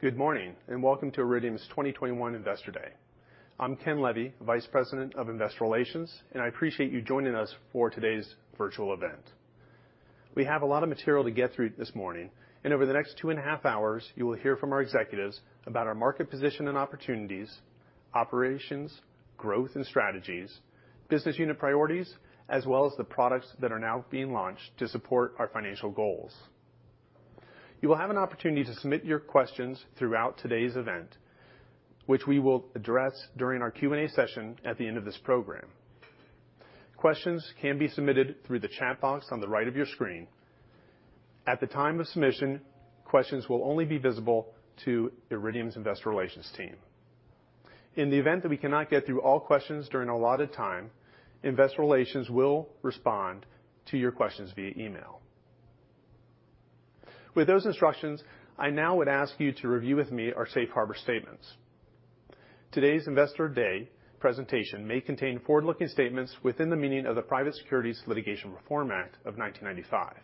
Good morning. Welcome to Iridium's 2021 Investor Day. I'm Kenneth Levy, the Vice President of Investor Relations. I appreciate you joining us for today's virtual event. We have a lot of material to get through this morning. Over the next two and a half hours, you will hear from our executives about our market position and opportunities, operations, growth, and strategies, business unit priorities, as well as the products that are now being launched to support our financial goals. You will have an opportunity to submit your questions throughout today's event, which we will address during our Q&A session at the end of this program. Questions can be submitted through the chat box on the right of your screen. At the time of submission, questions will only be visible to the Iridium's Investor Relations team. In the event that we cannot get through all questions during the allotted time, Investor Relations will respond to your questions via email. With those instructions, I now would ask you to review with me our safe harbor statements. Today's Investor Day presentation may contain forward-looking statements within the meaning of the Private Securities Litigation Reform Act of 1995.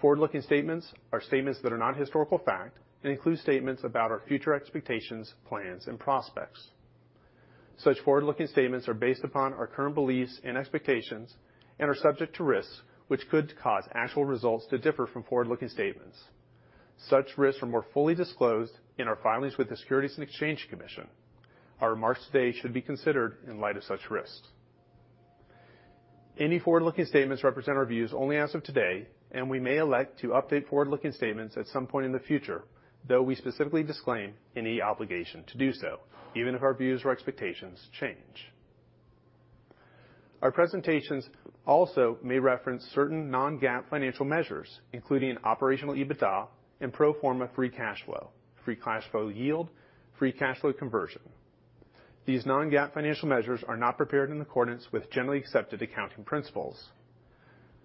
Forward-looking statements are statements that are not historical fact and include statements about our future expectations, plans, and prospects. Such forward-looking statements are based upon our current beliefs and expectations and are subject to risks, which could cause actual results to differ from forward-looking statements. Such risks are more fully disclosed in our filings with the Securities and Exchange Commission. Our remarks today should be considered in light of such risks. Any forward-looking statements represent our views only as of today, and we may elect to update forward-looking statements at some point in the future, though we specifically disclaim any obligation to do so, even if our views or expectations change. Our presentations also may reference certain non-GAAP financial measures, including operational EBITDA and pro forma free cash flow, free cash flow yield, free cash flow conversion. These non-GAAP financial measures are not prepared in accordance with generally accepted accounting principles.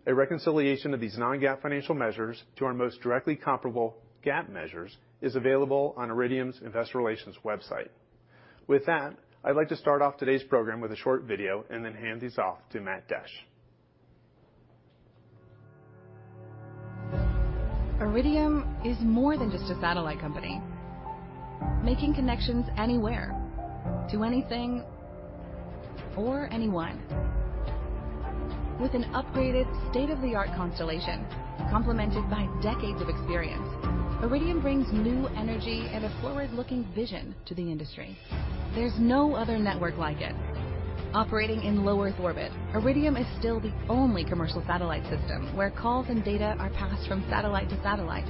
A reconciliation of these non-GAAP financial measures to our most directly comparable GAAP measures is available on Iridium's Investor Relations website. With that, I'd like to start off today's program with a short video and then hand this off to Matt Desch. Iridium is more than just a satellite company. Making connections anywhere, to anything, for anyone. With an upgraded state-of-the-art constellation complemented by decades of experience, Iridium brings new energy and a forward-looking vision to the industry. There's no other network like it. Operating in low-Earth orbit, Iridium is still the only commercial satellite system where calls and data are passed from satellite to satellite.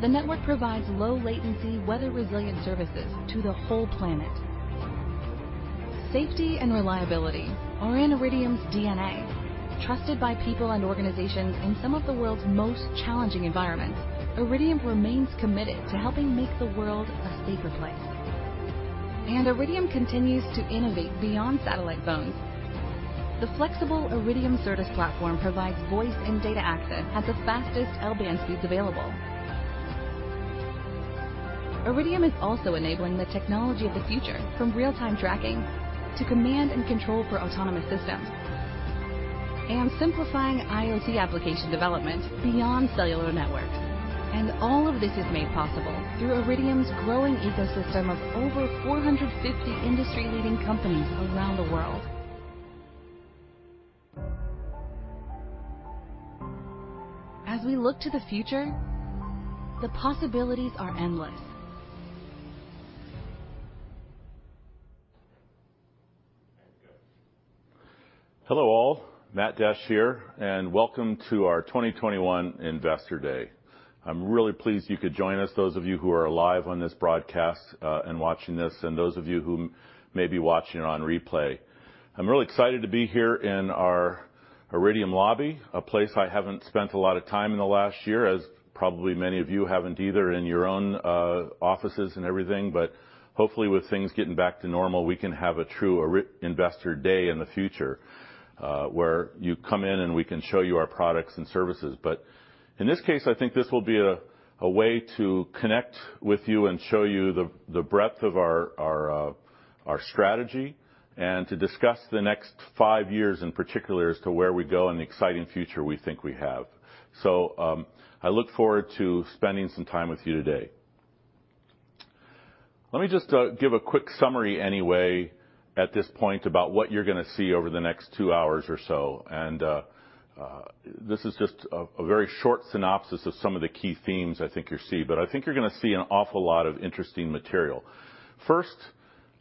The network provides low latency, weather-resilient services to the whole planet. Safety and reliability are in Iridium's DNA. Trusted by people and organizations in some of the world's most challenging environments, Iridium remains committed to helping make the world a safer place. Iridium continues to innovate beyond satellite phones. The flexible Iridium service platform provides voice and data access at the fastest L-band speeds available. Iridium is also enabling the technology of the future, from real-time tracking to command and control for autonomous systems, and simplifying IoT application development beyond cellular networks. All of this is made possible through Iridium's growing ecosystem of over 450 industry-leading companies around the world. As we look to the future, the possibilities are endless. Matt Desch. Hello, all. Matt Desch here. Welcome to our 2021 Investor Day. I'm really pleased you could join us, those of you who are live on this broadcast, and watching this, and those of you who may be watching on replay. I'm really excited to be here in our Iridium lobby, a place I haven't spent a lot of time in the last year, as probably many of you haven't either in your own offices and everything. Hopefully, with things getting back to normal, we can have a true Investor Day in the future, where you come in, and we can show you our products and services. In this case, I think this will be a way to connect with you and show you the breadth of our strategy and to discuss the next five years in particular as to where we go and the exciting future we think we have. I look forward to spending some time with you today. Let me just give a quick summary anyway at this point about what you're going to see over the next two hours or so. This is just a very short synopsis of some of the key themes I think you'll see, but I think you're going to see an awful lot of interesting material.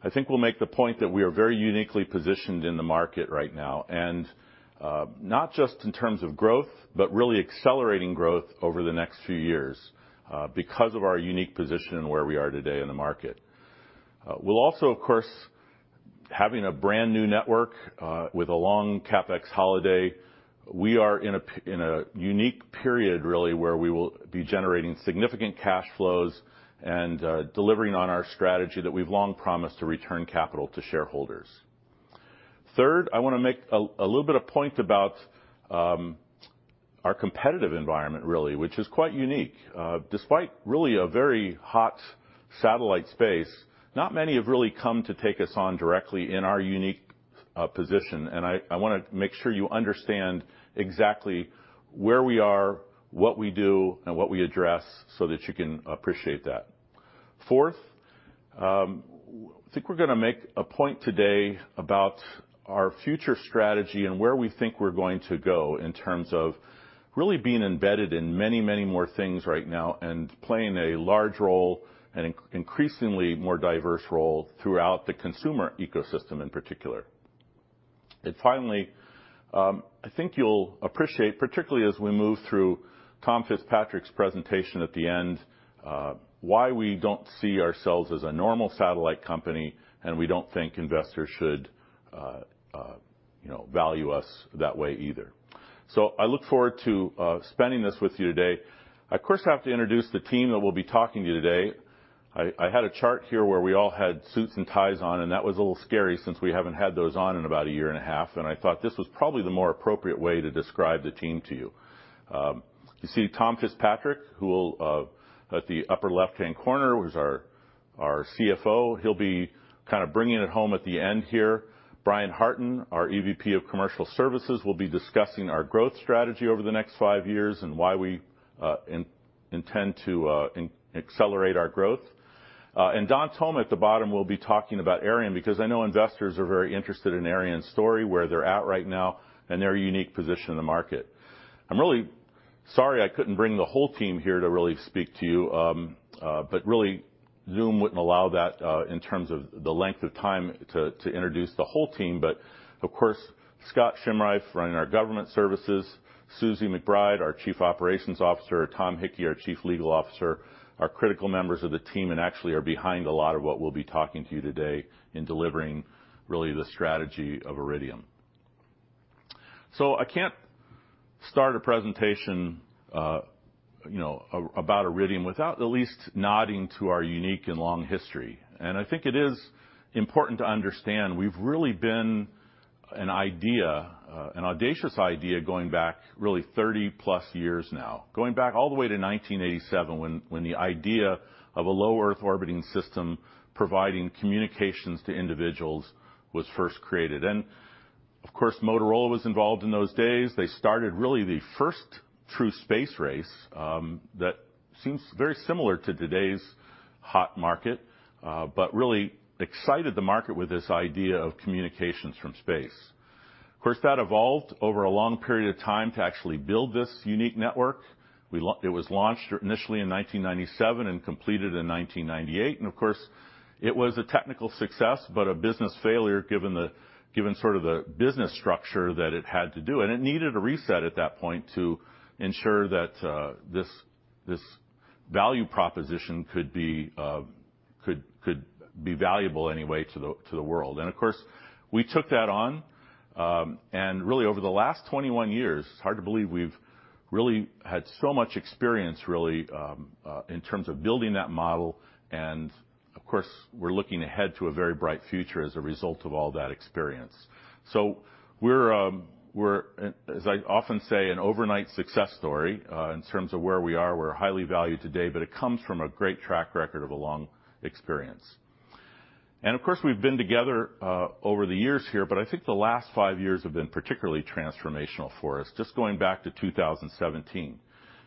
I think we'll make the point that we are very uniquely positioned in the market right now, and not just in terms of growth, but really accelerating growth over the next few years because of our unique position and where we are today in the market. We'll also, of course, having a brand-new network with a long CapEx holiday, we are in a unique period, really, where we will be generating significant cash flows and delivering on our strategy that we've long promised to return capital to shareholders. I want to make a little bit of point about our competitive environment, really, which is quite unique. Despite really a very hot satellite space, not many have really come to take us on directly in our unique position, and I want to make sure you understand exactly where we are, what we do, and what we address so that you can appreciate that. Fourth, I think we're going to make a point today about our future strategy and where we think we're going to go in terms of really being embedded in many, many more things right now and playing a large role and an increasingly more diverse role throughout the consumer ecosystem in particular. Finally, I think you'll appreciate, particularly as we move through Tom Fitzpatrick's presentation at the end, why we don't see ourselves as a normal satellite company, and we don't think investors should value us that way either. I look forward to spending this with you today. I, of course, have to introduce the team that will be talking to you today. I had a chart here where we all had suits and ties on, and that was a little scary since we haven't had those on in about a year and a half, and I thought this was probably the more appropriate way to describe the team to you. You see Tom Fitzpatrick, at the upper left-hand corner, who's our CFO. He'll be kind of bringing it home at the end here. Bryan J. Hartin, our EVP of Commercial Services, will be discussing our growth strategy over the next five years and why we intend to accelerate our growth. Don Thoma at the bottom will be talking about Aireon because I know investors are very interested in Aireon's story, where they're at right now, and their unique position in the market. I'm really sorry I couldn't bring the whole team here to really speak to you, but really, Zoom wouldn't allow that, in terms of the length of time to introduce the whole team. Of course, Scott Scheimreif, running our government services, Suzi McBride, our Chief Operations Officer, Tom Hickey, our Chief Legal Officer, are critical members of the team and actually are behind a lot of what we'll be talking to you today in delivering really the strategy of Iridium. I can't start a presentation about Iridium without at least nodding to our unique and long history. I think it is important to understand we've really been an idea, an audacious idea, going back really 30-plus years now, going back all the way to 1987 when the idea of a low Earth orbiting system providing communications to individuals was first created. Of course, Motorola was involved in those days. They started really the first true space race, that seems very similar to today's hot market, but really excited the market with this idea of communications from space. Of course, that evolved over a long period of time to actually build this unique network. It was launched initially in 1997 and completed in 1998. Of course, it was a technical success, but a business failure given sort of the business structure that it had to do. It needed a reset at that point to ensure that this value proposition could be valuable anyway to the world. Of course, we took that on, and really over the last 21 years, it's hard to believe we've really had so much experience really in terms of building that model. Of course, we're looking ahead to a very bright future as a result of all that experience. We're, as I often say, an overnight success story in terms of where we are. We're highly valued today, but it comes from a great track record of a long experience. Of course, we've been together over the years here, but I think the last five years have been particularly transformational for us, just going back to 2017.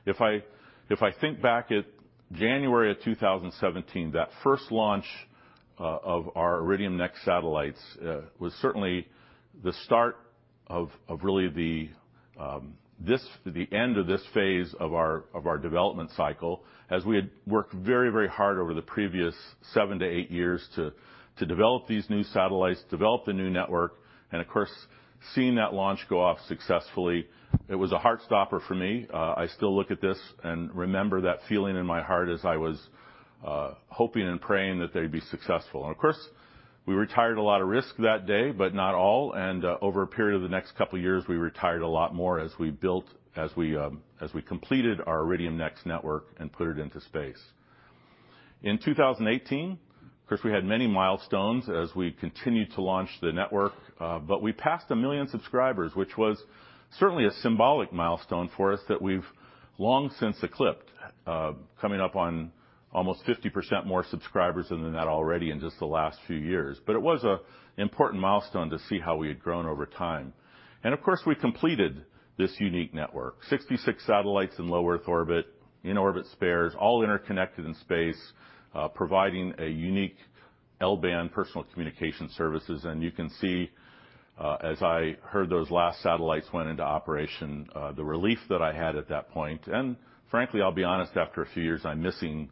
If I think back at January of 2017, that first launch of our Iridium NEXT satellites was certainly the start of really the end of this phase of our development cycle, as we had worked very, very hard over the previous seven to eight years to develop these new satellites, develop the new network, and of course, seeing that launch go off successfully, it was a heart stopper for me. I still look at this and remember that feeling in my heart as I was hoping and praying that they'd be successful. Of course, we retired a lot of risk that day, but not all. Over a period of the next couple of years, we retired a lot more as we built, as we completed our Iridium NEXT network and put it into space. In 2018, of course, we had many milestones as we continued to launch the network. We passed 1 million subscribers, which was certainly a symbolic milestone for us that we've long since eclipsed, coming up on almost 50% more subscribers than that already in just the last few years. It was an important milestone to see how we had grown over time. Of course, we completed this unique network, 66 satellites in low Earth orbit, in-orbit spares, all interconnected in space, providing a unique L-band personal communication services. You can see, as I heard those last satellites went into operation, the relief that I had at that point. Frankly, I'll be honest, after a few years, I'm missing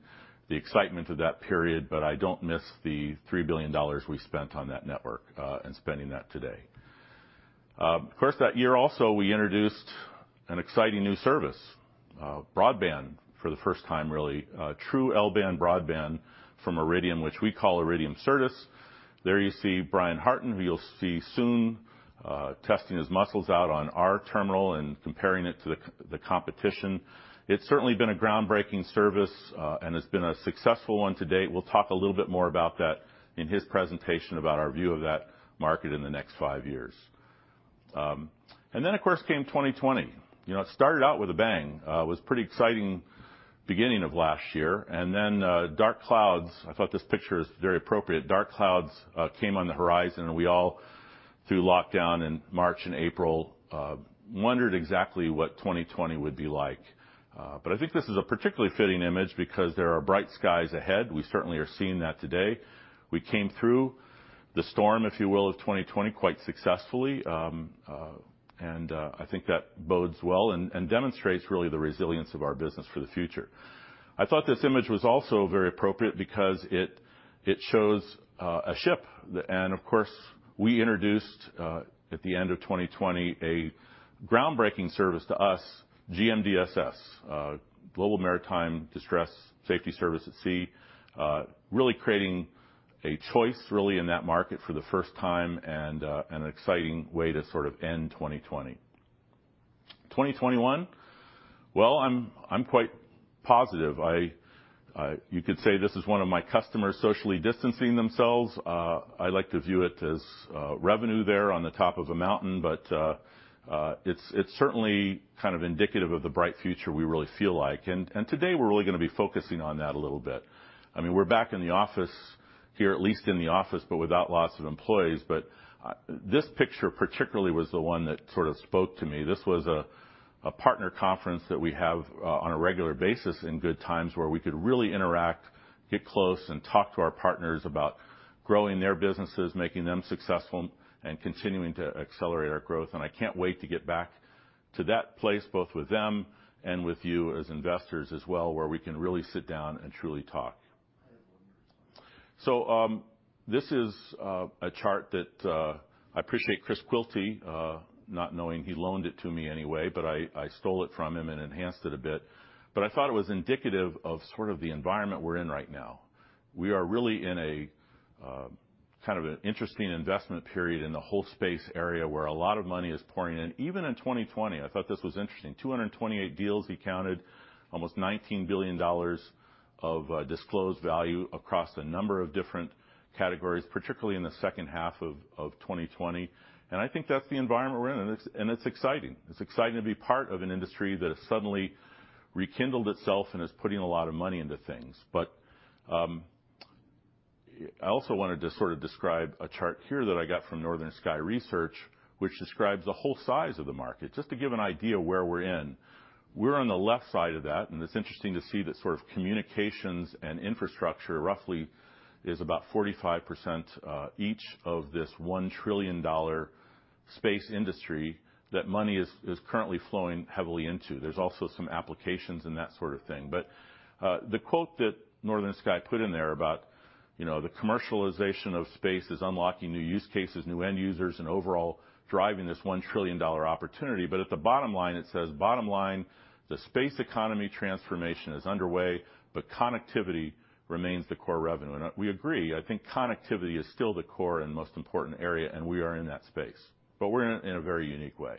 the excitement of that period, but I don't miss the $3 billion we spent on that network and spending that today. Of course, that year also, we introduced an exciting new service, broadband for the first time, really true L-band broadband from Iridium, which we call Iridium Certus. There you see Bryan J. Hartin, who you'll see soon, testing his muscles out on our terminal and comparing it to the competition. It's certainly been a groundbreaking service, and it's been a successful one to date. We'll talk a little bit more about that in his presentation about our view of that market in the next five years. Then, of course, came 2020. It started out with a bang. It was a pretty exciting beginning of last year. Then dark clouds. I thought this picture is very appropriate. Dark clouds came on the horizon, and we all, through lockdown in March and April, wondered exactly what 2020 would be like. I think this is a particularly fitting image because there are bright skies ahead. We certainly are seeing that today. We came through the storm, if you will, of 2020 quite successfully. I think that bodes well and demonstrates really the resilience of our business for the future. I thought this image was also very appropriate because it shows a ship. Of course, we introduced, at the end of 2020, a groundbreaking service to us, GMDSS, Global Maritime Distress Safety Service at sea. Really creating a choice, really, in that market for the first time and an exciting way to sort of end 2020. 2021. I'm quite positive. You could say this is one of my customers socially distancing themselves. I like to view it as revenue there on the top of a mountain, it's certainly kind of indicative of the bright future we really feel like. Today, we're really going to be focusing on that a little bit. We're back in the office here, at least in the office, but without lots of employees. This picture particularly was the one that sort of spoke to me. This was a partner conference that we have on a regular basis in good times where we could really interact, get close, and talk to our partners about growing their businesses, making them successful, and continuing to accelerate our growth. I can't wait to get back to that place, both with them and with you as investors as well, where we can really sit down and truly talk. This is a chart that I appreciate Chris Quilty not knowing he loaned it to me anyway, but I stole it from him and enhanced it a bit. I thought it was indicative of sort of the environment we're in right now. We are really in a kind of an interesting investment period in the whole space area where a lot of money is pouring in. Even in 2020, I thought this was interesting, 228 deals he counted, almost $19 billion of disclosed value across a number of different categories, particularly in the second half of 2020. I think that's the environment we're in, and it's exciting. It's exciting to be part of an industry that has suddenly rekindled itself and is putting a lot of money into things. I also wanted to sort of describe a chart here that I got from Northern Sky Research, which describes the whole size of the market. Just to give an idea where we're in. We're on the left side of that, and it's interesting to see that sort of communications and infrastructure roughly is about 45% each of this $1 trillion space industry that money is currently flowing heavily into. There's also some applications and that sort of thing. The quote that Northern Sky put in there about the commercialization of space is unlocking new use cases, new end users, and overall driving this $1 trillion opportunity. At the bottom line, it says, "Bottom line, the space economy transformation is underway, but connectivity remains the core revenue." We agree. I think connectivity is still the core and most important area, and we are in that space. We're in it in a very unique way.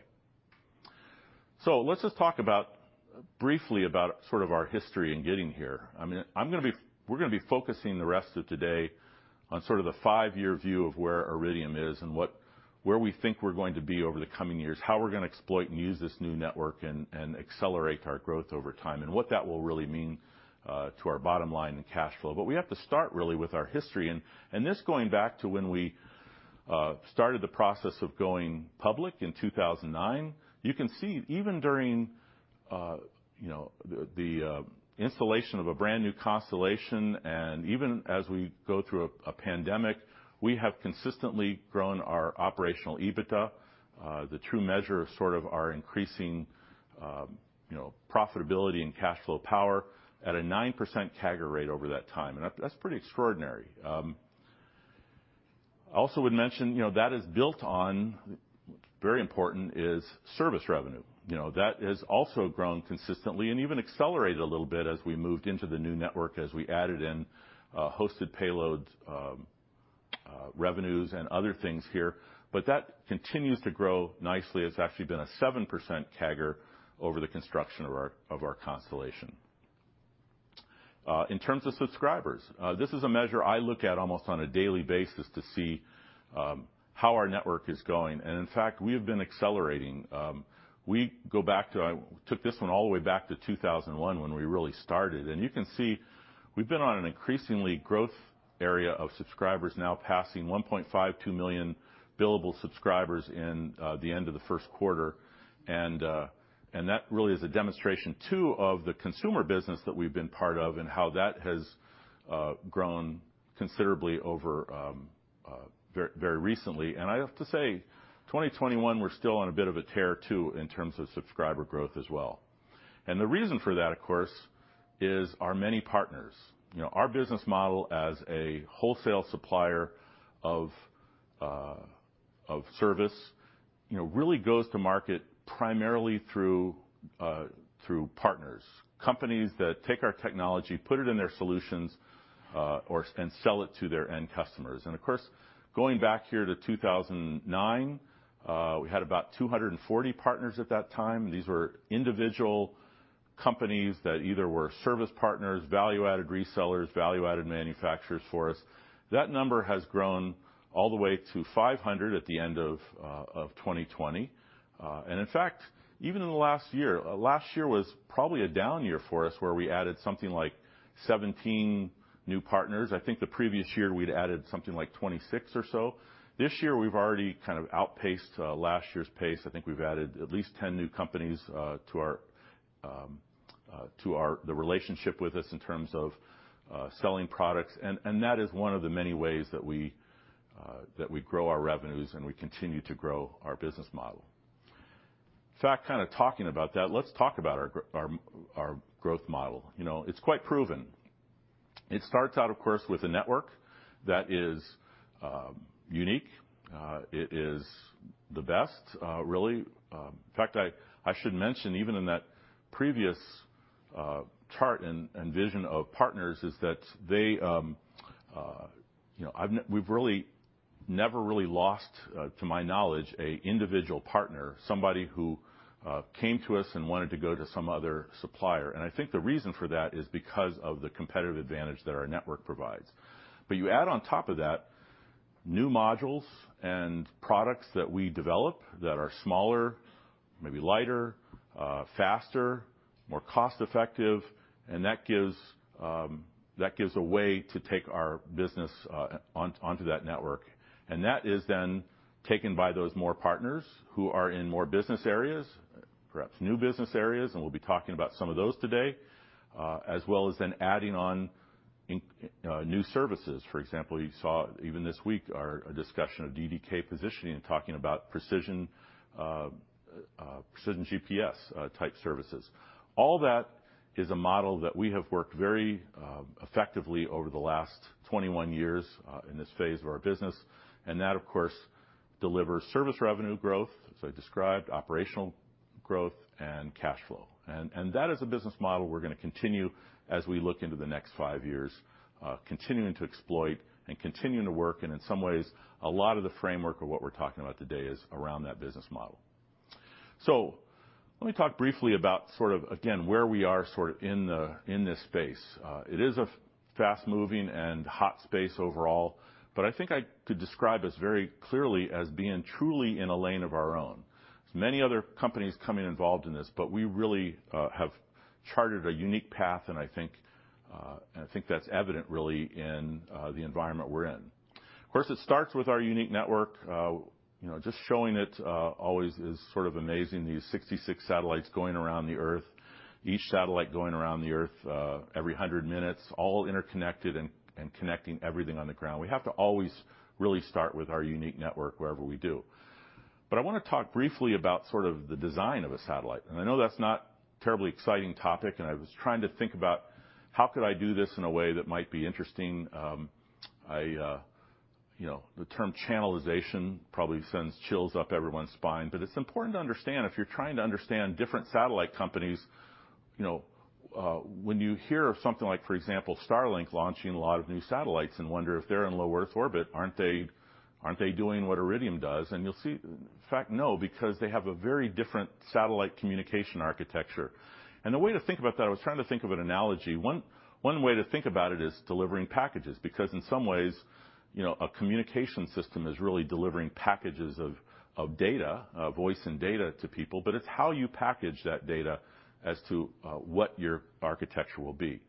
Let's just talk briefly about sort of our history in getting here. We're going to be focusing the rest of today on sort of the five-year view of where Iridium is and where we think we're going to be over the coming years. How we're going to exploit and use this new network and accelerate our growth over time, and what that will really mean to our bottom line in cash flow. We have to start really with our history. This going back to when we started the process of going public in 2009. You can see even during the installation of a brand-new constellation, and even as we go through a pandemic, we have consistently grown our operational EBITDA, the true measure of sort of our increasing profitability and cash flow power, at a 9% CAGR rate over that time. That's pretty extraordinary. I also would mention, that is built on, very important, is service revenue. That has also grown consistently and even accelerated a little bit as we moved into the new network, as we added in hosted payloads, revenues, and other things here. That continues to grow nicely. It's actually been a 7% CAGR over the construction of our constellation. In terms of subscribers, this is a measure I look at almost on a daily basis to see how our network is going. In fact, we have been accelerating. I took this one all the way back to 2001 when we really started. You can see we've been on an increasingly growth area of subscribers now passing 1.52 million billable subscribers in the end of the first quarter. That really is a demonstration, too, of the consumer business that we've been part of and how that has grown considerably over very recently. I have to say, 2021, we're still on a bit of a tear, too, in terms of subscriber growth as well. The reason for that, of course, is our many partners. Our business model as a wholesale supplier of service really goes to market primarily through partners. Companies that take our technology, put it in their solutions, and sell it to their end customers. Of course, going back here to 2009, we had about 240 partners at that time. These were individual companies that either were service partners, Value-Added Resellers, Value-Added Manufacturers for us. That number has grown all the way to 500 at the end of 2020. In fact, even in the last year, last year was probably a down year for us, where we added something like 17 new partners. I think the previous year we'd added something like 26 or so. This year we've already kind of outpaced last year's pace. I think we've added at least 10 new companies to the relationship with us in terms of selling products. That is one of the many ways that we grow our revenues and we continue to grow our business model. In fact, kind of talking about that, let's talk about our growth model. It's quite proven. It starts out, of course, with a network that is unique. It is the best, really. In fact, I should mention, even in that previous chart and vision of partners, is that we've really never really lost, to my knowledge, an individual partner, somebody who came to us and wanted to go to some other supplier. I think the reason for that is because of the competitive advantage that our network provides. You add on top of that new modules and products that we develop that are smaller, maybe lighter, faster, more cost-effective, and that gives a way to take our business onto that network. That is then taken by those partners who are in more business areas, perhaps new business areas, and we'll be talking about some of those today, as well as then adding on new services. For example, you saw even this week our discussion of DDK Positioning, talking about precision GPS-type services. All that is a model that we have worked very effectively over the last 21 years in this phase of our business. That, of course, delivers service revenue growth, as I described, operational growth, and cash flow. That is a business model we're going to continue as we look into the next five years, continuing to exploit and continue to work. In some ways, a lot of the framework of what we're talking about today is around that business model. Let me talk briefly about again, where we are in this space. It is a fast-moving and hot space overall, but I think I could describe us very clearly as being truly in a lane of our own. There are many other companies involved in this, but we really have charted a unique path. I think that's evident really in the environment we're in. Of course, it starts with our unique network. Just showing it always is amazing. These 66 satellites going around the Earth. Each satellite going around the Earth every 100 minutes, all interconnected and connecting everything on the ground. We have to always really start with our unique network wherever we do. I want to talk briefly about the design of a satellite. I know that's not a terribly exciting topic, and I was trying to think about how could I do this in a way that might be interesting. The term channelization probably sends chills up everyone's spine. It's important to understand if you're trying to understand different satellite companies. When you hear of something like, for example, Starlink launching a lot of new satellites and wonder if they're in low Earth orbit. Aren't they doing what Iridium does? You'll see, in fact, no, because they have a very different satellite communication architecture. The way to think about that, I was trying to think of an analogy. One way to think about it is delivering packages, because in some ways, a communication system is really delivering packages of data, voice, and data to people. It's how you package that data as to what your architecture will be.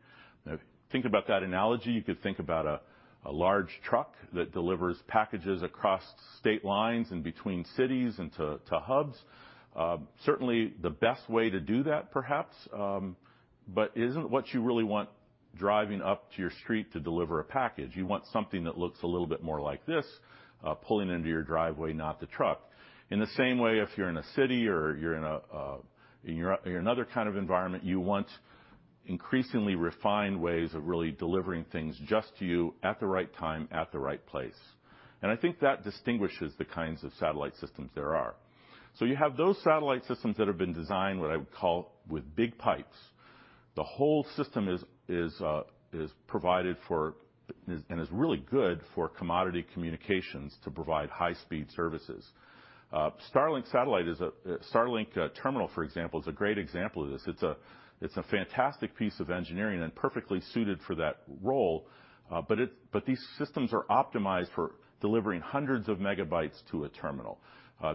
Think about that analogy. You could think about a large truck that delivers packages across state lines and between cities and to hubs. Certainly, the best way to do that perhaps. Isn't what you really want driving up to your street to deliver a package. You want something that looks a little bit more like this pulling into your driveway, not the truck. In the same way, if you're in a city or you're in another kind of environment, you want increasingly refined ways of really delivering things just to you at the right time, at the right place. I think that distinguishes the kinds of satellite systems there are. You have those satellite systems that have been designed, what I would call with big pipes. The whole system is provided for and is really good for commodity communications to provide high-speed services. Starlink terminal, for example, is a great example of this. It's a fantastic piece of engineering and perfectly suited for that role. These systems are optimized for delivering hundreds of megabytes to a terminal.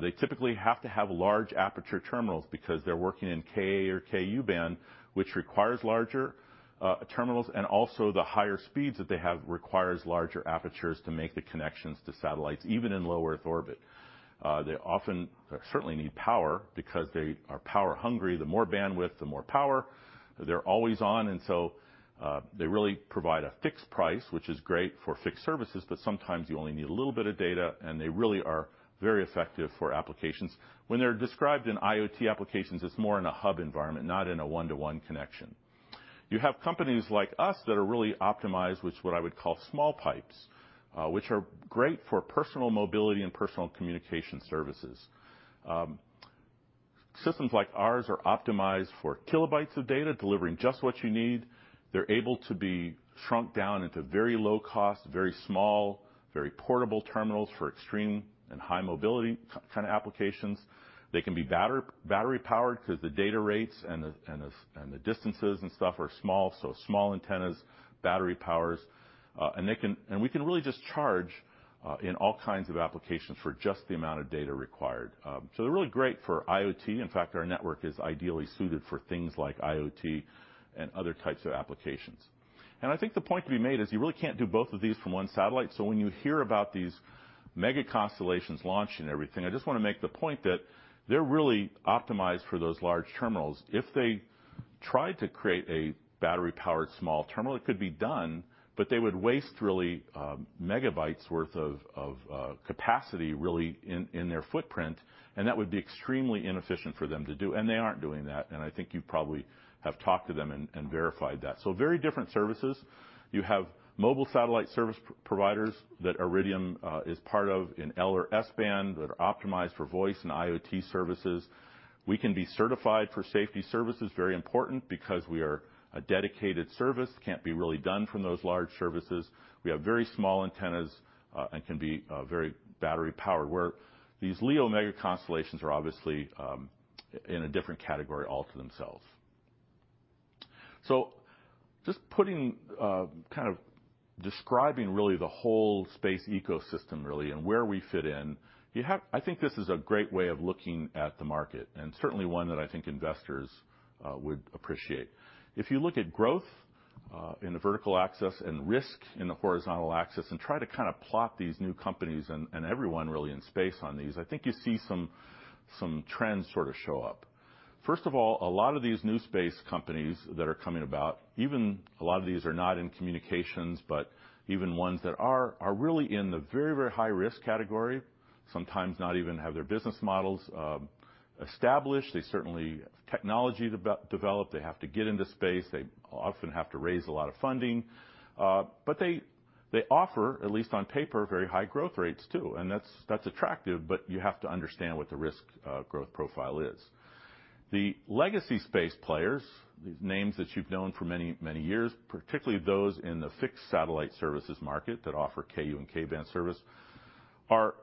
They typically have to have large aperture terminals because they're working in Ka or Ku band, which requires larger terminals, and also the higher speeds that they have require larger apertures to make the connections to satellites, even in low Earth orbit. They often certainly need power because they are power hungry. The more bandwidth, the more power. They're always on, and so they really provide a fixed price, which is great for fixed services, but sometimes you only need a little bit of data, and they really are very effective for applications. When they're described in IoT applications, it's more in a hub environment, not in a one-to-one connection. You have companies like us that are really optimized with what I would call small pipes, which are great for personal mobility and personal communication services. Systems like ours are optimized for kilobytes of data, delivering just what you need. They're able to be shrunk down into very low cost, very small, very portable terminals for extreme and high mobility kind of applications. They can be battery powered because the data rates and the distances and stuff are small. Small antennas, battery powers. We can really just charge in all kinds of applications for just the amount of data required. They're really great for IoT. In fact, our network is ideally suited for things like IoT and other types of applications. I think the point to be made is you really can't do both of these from one satellite. When you hear about these mega constellations launching everything, I just want to make the point that they're really optimized for those large terminals. If they tried to create a battery-powered small terminal, it could be done, but they would waste really megabytes worth of capacity really in their footprint. That would be extremely inefficient for them to do. They aren't doing that, and I think you probably have talked to them and verified that. Very different services. You have mobile satellite service providers that Iridium is part of in L-band or S-band that are optimized for voice and IoT services. We can be certified for safety services, very important because we are a dedicated service, can't be really done from those large services. We have very small antennas, and can be very battery powered. These LEO mega-constellations are obviously, in a different category all to themselves. Just putting, kind of describing really the whole space ecosystem really, and where we fit in, I think this is a great way of looking at the market, and certainly one that I think investors would appreciate. If you look at growth in a vertical axis and risk in a horizontal axis and try to kind of plot these new companies and everyone really in space on these, I think you see some trends sort of show up. First of all, a lot of these new space companies that are coming about, even a lot of these are not in communications, but even ones that are really in the very, very high-risk category, sometimes not even have their business models established. They certainly have technology developed. They have to get into space. They often have to raise a lot of funding. They offer, at least on paper, very high growth rates, too. That's attractive, but you have to understand what the risk growth profile is. The legacy space players, these names that you've known for many, many years, particularly those in the fixed satellite services market that offer Ku-band and Ka-band service, are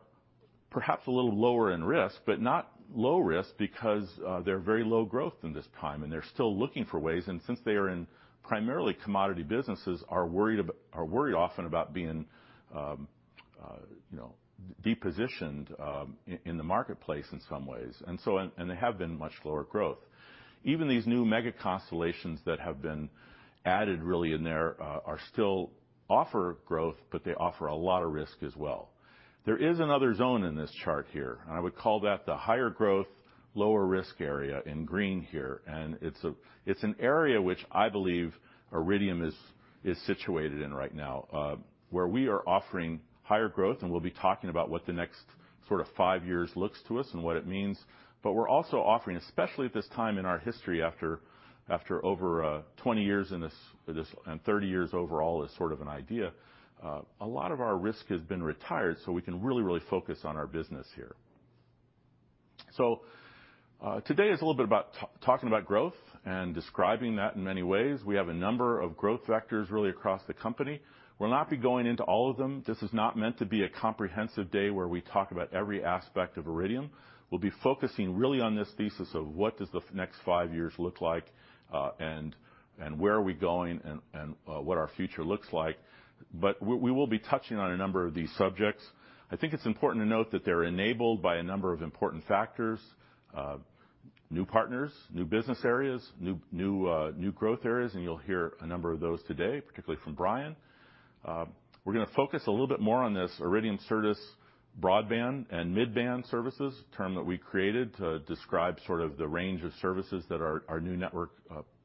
perhaps a little lower in risk, but not low risk because they're very low growth in this time, and they're still looking for ways. Since they are in primarily commodity businesses are worried often about being depositioned in the marketplace in some ways. They have been much lower growth. Even these new mega-constellations that have been added really in there still offer growth, but they offer a lot of risk as well. There is another zone in this chart here, and I would call that the higher growth, lower risk area in green here. It's an area which I believe Iridium is situated in right now. Where we are offering higher growth, and we'll be talking about what the next sort of five years looks to us and what it means. We're also offering, especially at this time in our history, after over 20 years and 30 years overall as sort of an idea, a lot of our risk has been retired, so we can really, really focus on our business here. Today is a little bit about talking about growth and describing that in many ways. We have a number of growth vectors really across the company. We'll not be going into all of them. This is not meant to be a comprehensive day where we talk about every aspect of Iridium. We'll be focusing really on this thesis of what does the next five years look like, where are we going and what our future looks like. We will be touching on a number of these subjects. I think it's important to note that they're enabled by a number of important factors. New partners. New business areas. New growth areas, you'll hear a number of those today, particularly from Bryan. We're going to focus a little bit more on this Iridium Certus broadband and mid-band services, a term that we created to describe sort of the range of services that our new network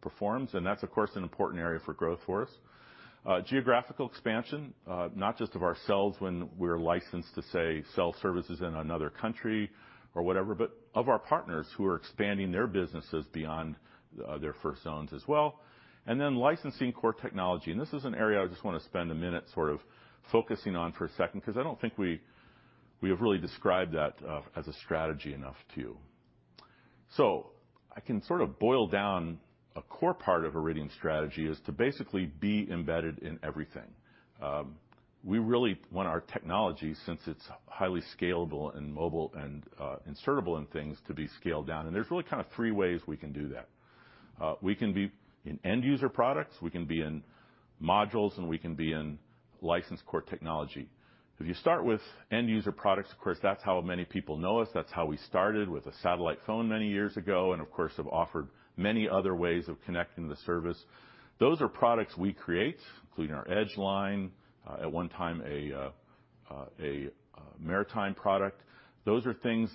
performs. That's, of course, an important area for growth for us. Geographical expansion, not just of ourselves when we're licensed to, say, sell services in another country or whatever, but of our partners who are expanding their businesses beyond their first zones as well. Then licensing core technology. This is an area I just want to spend a minute sort of focusing on for a second because I don't think we have really described that as a strategy enough to you. I can sort of boil down a core part of Iridium's strategy is to basically be embedded in everything. We really want our technology, since it's highly scalable and mobile and insertable in things, to be scaled down. There's really kind of three ways we can do that. We can be in end-user products, we can be in modules, and we can be in license core technology. If you start with end-user products, of course, that's how many people know us. That's how we started with a satellite phone many years ago and, of course, have offered many other ways of connecting the service. Those are products we create, including our Edge line, at one time a maritime product. Those are things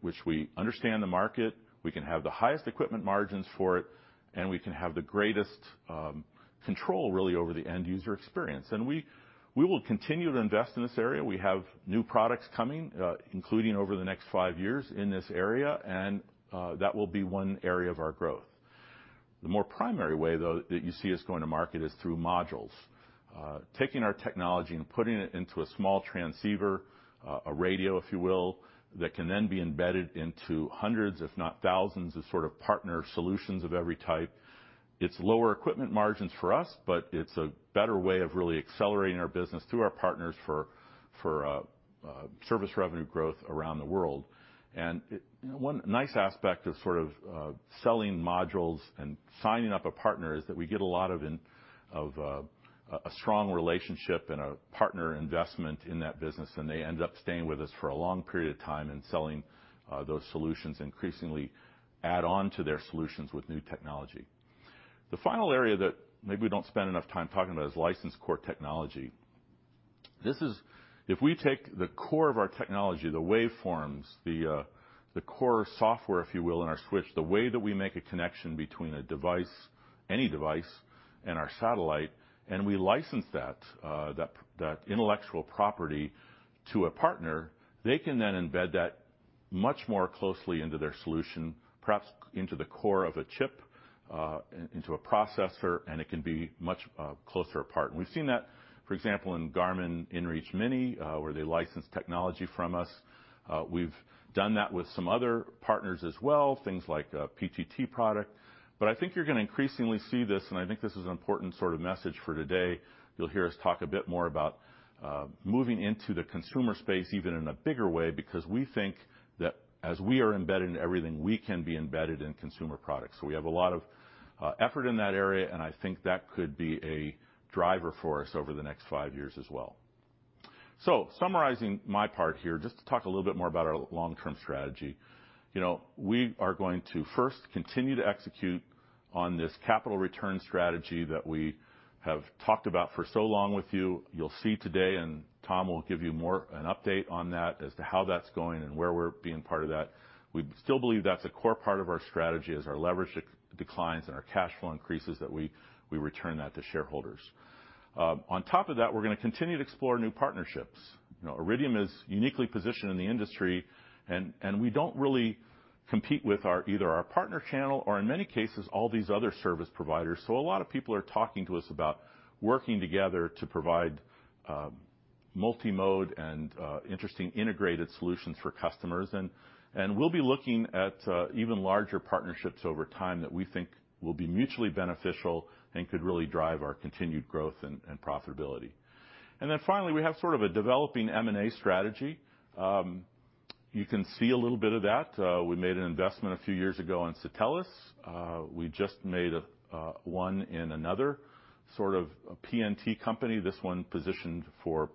which we understand the market. We can have the highest equipment margins for it, and we can have the greatest control, really, over the end-user experience. We will continue to invest in this area. We have new products coming, including over the next five years in this area, and that will be one area of our growth. The more primary way though, that you see us going to market is through modules. Taking our technology and putting it into a small transceiver, a radio, if you will, that can then be embedded into hundreds if not thousands of sort of partner solutions of every type. It's lower equipment margins for us, it's a better way of really accelerating our business through our partners for service revenue growth around the world. One nice aspect of sort of selling modules and signing up a partner is that we get a lot of a strong relationship and a partner investment in that business, and they end up staying with us for a long period of time and selling those solutions, increasingly add on to their solutions with new technology. The final area that maybe we don't spend enough time talking about is licensed core technology. This is if we take the core of our technology, the waveforms, the core software, if you will, in our switch, the way that we make a connection between a device, any device, and our satellite, and we license that intellectual property to a partner, they can then embed that much more closely into their solution, perhaps into the core of a chip, into a processor, and it can be much closer apart. We've seen that, for example, in Garmin inReach Mini, where they license technology from us. We've done that with some other partners as well, things like a PTT product. I think you're going to increasingly see this, and I think this is an important sort of message for today. You'll hear us talk a bit more about moving into the consumer space even in a bigger way because we think that as we are embedded in everything, we can be embedded in consumer products. We have a lot of effort in that area, and I think that could be a driver for us over the next five years as well. Summarizing my part here, just to talk a little bit more about our long-term strategy. We are going to first continue to execute on this capital return strategy that we have talked about for so long with you. You'll see today, and Tom Fitzpatrick will give you more an update on that as to how that's going and where we're being part of that. We still believe that's a core part of our strategy as our leverage declines and our cash flow increases, that we return that to shareholders. On top of that, we're going to continue to explore new partnerships. Iridium is uniquely positioned in the industry, and we don't really compete with either our partner channel or in many cases, all these other service providers. A lot of people are talking to us about working together to provide multi-mode and interesting integrated solutions for customers. We'll be looking at even larger partnerships over time that we think will be mutually beneficial and could really drive our continued growth and profitability. Then finally, we have sort of a developing M&A strategy. You can see a little bit of that. We made an investment a few years ago in Satelles Inc. We just made one in another sort of a PNT company, this one positioned for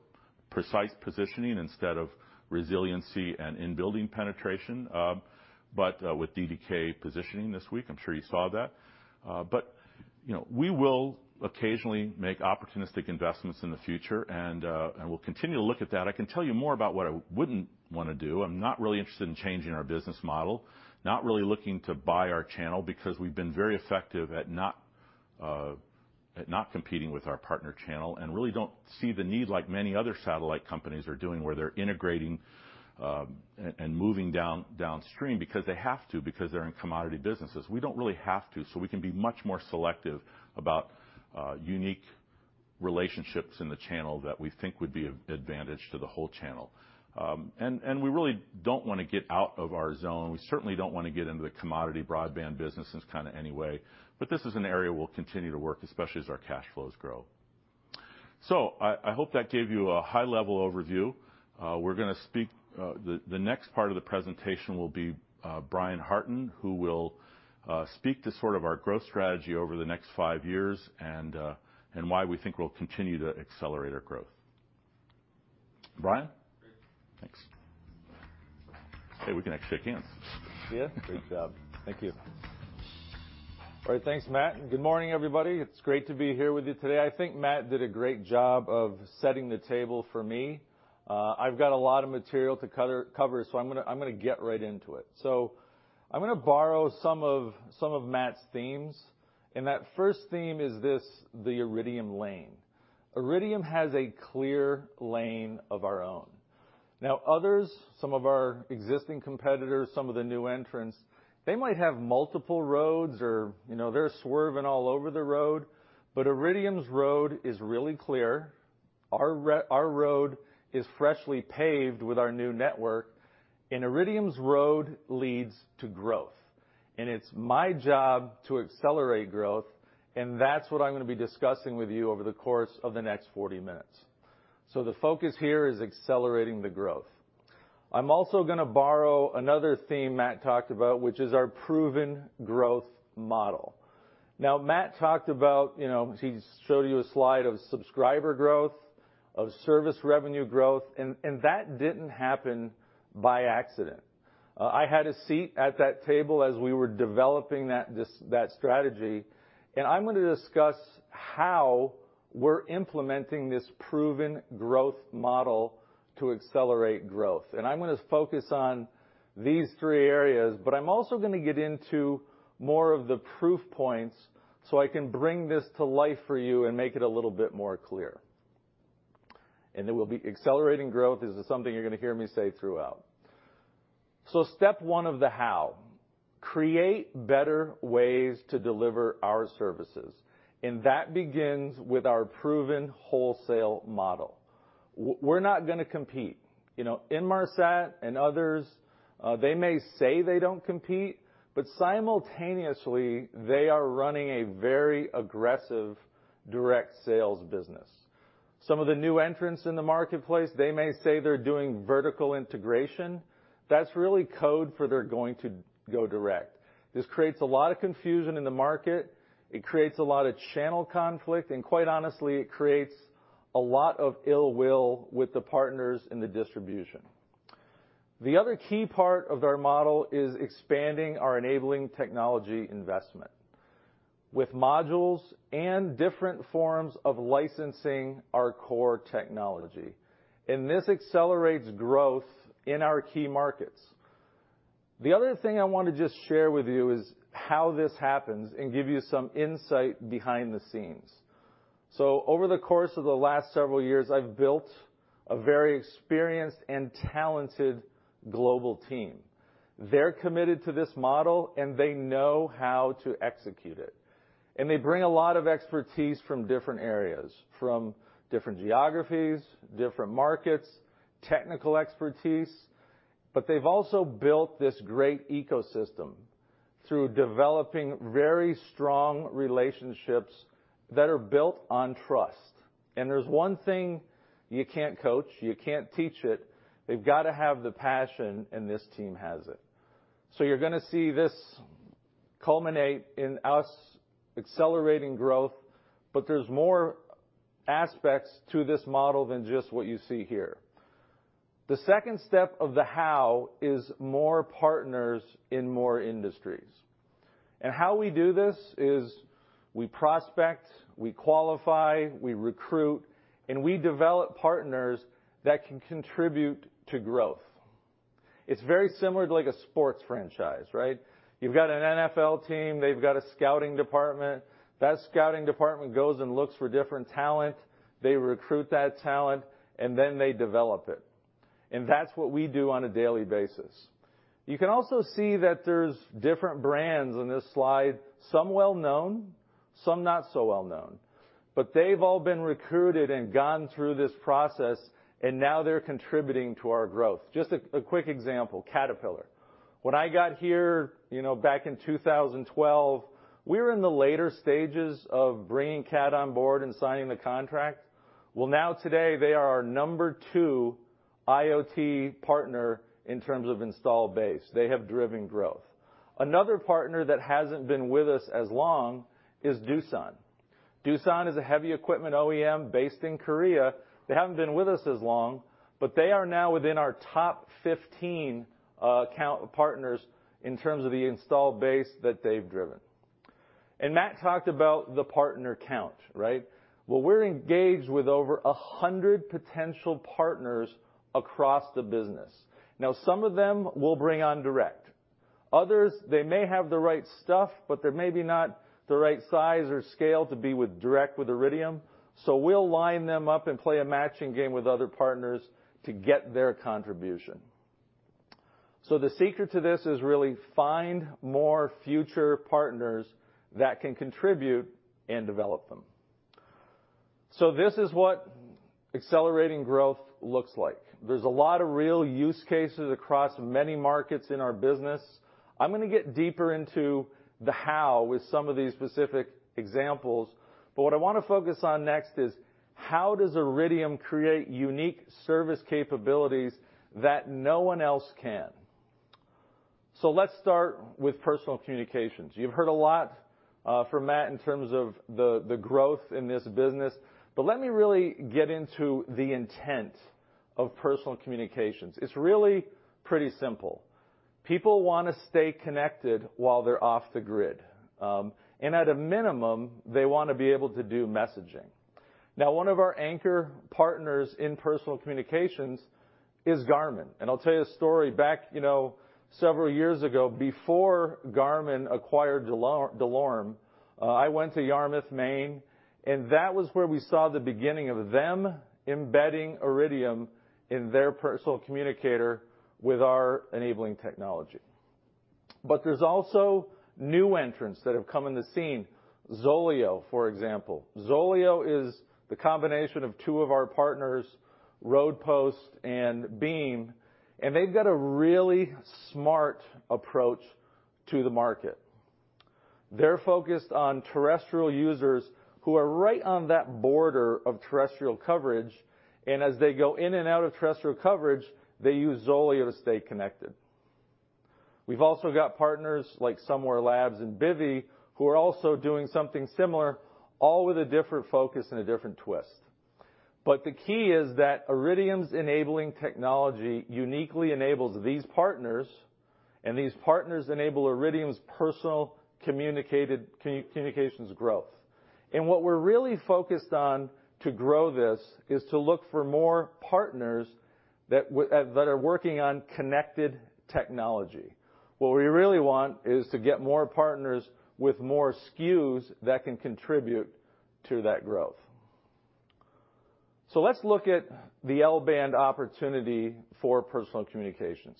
precise positioning instead of resiliency and in-building penetration. With DDK Positioning this week, I'm sure you saw that. We will occasionally make opportunistic investments in the future, and we'll continue to look at that. I can tell you more about what I wouldn't want to do. I'm not really interested in changing our business model, not really looking to buy our channel because we've been very effective at not competing with our partner channel and really don't see the need like many other satellite companies are doing, where they're integrating and moving downstream because they have to, because they're in commodity businesses. We don't really have to. We can be much more selective about unique relationships in the channel that we think would be an advantage to the whole channel. We really don't want to get out of our zone. We certainly don't want to get into the commodity broadband business in any way. This is an area we'll continue to work, especially as our cash flows grow. I hope that gave you a high-level overview. The next part of the presentation will be Bryan J. Hartin, who will speak to sort of our growth strategy over the next five years and why we think we'll continue to accelerate our growth. Bryan J. Hartin. Thanks. We can actually shake hands. Yeah. Great job. Thank you. All right. Thanks, Matt. Good morning, everybody. It's great to be here with you today. I think Matt did a great job of setting the table for me. I've got a lot of material to cover. I'm going to get right into it. I'm going to borrow some of Matt's themes, and that first theme is this, the Iridium lane. Iridium has a clear lane of our own. Others, some of our existing competitors, some of the new entrants, they might have multiple roads or, they're swerving all over the road, but Iridium's road is really clear. Our road is freshly paved with our new network. Iridium's road leads to growth. It's my job to accelerate growth, and that's what I'm going to be discussing with you over the course of the next 40 minutes. The focus here is accelerating the growth. I'm also going to borrow another theme Matt talked about, which is our proven growth model. Now, Matt talked about, he showed you a slide of subscriber growth, of service revenue growth, and that didn't happen by accident. I had a seat at that table as we were developing that strategy, and I'm going to discuss how we're implementing this proven growth model to accelerate growth. I'm going to focus on these three areas, but I'm also going to get into more of the proof points so I can bring this to life for you and make it a little bit more clear. It will be accelerating growth. This is something you're going to hear me say throughout. Step one of the how, create better ways to deliver our services, and that begins with our proven wholesale model. We're not going to compete. Inmarsat and others, they may say they don't compete, simultaneously, they are running a very aggressive direct sales business. Some of the new entrants in the marketplace, they may say they're doing vertical integration. That's really code for they're going to go direct. This creates a lot of confusion in the market. It creates a lot of channel conflict, quite honestly, it creates a lot of ill will with the partners in the distribution. The other key part of our model is expanding our enabling technology investment with modules and different forms of licensing our core technology, this accelerates growth in our key markets. The other thing I want to just share with you is how this happens and give you some insight behind the scenes. Over the course of the last several years, I've built a very experienced and talented global team. They're committed to this model, and they know how to execute it. They bring a lot of expertise from different areas, from different geographies, different markets, technical expertise, but they've also built this great ecosystem through developing very strong relationships that are built on trust. There's one thing you can't coach, you can't teach it. They've got to have the passion, and this team has it. You're going to see this culminate in us accelerating growth, but there's more aspects to this model than just what you see here. The second step of the how is more partners in more industries. How we do this is we prospect, we qualify, we recruit, and we develop partners that can contribute to growth. It's very similar to a sports franchise. You've got an NFL team. They've got a scouting department. That scouting department goes and looks for different talent. They recruit that talent, then they develop it. That's what we do on a daily basis. You can also see that there's different brands on this slide, some well-known, some not so well-known. They've all been recruited and gone through this process, and now they're contributing to our growth. Just a quick example, Caterpillar. When I got here back in 2012, we were in the later stages of bringing CAT on board and signing the contract. Now today, they are our number 2 IoT partner in terms of install base. They have driven growth. Another partner that hasn't been with us as long is Doosan. Doosan is a heavy equipment OEM based in Korea. They haven't been with us as long, but they are now within our top 15 partners in terms of the install base that they've driven. Matt talked about the partner count. Well, we're engaged with over 100 potential partners across the business. Now, some of them we'll bring on direct. Others, they may have the right stuff, but they're maybe not the right size or scale to be with direct with Iridium. We'll line them up and play a matching game with other partners to get their contribution. The secret to this is really find more future partners that can contribute and develop them. This is what accelerating growth looks like. There's a lot of real use cases across many markets in our business. I'm going to get deeper into the how with some of these specific examples. What I want to focus on next is how does Iridium create unique service capabilities that no one else can? Let's start with personal communications. You've heard a lot from Matt in terms of the growth in this business. Let me really get into the intent of personal communications. It's really pretty simple. People want to stay connected while they're off the grid. At a minimum, they want to be able to do messaging. One of our anchor partners in personal communications is Garmin, and I'll tell you a story. Back several years ago, before Garmin acquired DeLorme, I went to Yarmouth, Maine, and that was where we saw the beginning of them embedding Iridium in their personal communicator with our enabling technology. There's also new entrants that have come on the scene. ZOLEO, for example. ZOLEO is the combination of two of our partners, Roadpost and Beam Communications, and they've got a really smart approach to the market. They're focused on terrestrial users who are right on that border of terrestrial coverage, and as they go in and out of terrestrial coverage, they use ZOLEO to stay connected. We've also got partners like Somewear Labs and Bivy, who are also doing something similar, all with a different focus and a different twist. The key is that Iridium's enabling technology uniquely enables these partners, and these partners enable Iridium's personal communications growth. What we're really focused on to grow this is to look for more partners that are working on connected technology. What we really want is to get more partners with more SKUs that can contribute to that growth. Let's look at the L-band opportunity for personal communications.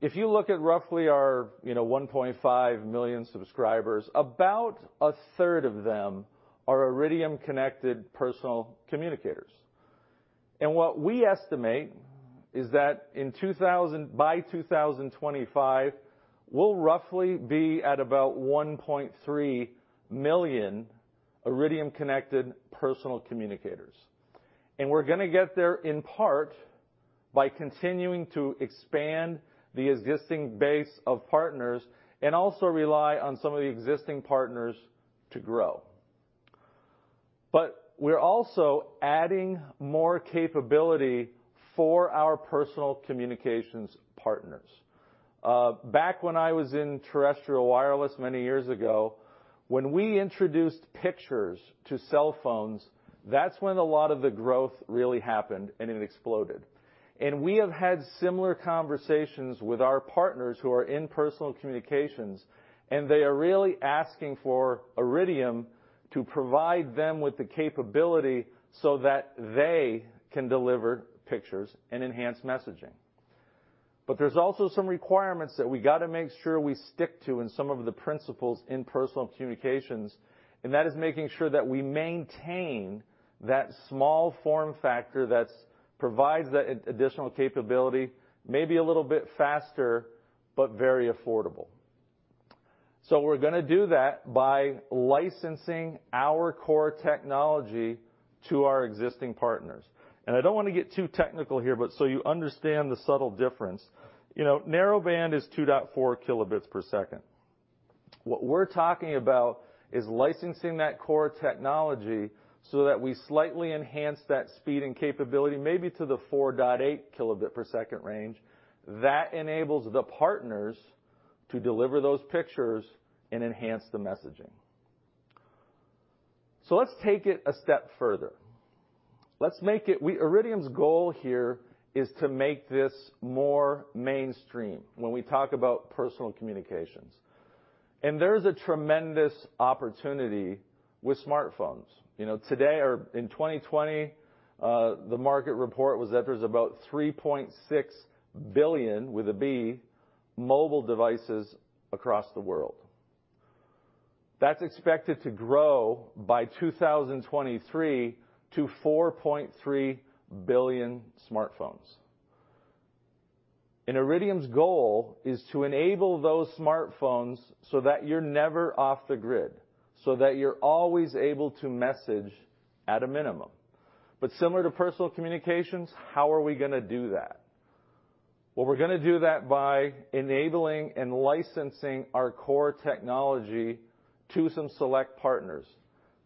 If you look at roughly our 1.5 million subscribers, about a third of them are Iridium Connected personal communicators. What we estimate is that by 2025, we'll roughly be at about 1.3 million Iridium Connected personal communicators. We're going to get there in part by continuing to expand the existing base of partners and also rely on some of the existing partners to grow. We're also adding more capability for our personal communications partners. Back when I was in terrestrial wireless many years ago, when we introduced pictures to cell phones, that's when a lot of the growth really happened, and it exploded. We have had similar conversations with our partners who are in personal communications, and they are really asking for Iridium to provide them with the capability so that they can deliver pictures and enhance messaging. There's also some requirements that we got to make sure we stick to and some of the principles in personal communications, and that is making sure that we maintain that small form factor that provides the additional capability, maybe a little bit faster, but very affordable. We're going to do that by licensing our core technology to our existing partners. I don't want to get too technical here, but so you understand the subtle difference. Narrowband is 2.4 Kb/s. What we're talking about is licensing that core technology so that we slightly enhance that speed and capability, maybe to the 4.8 Kb/s range, that enables the partners to deliver those pictures and enhance the messaging. Let's take it a step further. Iridium's goal here is to make this more mainstream when we talk about personal communications. There's a tremendous opportunity with smartphones. Today, or in 2020, the market report was that there's about 3.6 billion, with a B, mobile devices across the world. That's expected to grow by 2023 to 4.3 billion smartphones. Iridium's goal is to enable those smartphones so that you're never off the grid, so that you're always able to message at a minimum. Similar to personal communications, how are we going to do that? Well, we're going to do that by enabling and licensing our core technology to some select partners,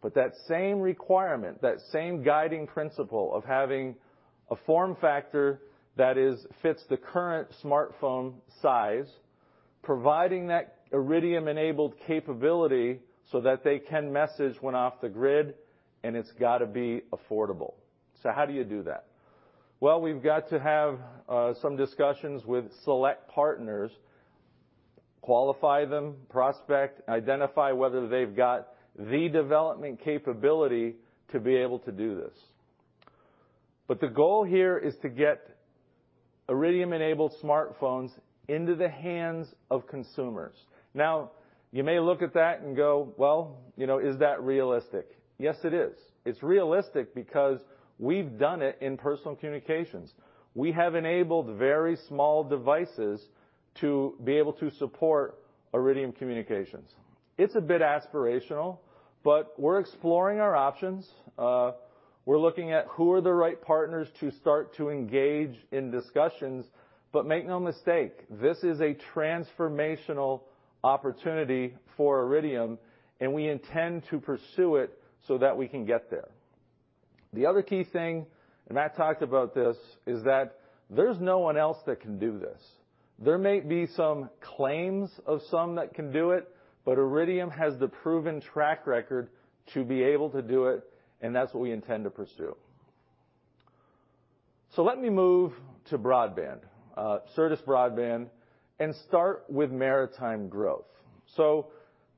with that same requirement, that same guiding principle of having a form factor that fits the current smartphone size, providing that Iridium-enabled capability so that they can message when off the grid, and it's got to be affordable. How do you do that? Well, we've got to have some discussions with select partners, qualify them, prospect, identify whether they've got the development capability to be able to do this. The goal here is to get Iridium-enabled smartphones into the hands of consumers. Now, you may look at that and go, "Well, is that realistic?" Yes, it is. It's realistic because we've done it in personal communications. We have enabled very small devices to be able to support Iridium Communications. It's a bit aspirational, but we're exploring our options. We're looking at who are the right partners to start to engage in discussions, but make no mistake, this is a transformational opportunity for Iridium, and we intend to pursue it so that we can get there. The other key thing, and I talked about this, is that there's no one else that can do this. There may be some claims of some that can do it, but Iridium has the proven track record to be able to do it, and that's what we intend to pursue. Let me move to broadband, Certus broadband, and start with maritime growth.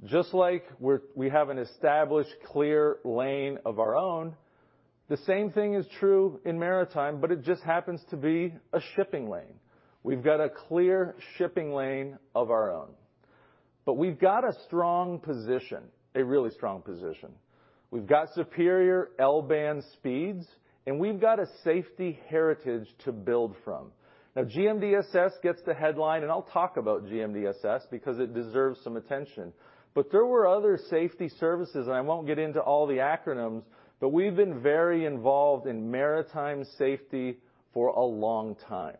Just like we have an established clear lane of our own, the same thing is true in maritime, but it just happens to be a shipping lane. We've got a clear shipping lane of our own. We've got a strong position, a really strong position. We've got superior L-band speeds, and we've got a safety heritage to build from. GMDSS gets the headline, and I'll talk about GMDSS because it deserves some attention, but there were other safety services. I won't get into all the acronyms, but we've been very involved in maritime safety for a long time.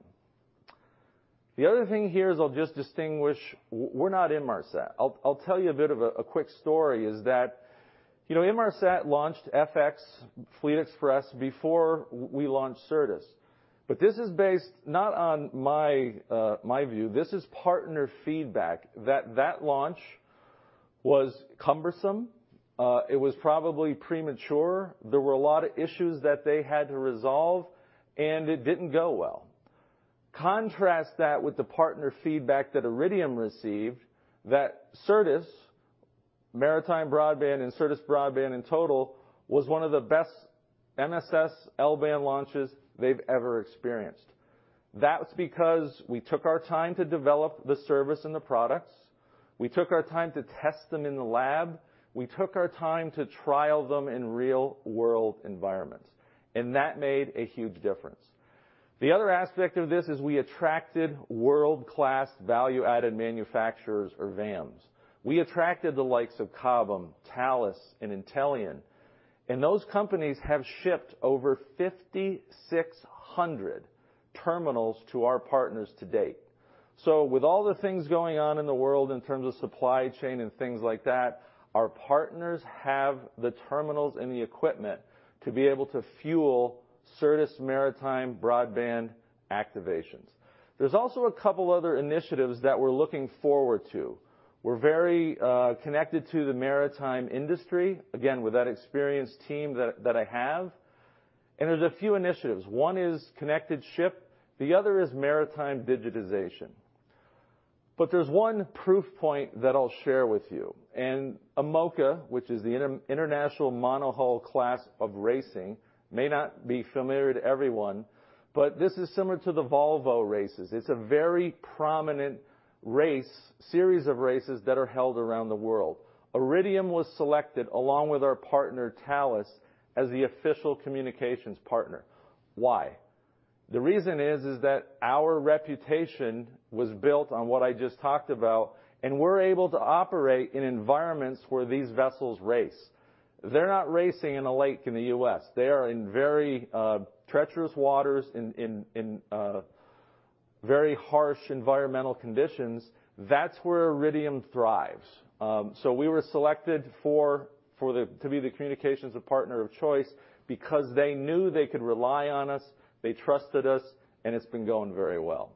The other thing here is I'll just distinguish, we're not Inmarsat. I'll tell you a bit of a quick story, is that Inmarsat launched FX, Fleet Xpress, before we launched Certus. This is based not on my view. This is partner feedback. That launch was cumbersome. It was probably premature. There were a lot of issues that they had to resolve, and it didn't go well. Contrast that with the partner feedback that Iridium received, that Certus, maritime broadband, and Certus broadband in total, was one of the best MSS L-band launches they've ever experienced. That's because we took our time to develop the service and the products. We took our time to test them in the lab. We took our time to trial them in real-world environments, and that made a huge difference. The other aspect of this is we attracted world-class Value-Added Manufacturers or VAMs. We attracted the likes of Cobham Satcom, Thales Group, and Intellian Technologies, and those companies have shipped over 5,600 terminals to our partners to date. With all the things going on in the world in terms of supply chain and things like that, our partners have the terminals and the equipment to be able to fuel Certus Maritime Broadband activations. There's also a couple other initiatives that we're looking forward to. We're very connected to the maritime industry, again, with that experienced team that I have. There's a few initiatives. One is connected ship, the other is maritime digitization. There's one proof point that I'll share with you. IMOCA, which is the International Monohull Open Class Association of racing, may not be familiar to everyone, but this is similar to the Volvo Ocean Races. It's a very prominent race, series of races that are held around the world. Iridium was selected along with our partner, Thales, as the official communications partner. Why? The reason is that our reputation was built on what I just talked about, and we're able to operate in environments where these vessels race. They're not racing in a lake in the U.S. They are in very treacherous waters, in very harsh environmental conditions. That's where Iridium thrives. We were selected to be the communications partner of choice because they knew they could rely on us, they trusted us, and it's been going very well.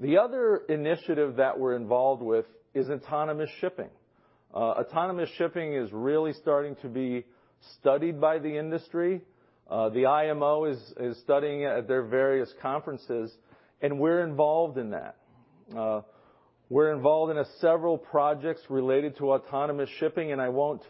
The other initiative that we're involved with is autonomous shipping. Autonomous shipping is really starting to be studied by the industry. The IMO is studying it at their various conferences, we're involved in that. We're involved in several projects related to autonomous shipping, I won't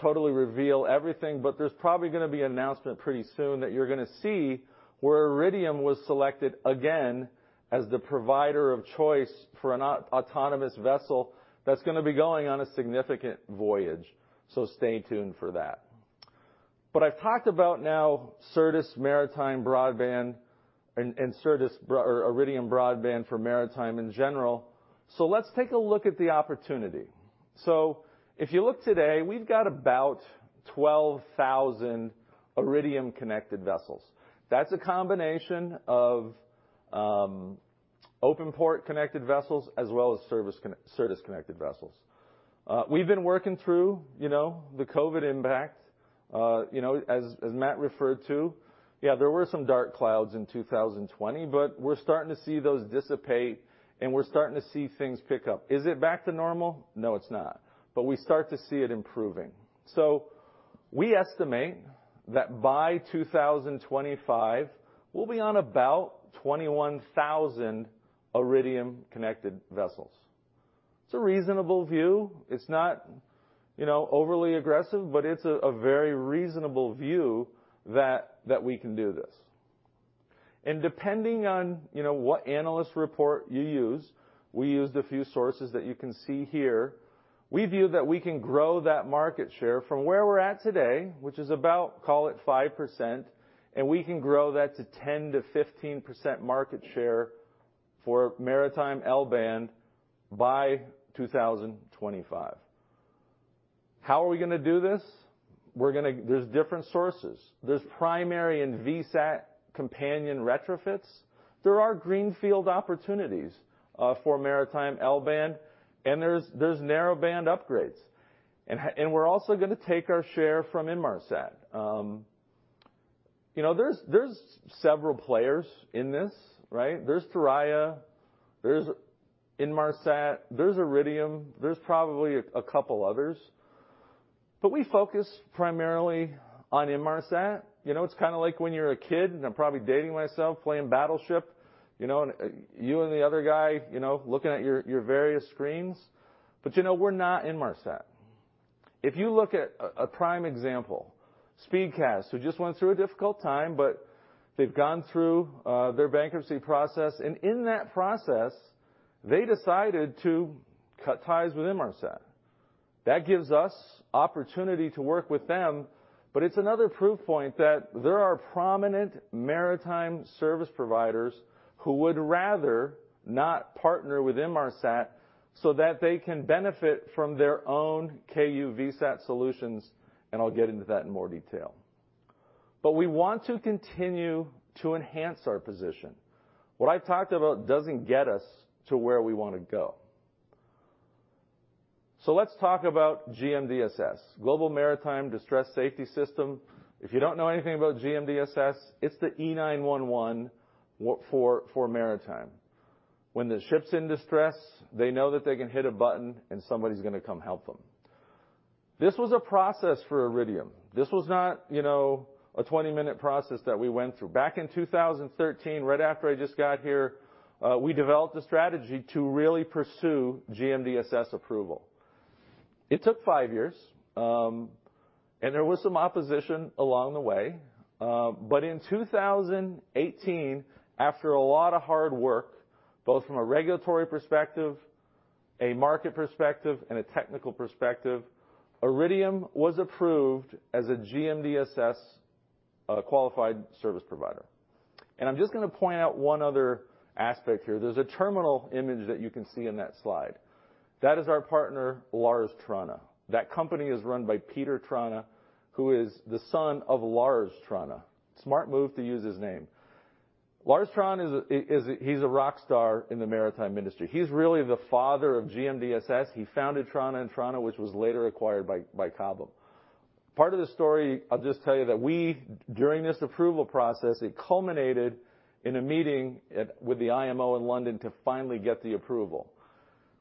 totally reveal everything, but there's probably going to be an announcement pretty soon that you're going to see where Iridium was selected again as the provider of choice for an autonomous vessel that's going to be going on a significant voyage. Stay tuned for that. I've talked about now Certus Maritime Broadband and Iridium Broadband for maritime in general. Let's take a look at the opportunity. If you look today, we've got about 12,000 Iridium-connected vessels. That's a combination of OpenPort-connected vessels as well as service-connected vessels. We've been working through the COVID impact. As Matt referred to, yeah, there were some dark clouds in 2020, but we're starting to see those dissipate, and we're starting to see things pick up. Is it back to normal? No, it's not. We start to see it improving. We estimate that by 2025, we'll be on about 21,000 Iridium-connected vessels. It's a reasonable view. It's not overly aggressive, but it's a very reasonable view that we can do this. Depending on what analyst report you use, we use the few sources that you can see here. We view that we can grow that market share from where we're at today, which is about, call it 5%, and we can grow that to 10%-15% market share for maritime L-band by 2025. How are we going to do this? There's different sources. There's primary and VSAT companion retrofits. There are greenfield opportunities for maritime L-band, and there's narrow band upgrades. We're also going to take our share from Inmarsat. There's several players in this, right? There's Thuraya, there's Inmarsat, there's Iridium, there's probably a couple others. We focus primarily on Inmarsat. It's kind of like when you're a kid, and I'm probably dating myself, playing Battleship. You and the other guy, looking at your various screens, but we're not Inmarsat. If you look at a prime example, Speedcast. Just went through a difficult time, but they've gone through their bankruptcy process, and in that process, they decided to cut ties with Inmarsat. That gives us opportunity to work with them, it's another proof point that there are prominent maritime service providers who would rather not partner with Inmarsat so that they can benefit from their own Ku-band VSAT solutions, and I'll get into that in more detail. We want to continue to enhance our position. What I talked about doesn't get us to where we want to go. Let's talk about GMDSS, Global Maritime Distress and Safety System. If you don't know anything about GMDSS, it's the E911 for Maritime. When the ship's in distress, they know that they can hit a button and somebody's going to come help them. This was a process for Iridium. This was not a 20-minute process that we went through. Back in 2013, right after I just got here, we developed a strategy to really pursue GMDSS approval. It took five years. There was some opposition along the way. In 2018, after a lot of hard work, both from a regulatory perspective, a market perspective, and a technical perspective, Iridium was approved as a GMDSS-qualified service provider. I'm just going to point out one other aspect here. There's a terminal image that you can see in that slide. That is our partner, Lars Thrane. That company is run by Peter Thrane, who is the son of Lars Thrane. Smart move to use his name. Lars Thrane, he's a rock star in the maritime industry. He's really the father of GMDSS. He founded Thrane & Thrane, which was later acquired by Cobham. Part of the story, I'll just tell you that we, during this approval process, it culminated in a meeting with the IMO in London to finally get the approval.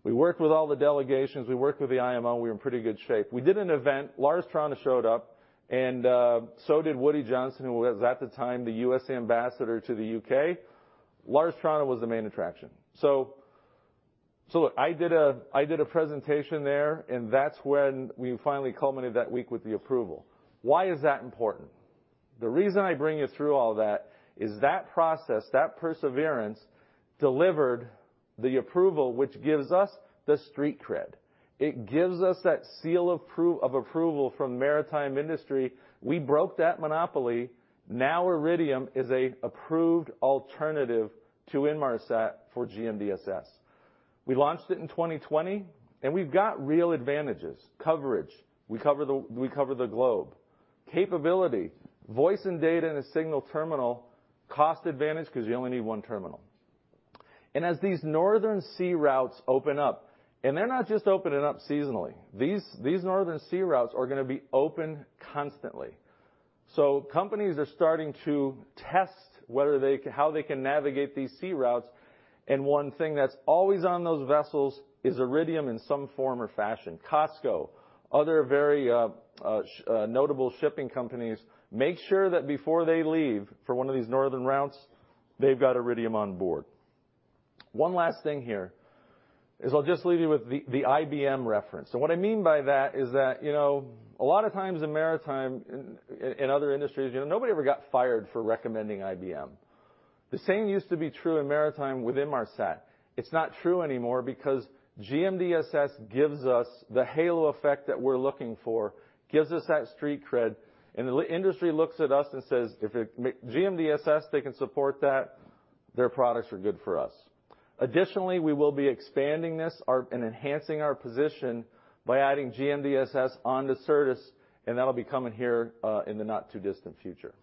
We worked with all the delegations. We worked with the IMO. We were in pretty good shape. We did an event. Lars Thrane showed up, and so did Woody Johnson, who was, at the time, the U.S. ambassador to the U.K. Lars Thrane was the main attraction. Look, I did a presentation there, and that's when we finally culminated that week with the approval. Why is that important? The reason I bring you through all that is that process, that perseverance, delivered the approval, which gives us the street cred. It gives us that seal of approval from the maritime industry. We broke that monopoly. Now Iridium is an approved alternative to Inmarsat for GMDSS. We launched it in 2020, and we've got real advantages. Coverage, we cover the globe. Capability, voice and data in a single terminal. Cost advantage because you only need one terminal. As these northern sea routes open up, and they're not just opening up seasonally. These northern sea routes are going to be open constantly. Companies are starting to test how they can navigate these sea routes, and one thing that's always on those vessels is Iridium in some form or fashion. COSCO Shipping, other very notable shipping companies make sure that before they leave for one of these northern routes, they've got Iridium on board. One last thing here is I'll just leave you with the IBM reference. What I mean by that is that, a lot of times in maritime, in other industries, nobody ever got fired for recommending IBM. The same used to be true in maritime with Inmarsat. It's not true anymore because GMDSS gives us the halo effect that we're looking for, gives us that street cred, and the industry looks at us and says, "If GMDSS, they can support that, their products are good for us." Additionally, we will be expanding this and enhancing our position by adding GMDSS onto Certus, and that'll be coming here in the not-too-distant future.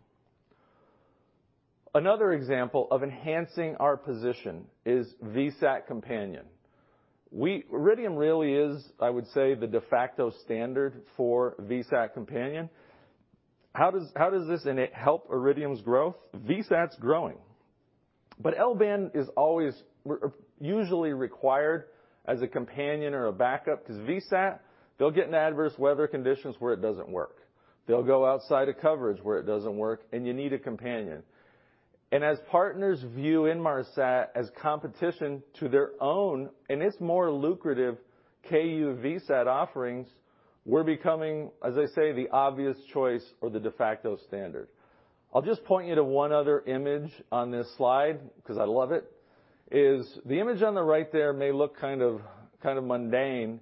Another example of enhancing our position is VSAT companion. Iridium really is, I would say, the de facto standard for VSAT companion. How does this help Iridium's growth? VSAT's growing. L-band is always usually required as a companion or a backup to VSAT. They'll get in adverse weather conditions where it doesn't work. They'll go outside of coverage where it doesn't work, and you need a companion. As partners view Inmarsat as competition to their own, and its more lucrative Ku-band VSAT offerings, we're becoming, as I say, the obvious choice or the de facto standard. I'll just point you to one other image on this slide because I love it, is the image on the right there may look kind of mundane,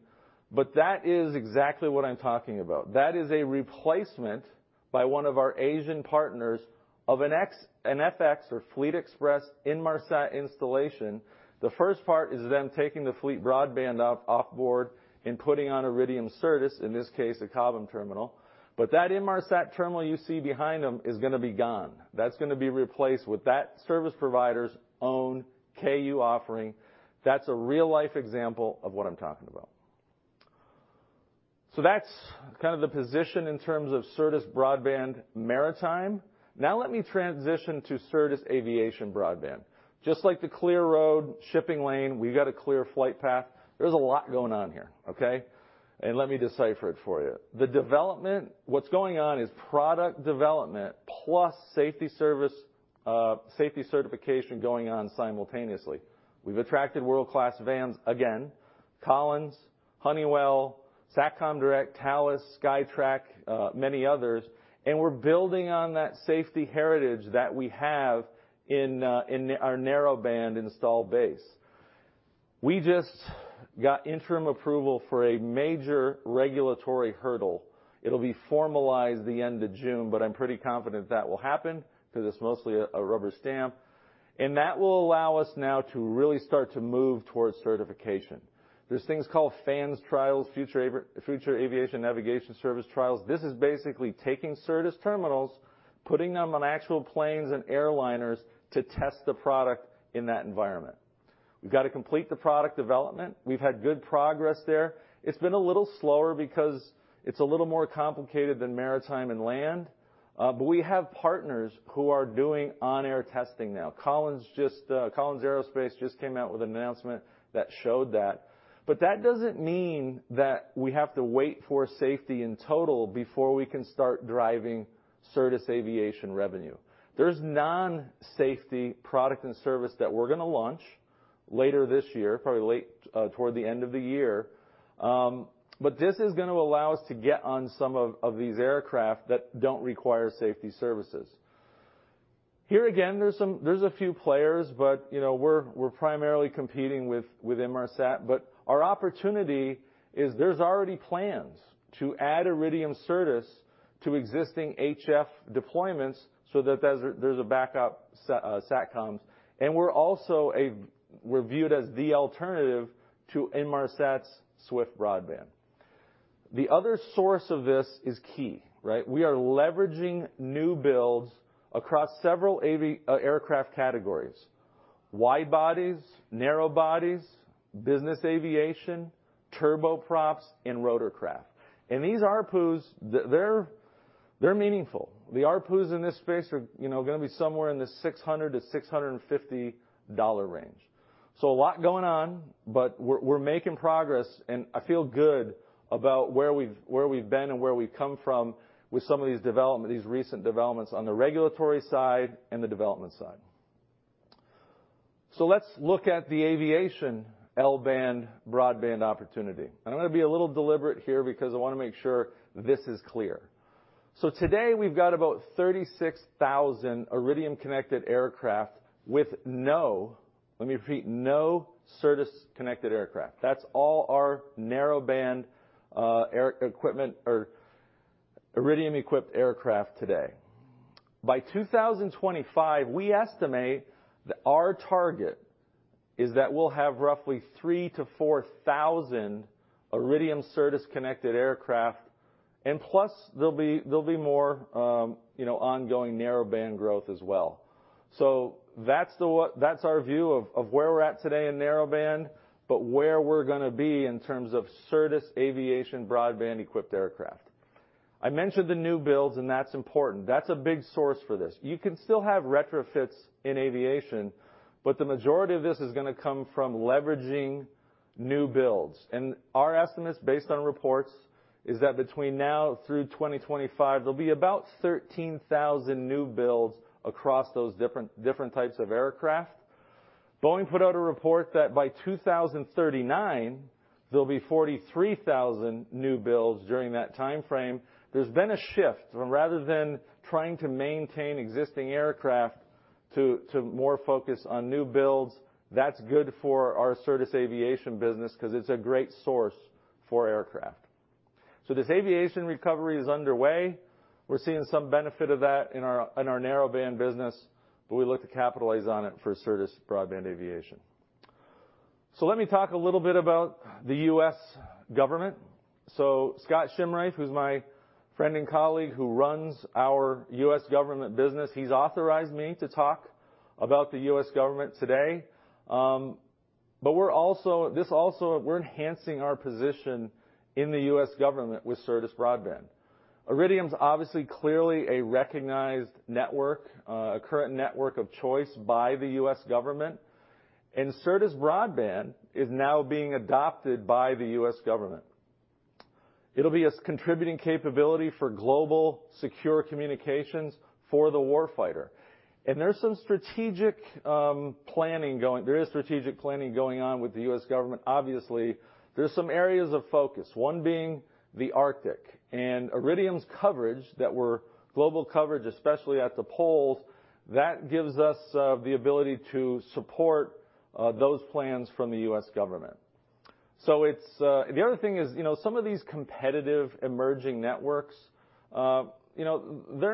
but that is exactly what I'm talking about. That is a replacement by one of our Asian partners of an FX or Fleet Xpress Inmarsat installation. The first part is them taking the FleetBroadband offboard and putting on Iridium Certus, in this case, a Cobham terminal. That Inmarsat terminal you see behind them is going to be gone. That's going to be replaced with that service provider's own Ku-band offering. That's a real-life example of what I'm talking about. That's the position in terms of Certus broadband maritime. Now let me transition to Certus aviation broadband. Just like the clear road shipping lane, we've got a clear flight path. There's a lot going on here, okay? Let me decipher it for you. The development, what's going on is product development plus safety certification going on simultaneously. We've attracted world-class VARs, again, Collins Aerospace, Honeywell Aerospace, Satcom Direct, Thales Group, SKYTRAC Systems, many others, and we're building on that safety heritage that we have in our narrowband install base. We just got interim approval for a major regulatory hurdle. It'll be formalized the end of June, I'm pretty confident that will happen because it's mostly a rubber stamp. That will allow us now to really start to move towards certification. There's things called FANS trials, Future Aviation Navigation Service trials. This is basically taking Certus terminals, putting them on actual planes and airliners to test the product in that environment. We've got to complete the product development. We've had good progress there. It's been a little slower because it's a little more complicated than maritime and land. We have partners who are doing on-air testing now. Collins Aerospace just came out with an announcement that showed that. That doesn't mean that we have to wait for safety in total before we can start driving Certus aviation revenue. There's non-safety product and service that we're going to launch later this year, probably toward the end of the year. This is going to allow us to get on some of these aircraft that don't require safety services. Here again, there's a few players, but we're primarily competing with Inmarsat. Our opportunity is there's already plans to add Iridium Certus to existing HF deployments so that there's a backup Satcoms, and we're also viewed as the alternative to Inmarsat's SwiftBroadband. The other source of this is key, right? We are leveraging new builds across several aircraft categories: wide-bodies, narrow-bodies, business aviation, turbo props, and rotorcraft. These ARPUs, they're meaningful. The ARPUs in this space are going to be somewhere in the $600-$650 range. A lot going on, but we're making progress, and I feel good about where we've been and where we've come from with some of these recent developments on the regulatory side and the development side. Let's look at the aviation L-band broadband opportunity. I'm going to be a little deliberate here because I want to make sure this is clear. Today, we've got about 36,000 Iridium-connected aircraft with no, let me repeat, no Certus-connected aircraft. That's all our narrow-band Iridium-equipped aircraft today. By 2025, we estimate that our target is that we'll have roughly 3,000-4,000 Iridium Certus-connected aircraft, and plus there'll be more ongoing narrowband growth as well. That's our view of where we're at today in narrowband, but where we're going to be in terms of Certus aviation broadband-equipped aircraft. I mentioned the new builds, and that's important. That's a big source for this. You can still have retrofits in aviation, but the majority of this is going to come from leveraging new builds. Our estimates, based on reports, is that between now through 2025, there'll be about 13,000 new builds across those different types of aircraft. Boeing put out a report that by 2039, there'll be 43,000 new builds during that timeframe. There's been a shift from rather than trying to maintain existing aircraft to more focus on new builds. That's good for our Certus aviation business because it's a great source for aircraft. This aviation recovery is underway. We're seeing some benefit of that in our narrowband business, but we look to capitalize on it for Certus broadband aviation. Let me talk a little bit about the U.S. government. Scott Scheimreif, who's my friend and colleague who runs our U.S. government business, he's authorized me to talk about the U.S. government today. We're enhancing our position in the U.S. government with Certus broadband. Iridium's obviously, clearly a recognized network, a current network of choice by the U.S. government, and Certus broadband is now being adopted by the U.S. government. It'll be a contributing capability for global secure communications for the warfighter. There is strategic planning going on with the U.S. government, obviously. There's some areas of focus, one being the Arctic. Iridium's coverage, that we're global coverage, especially at the poles, that gives us the ability to support those plans from the U.S. government. The other thing is, some of these competitive emerging networks, they're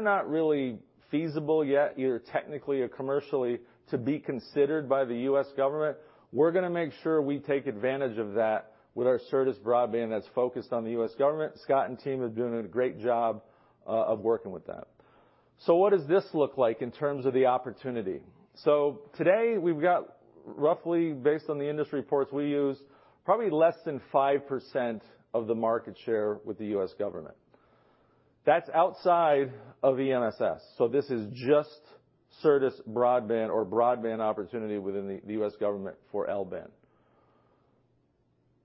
not really feasible yet, either technically or commercially, to be considered by the U.S. government. We're going to make sure we take advantage of that with our Certus broadband that's focused on the U.S. government. Scott and team are doing a great job of working with that. What does this look like in terms of the opportunity? Today, we've got roughly, based on the industry reports we use, probably less than 5% of the market share with the U.S. government. That's outside of the NSS. This is just Certus broadband or broadband opportunity within the U.S. government for L-band.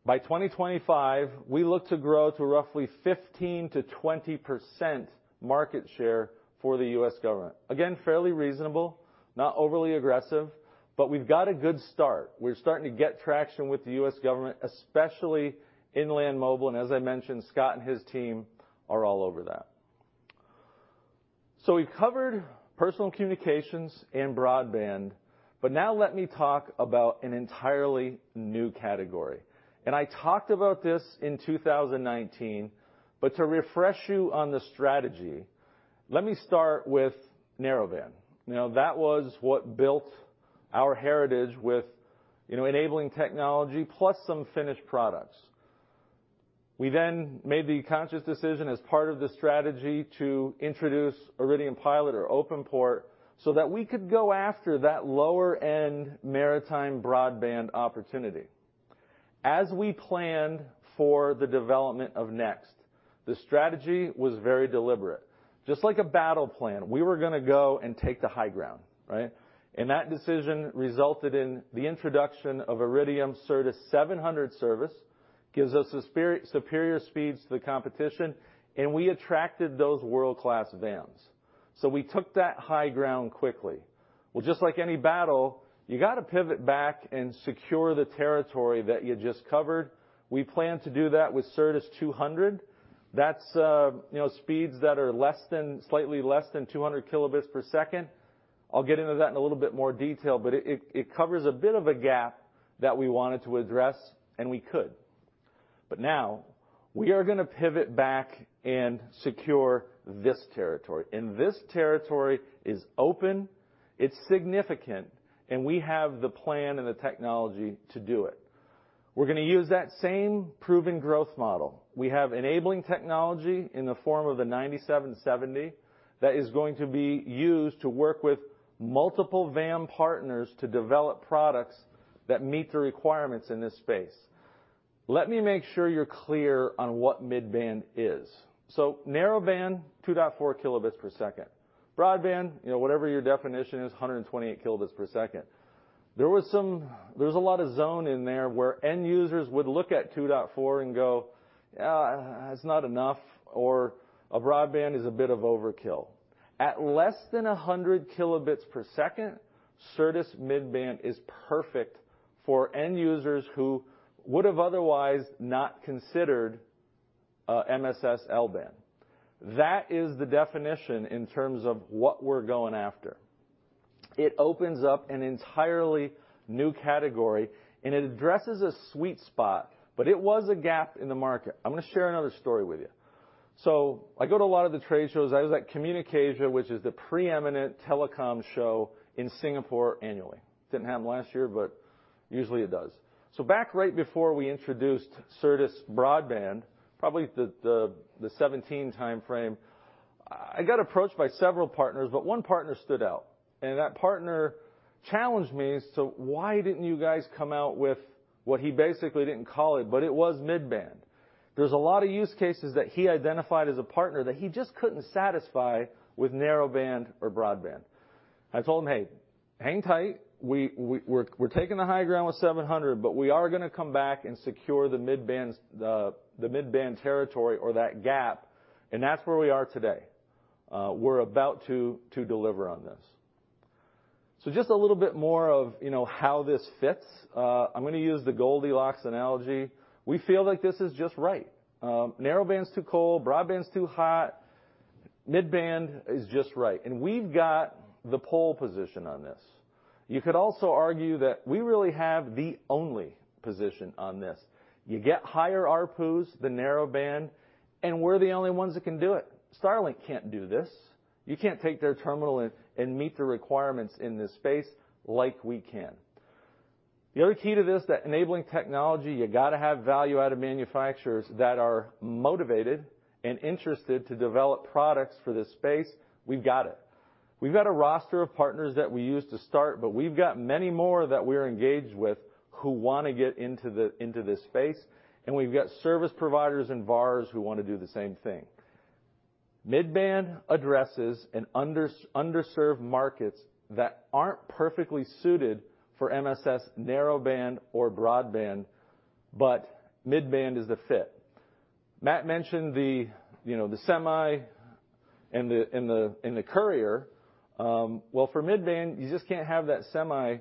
By 2025, we look to grow to roughly 15%-20% market share for the U.S. government. Fairly reasonable, not overly aggressive, but we've got a good start. We're starting to get traction with the U.S. government, especially in land mobile, and as I mentioned, Scott and his team are all over that. We covered personal communications and broadband, but now let me talk about an entirely new category. I talked about this in 2019, but to refresh you on the strategy, let me start with narrowband. That was what built our heritage with enabling technology plus some finished products. We then made the conscious decision as part of the strategy to introduce Iridium Pilot or OpenPort, so that we could go after that lower-end maritime broadband opportunity. As we planned for the development of Iridium NEXT, the strategy was very deliberate. Just like a battle plan, we were going to go and take the high ground, right? That decision resulted in the introduction of Iridium Certus 700 service, gives us superior speeds to the competition, and we attracted those world-class VAMs. We took that high ground quickly. Well, just like any battle, you got to pivot back and secure the territory that you just covered. We plan to do that with Certus 200. That's speeds that are slightly less than 200 Kb/s. I'll get into that in a little bit more detail, but it covers a bit of a gap that we wanted to address, and we could. Now, we are going to pivot back and secure this territory, and this territory is open, it's significant, and we have the plan and the technology to do it. We're going to use that same proven growth model. We have enabling technology in the form of a 9770 that is going to be used to work with multiple VAM partners to develop products that meet the requirements in this space. Let me make sure you're clear on what mid-band is. Narrowband, 2.4 Kb/s. Broadband, whatever your definition is, 128 Kb/s. There's a lot of zone in there where end users would look at 2.4 and go, "It's not enough," or, "A broadband is a bit of overkill." At less than 100 Kb/s, Certus mid-band is perfect for end users who would have otherwise not considered an MSS L-band. That is the definition in terms of what we're going after. It opens up an entirely new category, and it addresses a sweet spot, but it was a gap in the market. I'm going to share another story with you. I go to a lot of the trade shows. I was at CommunicAsia, which is the preeminent telecom show in Singapore annually. Didn't happen last year, but usually it does. Back right before we introduced Certus Broadband, probably the 2017 timeframe, I got approached by several partners, but one partner stood out, and that partner challenged me. He said, "Why didn't you guys come out with" Well, he basically didn't call it, but it was mid-band. There's a lot of use cases that he identified as a partner that he just couldn't satisfy with narrowband or broadband. I told him, "Hey, hang tight. We're taking the high ground with 700, but we are going to come back and secure the mid-band territory or that gap. That's where we are today. We're about to deliver on this. Just a little bit more of how this fits. I'm going to use the Goldilocks analogy. We feel like this is just right. Narrowband's too cold. Broadband's too hot. Mid-band is just right. We've got the pole position on this. You could also argue that we really have the only position on this. You get higher ARPUs than narrowband, and we're the only ones that can do it. Starlink can't do this. You can't take their terminal and meet the requirements in this space like we can. The other key to this, that enabling technology, you got to have Value-Added Manufacturers that are motivated and interested to develop products for this space. We've got it. We've got a roster of partners that we use to start, but we've got many more that we're engaged with who want to get into this space, and we've got service providers and VARs who want to do the same thing. Mid-band addresses in underserved markets that aren't perfectly suited for MSS narrowband or broadband, but mid-band is a fit. Matt mentioned the semi and the courier. Well, for mid-band, you just can't have that semi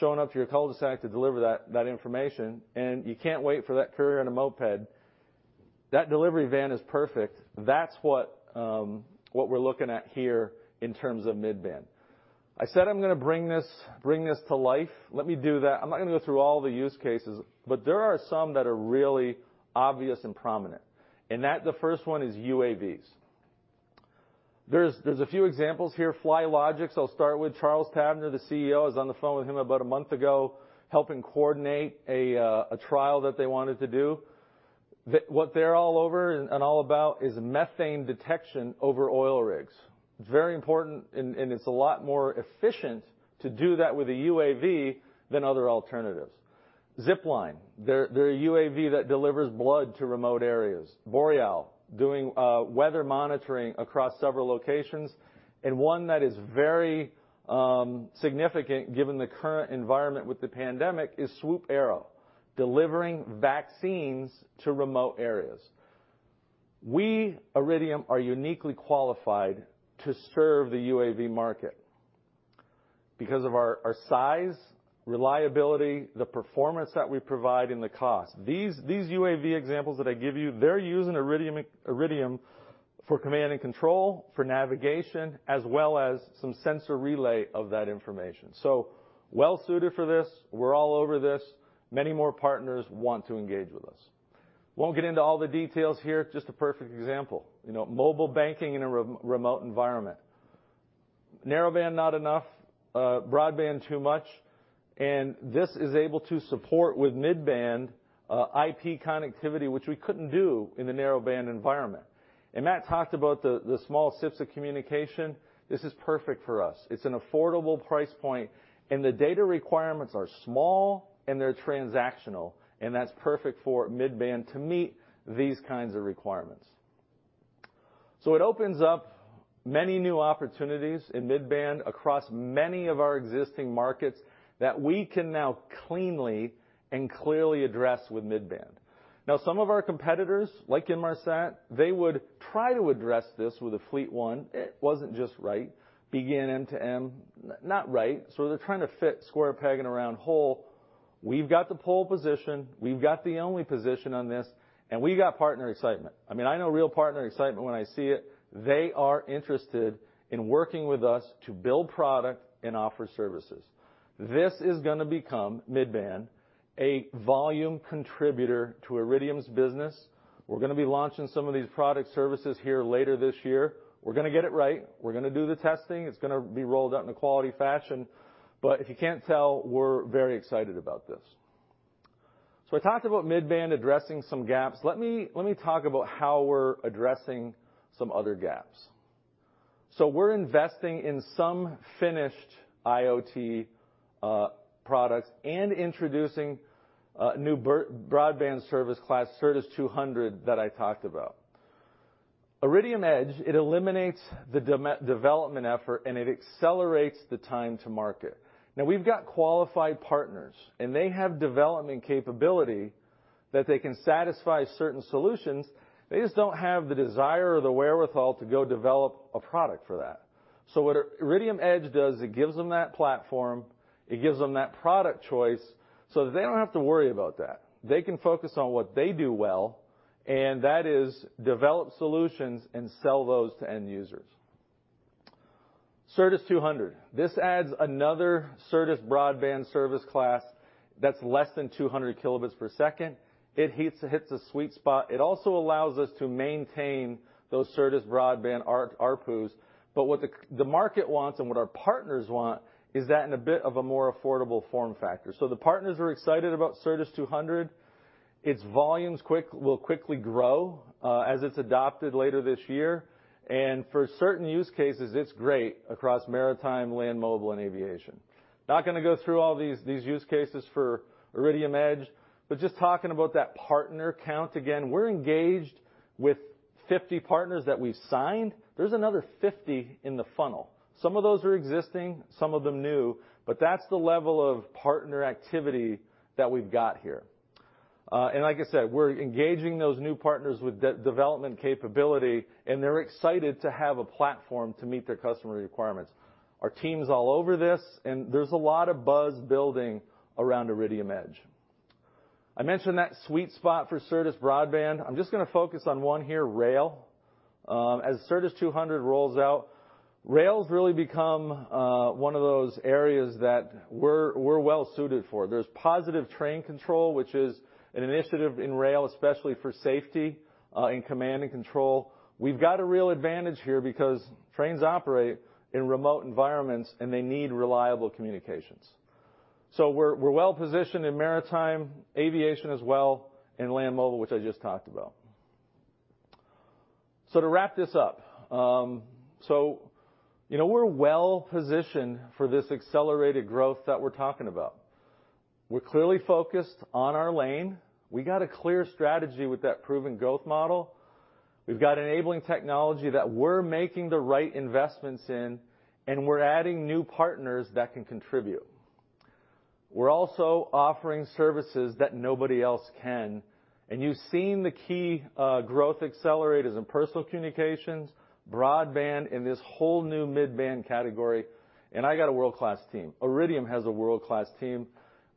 showing up to your cul-de-sac to deliver that information, and you can't wait for that courier on a moped. That delivery van is perfect. That's what we're looking at here in terms of mid-band. I said I'm going to bring this to life. Let me do that. I'm not going to go through all the use cases, but there are some that are really obvious and prominent, and the first one is UAVs. There's a few examples here. Flylogix, I'll start with. Charles Tavner, the CEO, I was on the phone with him about a month ago, helping coordinate a trial that they wanted to do. What they're all over and all about is methane detection over oil rigs. Very important. It's a lot more efficient to do that with a UAV than other alternatives. Zipline. They're a UAV that delivers blood to remote areas. Boreal, doing weather monitoring across several locations. One that is very significant given the current environment with the pandemic is Swoop Aero, delivering vaccines to remote areas. We, Iridium, are uniquely qualified to serve the UAV market because of our size, reliability, the performance that we provide, and the cost. These UAV examples that I give you, they're using Iridium for command and control, for navigation, as well as some sensor relay of that information. Well-suited for this. We're all over this. Many more partners want to engage with us. Won't get into all the details here, just a perfect example. Mobile banking in a remote environment. Narrowband not enough, broadband too much. This is able to support with mid-band IP connectivity, which we couldn't do in the narrowband environment. Matt talked about the small sips of communication. This is perfect for us. It's an affordable price point, and the data requirements are small and they're transactional, and that's perfect for mid-band to meet these kinds of requirements. It opens up many new opportunities in mid-band across many of our existing markets that we can now cleanly and clearly address with mid-band. Some of our competitors, like Inmarsat, they would try to address this with a Fleet One. It wasn't just right. BGAN end-to-end, not right. They're trying to fit square peg in a round hole. We've got the pole position, we've got the only position on this, and we got partner excitement. I know real partner excitement when I see it. They are interested in working with us to build product and offer services. This is going to become, mid-band, a volume contributor to Iridium's business. We're going to be launching some of these product services here later this year. We're going to get it right. We're going to do the testing. It's going to be rolled out in a quality fashion. If you can't tell, we're very excited about this. I talked about mid-band addressing some gaps. Let me talk about how we're addressing some other gaps. We're investing in some finished IoT products and introducing a new broadband service class, Certus 200, that I talked about. Iridium Edge, it eliminates the development effort, and it accelerates the time to market. Now, we've got qualified partners, and they have development capability that they can satisfy certain solutions. They just don't have the desire or the wherewithal to go develop a product for that. What Iridium Edge does, it gives them that platform, it gives them that product choice, so they don't have to worry about that. They can focus on what they do well, and that is develop solutions and sell those to end users. Certus 200. This adds another Certus broadband service class that's less than 200 Kb/s. It hits a sweet spot. It also allows us to maintain those Certus broadband ARPUs. What the market wants and what our partners want is that in a bit of a more affordable form factor. The partners are excited about Certus 200. Its volumes will quickly grow, as it's adopted later this year. For certain use cases, it's great across maritime, land mobile, and aviation. Not going to go through all these use cases for Iridium Edge, but just talking about that partner count. Again, we're engaged with 50 partners that we signed. There's another 50 in the funnel. Some of those are existing, some of them new, but that's the level of partner activity that we've got here. Like I said, we're engaging those new partners with development capability, and they're excited to have a platform to meet their customer requirements. Our team's all over this, and there's a lot of buzz building around Iridium Edge. I mentioned that sweet spot for Certus broadband. I'm just going to focus on one here, rail. As Certus 200 rolls out, rail's really become one of those areas that we're well-suited for. There's Positive Train Control, which is an initiative in rail, especially for safety, and command and control. We've got a real advantage here because trains operate in remote environments, and they need reliable communications. We're well-positioned in maritime, aviation as well, and land mobile, which I just talked about. To wrap this up. We're well-positioned for this accelerated growth that we're talking about. We're clearly focused on our lane. We got a clear strategy with that proven growth model. We've got enabling technology that we're making the right investments in, and we're adding new partners that can contribute. We're also offering services that nobody else can. You've seen the key growth accelerators in personal communications, broadband, and this whole new mid-band category. I got a world-class team. Iridium has a world-class team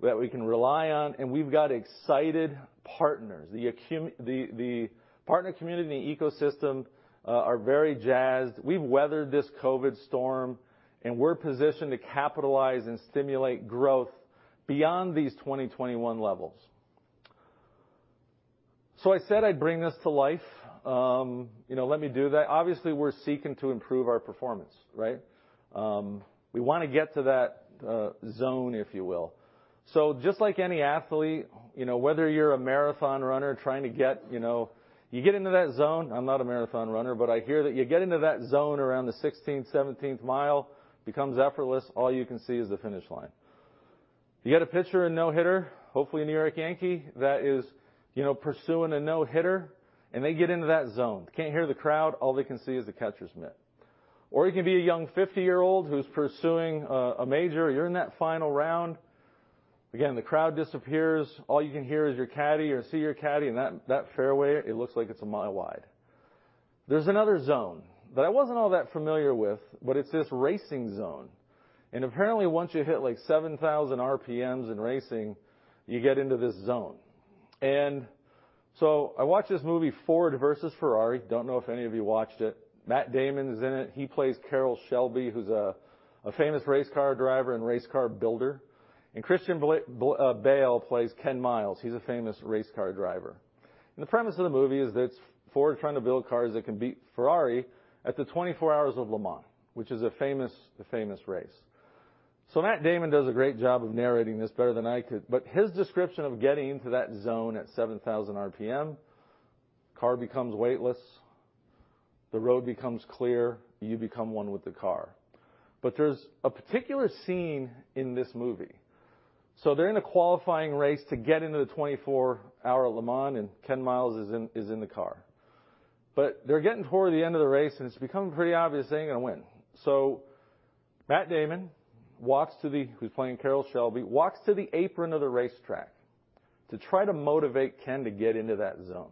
that we can rely on. We've got excited partners. The partner community and the ecosystem are very jazzed. We've weathered this COVID storm. We're positioned to capitalize and stimulate growth beyond these 2021 levels. I said I'd bring this to life. Let me do that. Obviously, we're seeking to improve our performance, right? We want to get to that zone, if you will. Just like any athlete, whether you're a marathon runner trying to get into that zone. I'm not a marathon runner. I hear that you get into that zone around the 16th, 17th mile, becomes effortless. All you can see is the finish line. You got a pitcher and no-hitter, hopefully New York Yankees, that is pursuing a no-hitter, and they get into that zone. Can't hear the crowd. All they can see is the catcher's mitt. You could be a young 50-year-old who's pursuing a major. You're in that final round. Again, the crowd disappears. All you can hear is your caddy or see your caddy and that fairway, it looks like it's a mile wide. There's another zone that I wasn't all that familiar with, but it's this racing zone. Apparently, once you hit like 7,000 RPMs in racing, you get into this zone. I watched this movie "Ford v Ferrari," don't know if any of you watched it. Matt Damon is in it. He plays Carroll Shelby, who's a famous race car driver and race car builder. Christian Bale plays Ken Miles. He's a famous race car driver. The premise of the movie is it's Ford trying to build cars that can beat Ferrari at the 24 Hours of Le Mans, which is a famous race. Matt Damon does a great job of narrating this better than I could, but his description of getting into that zone at 7,000 RPM, car becomes weightless, the road becomes clear, and you become one with the car. There's a particular scene in this movie. They're in a qualifying race to get into the 24 Hour Le Mans, and Ken Miles is in the car. They're getting toward the end of the race, and it's become pretty obvious they ain't going to win. Matt Damon, who's playing Carroll Shelby, walks to the apron of the racetrack to try to motivate Ken to get into that zone,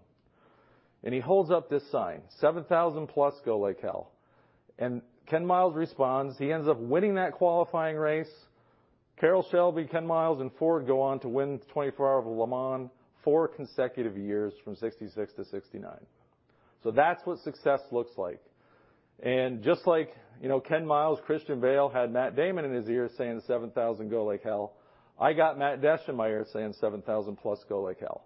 and he holds up this sign, "7,000+, go like hell." Ken Miles responds. He ends up winning that qualifying race. Carroll Shelby, Ken Miles, and Ford go on to win the 24 Hour of Le Mans four consecutive years from 1966-1969. That's what success looks like. Just like Ken Miles, Christian Bale had Matt Damon in his ear saying, "7,000, go like hell," I got Matt Desch in my ear saying, "7,000+, go like hell."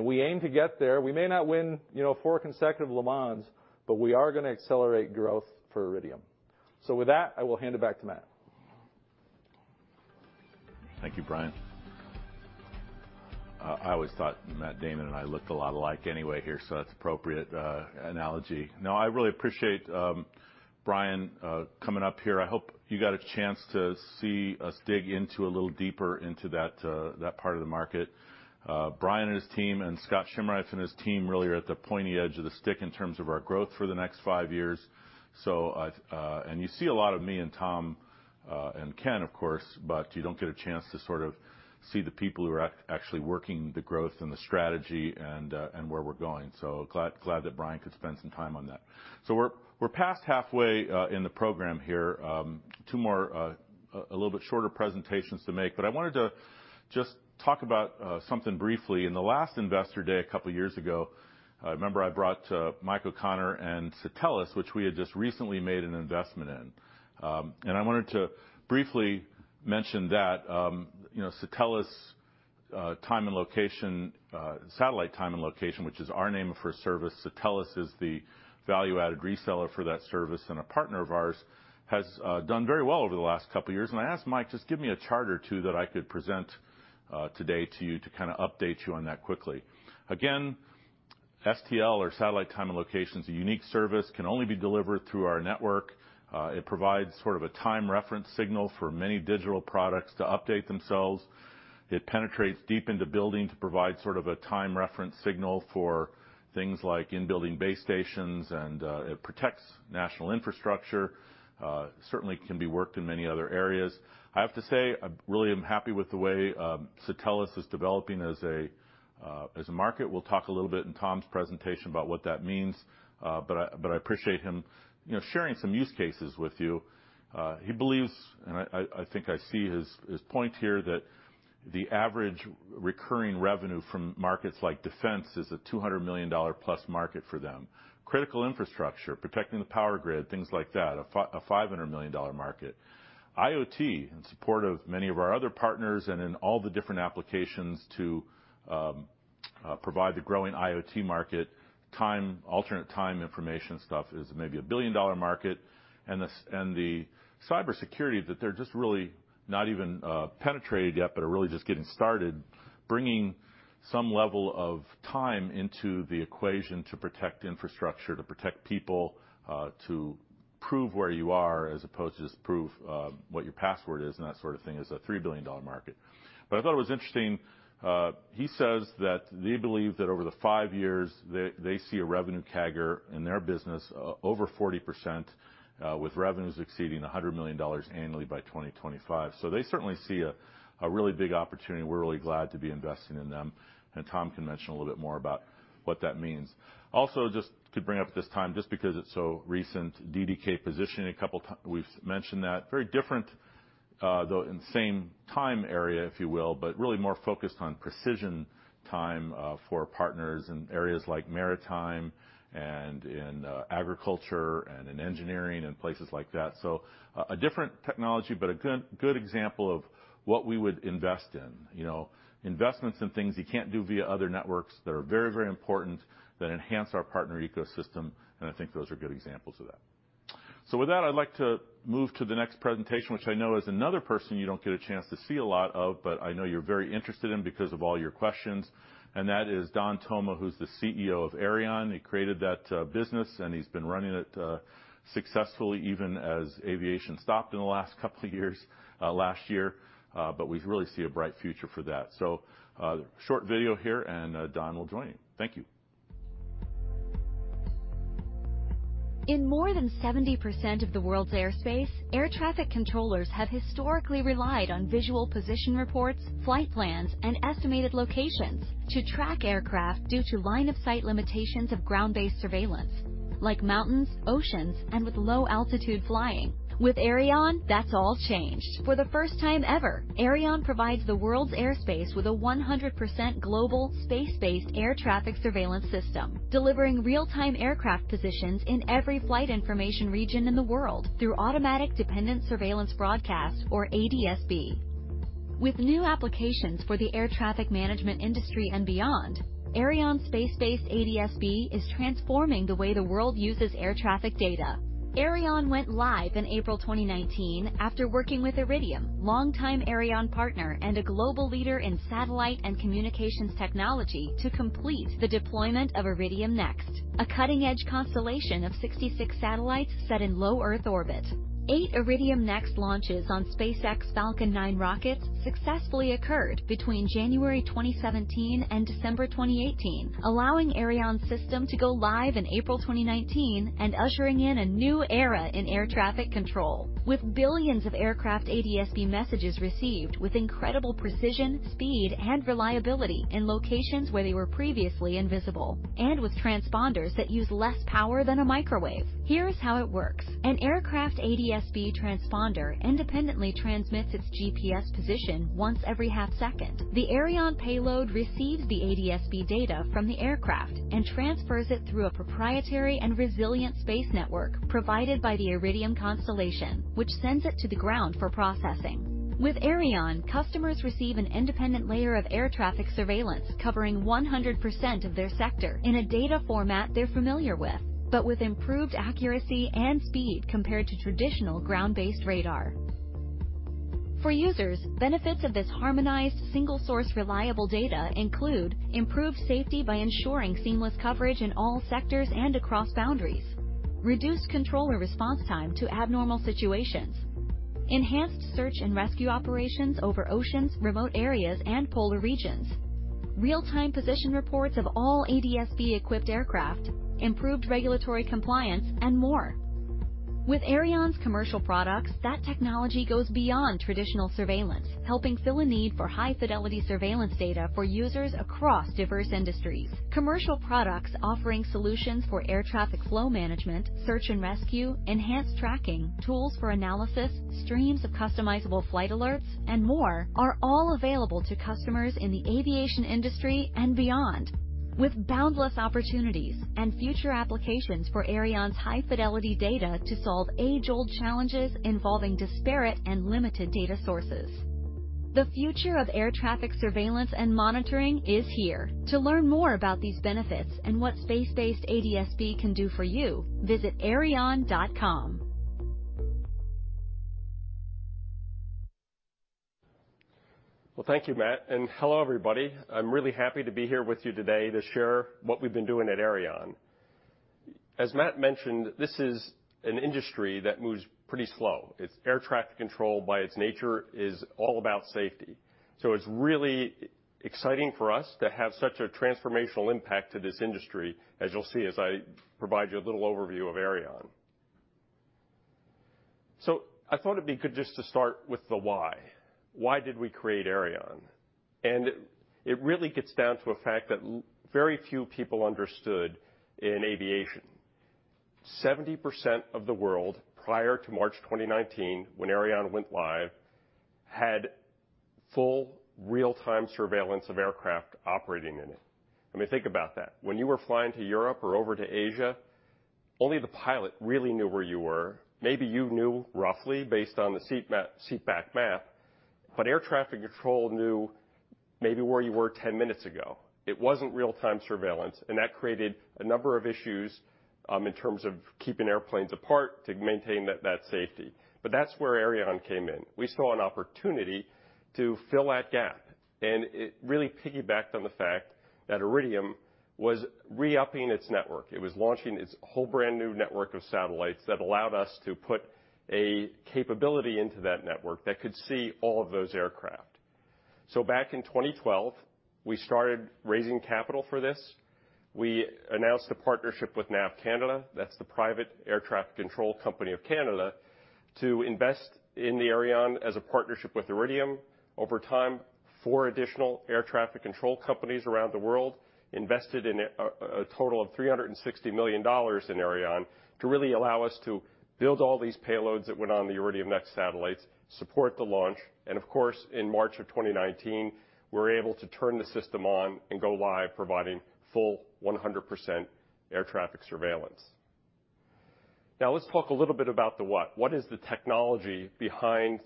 We aim to get there. We may not win four consecutive Le Mans, but we are going to accelerate growth for Iridium. With that, I will hand it back to Matt. Thank you, Bryan. I always thought Matt Damon and I looked a lot alike anyway here, so that's appropriate analogy. No, I really appreciate Bryan coming up here. I hope you got a chance to see us dig into a little deeper into that part of the market. Bryan and his team and Scott Scheimreif and his team really are at the pointy edge of the stick in terms of our growth for the next five years. You see a lot of me and Tom, and Ken, of course, but you don't get a chance to sort of see the people who are actually working the growth and the strategy and where we're going. Glad that Bryan could spend some time on that. We're past halfway in the program here. Two more a little bit shorter presentations to make. I wanted to just talk about something briefly. In the last Investor Day a couple of years ago, I remember I brought Mike O'Connor and Satelles, which we had just recently made an investment in. I wanted to briefly mention that Satellite Time and Location, which is our name for a service, Satelles is the value-added reseller for that service and a partner of ours, has done very well over the last couple of years. I asked Mike, just give me a chart or two that I could present today to you to kind of update you on that quickly. Again, STL or Satellite Time and Location is a unique service, can only be delivered through our network. It provides sort of a time reference signal for many digital products to update themselves. It penetrates deep into buildings to provide sort of a time reference signal for things like in-building base stations, and it protects national infrastructure. Certainly can be worked in many other areas. I have to say, I really am happy with the way Satelles is developing as a market. We'll talk a little bit in Tom's presentation about what that means. I appreciate him sharing some use cases with you. He believes, and I think I see his point here, that the average recurring revenue from markets like defense is a $200-million-plus market for them. Critical infrastructure, protecting the power grid, things like that, a $500-million market. IoT, in support of many of our other partners and in all the different applications to provide the growing IoT market, alternate time information stuff is maybe a billion-dollar market. The cybersecurity that they're just really not even penetrated yet, but are really just getting started bringing some level of time into the equation to protect infrastructure, to protect people, to prove where you are as opposed to just prove what your password is and that sort of thing is a $3 billion market. I thought it was interesting, he says that they believe that over the five years, they see a revenue CAGR in their business over 40%, with revenues exceeding $100 million annually by 2025. They certainly see a really big opportunity, and we're really glad to be investing in them. Tom can mention a little bit more about what that means. Just to bring up this time, just because it's so recent, DDK Positioning, a couple times we've mentioned that. Very different, though in the same time area, if you will, but really more focused on precision time for partners in areas like maritime and in agriculture and in engineering and places like that. A different technology, but a good example of what we would invest in. Investments in things you can't do via other networks that are very, very important, that enhance our partner ecosystem, and I think those are good examples of that. With that, I'd like to move to the next presentation, which I know is another person you don't get a chance to see a lot of, but I know you're very interested in because of all your questions, and that is Don Thoma, who's the CEO of Aireon. He created that business, and he's been running it successfully even as aviation stopped in the last couple of years, last year, but we really see a bright future for that. A short video here, and Don will join you. Thank you. In more than 70% of the world's airspace, air traffic controllers have historically relied on visual position reports, flight plans, and estimated locations to track aircraft due to line of sight limitations of ground-based surveillance, like mountains, oceans, and with low altitude flying. With Aireon, that's all changed. For the first time ever, Aireon provides the world's airspace with a 100% global space-based air traffic surveillance system, delivering real-time aircraft positions in every Flight Information Region in the world through Automatic Dependent Surveillance-Broadcasts or ADS-B. With new applications for the air traffic management industry and beyond, Aireon space-based ADS-B is transforming the way the world uses air traffic data. Aireon went live in April 2019 after working with Iridium, longtime Aireon partner and a global leader in satellite and communications technology, to complete the deployment of Iridium NEXT, a cutting-edge constellation of 66 satellites set in low Earth orbit. Eight Iridium NEXT launches on SpaceX Falcon 9 rockets successfully occurred between January 2017 and December 2018, allowing Aireon's system to go live in April 2019 and ushering in a new era in air traffic control, with billions of aircraft ADS-B messages received with incredible precision, speed, and reliability in locations where they were previously invisible, and with transponders that use less power than a microwave. Here's how it works. An aircraft ADS-B transponder independently transmits its GPS position once every half second. The Aireon payload receives the ADS-B data from the aircraft and transfers it through a proprietary and resilient space network provided by the Iridium constellation, which sends it to the ground for processing. With Aireon, customers receive an independent layer of air traffic surveillance covering 100% of their sector in a data format they're familiar with, but with improved accuracy and speed compared to traditional ground-based radar. For users, benefits of this harmonized single-source reliable data include improved safety by ensuring seamless coverage in all sectors and across boundaries, reduced controller response time to abnormal situations, enhanced search and rescue operations over oceans, remote areas, and polar regions, real-time position reports of all ADS-B equipped aircraft, improved regulatory compliance, and more. With Aireon's commercial products, that technology goes beyond traditional surveillance, helping fill a need for high-fidelity surveillance data for users across diverse industries. Commercial products offering solutions for air traffic flow management, search and rescue, enhanced tracking, tools for analysis, streams of customizable flight alerts, and more are all available to customers in the aviation industry and beyond, with boundless opportunities and future applications for Aireon's high-fidelity data to solve age-old challenges involving disparate and limited data sources. The future of air traffic surveillance and monitoring is here. To learn more about these benefits and what space-based ADS-B can do for you, visit aireon.com. Well, thank you, Matt, and hello, everybody. I'm really happy to be here with you today to share what we've been doing at Aireon. As Matt mentioned, this is an industry that moves pretty slow. Air traffic control, by its nature, is all about safety. It's really exciting for us to have such a transformational impact to this industry, as you'll see as I provide you a little overview of Aireon. I thought it'd be good just to start with the why. Why did we create Aireon? It really gets down to a fact that very few people understood in aviation. 70% of the world, prior to March 2019, when Aireon went live, had full real-time surveillance of aircraft operating in it. I mean, think about that. When you were flying to Europe or over to Asia, only the pilot really knew where you were. You knew roughly based on the seat back map, but air traffic control knew maybe where you were 10 minutes ago. It wasn't real-time surveillance, that created a number of issues in terms of keeping airplanes apart to maintain that safety. That's where Aireon came in. We saw an opportunity to fill that gap, it really piggybacked on the fact that Iridium was re-upping its network. It was launching its whole brand new network of satellites that allowed us to put a capability into that network that could see all of those aircraft. Back in 2012, we started raising capital for this. We announced a partnership with NAV Canada, that's the private air traffic control company of Canada, to invest in the Aireon as a partnership with Iridium. Over time, four additional air traffic control companies around the world invested in a total of $360 million in Aireon to really allow us to build all these payloads that went on the Iridium NEXT satellites, support the launch, in March of 2019, we were able to turn the system on and go live providing full 100% air traffic surveillance. Let's talk a little bit about the what. What is the technology behind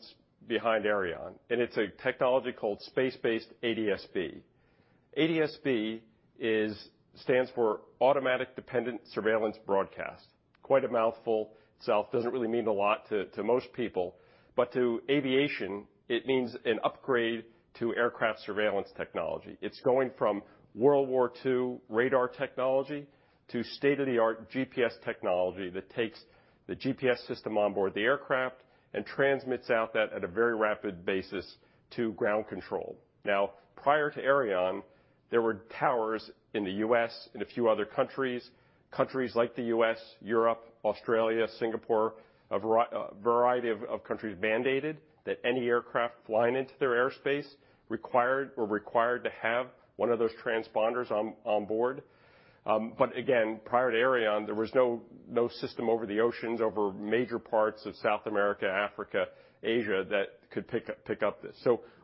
Aireon? It's a technology called space-based ADS-B. ADS-B stands for Automatic Dependent Surveillance-Broadcast. Quite a mouthful. Itself doesn't really mean a lot to most people. To aviation, it means an upgrade to aircraft surveillance technology. It's going from World War II radar technology to state-of-the-art GPS technology that takes the GPS system on board the aircraft and transmits out that at a very rapid basis to ground control. Prior to Aireon, there were towers in the U.S. and a few other countries. Countries like the U.S., Europe, Australia, Singapore, a variety of countries mandated that any aircraft flying into their airspace were required to have one of those transponders on board. Again, prior to Aireon, there was no system over the oceans, over major parts of South America, Africa, Asia that could pick up this.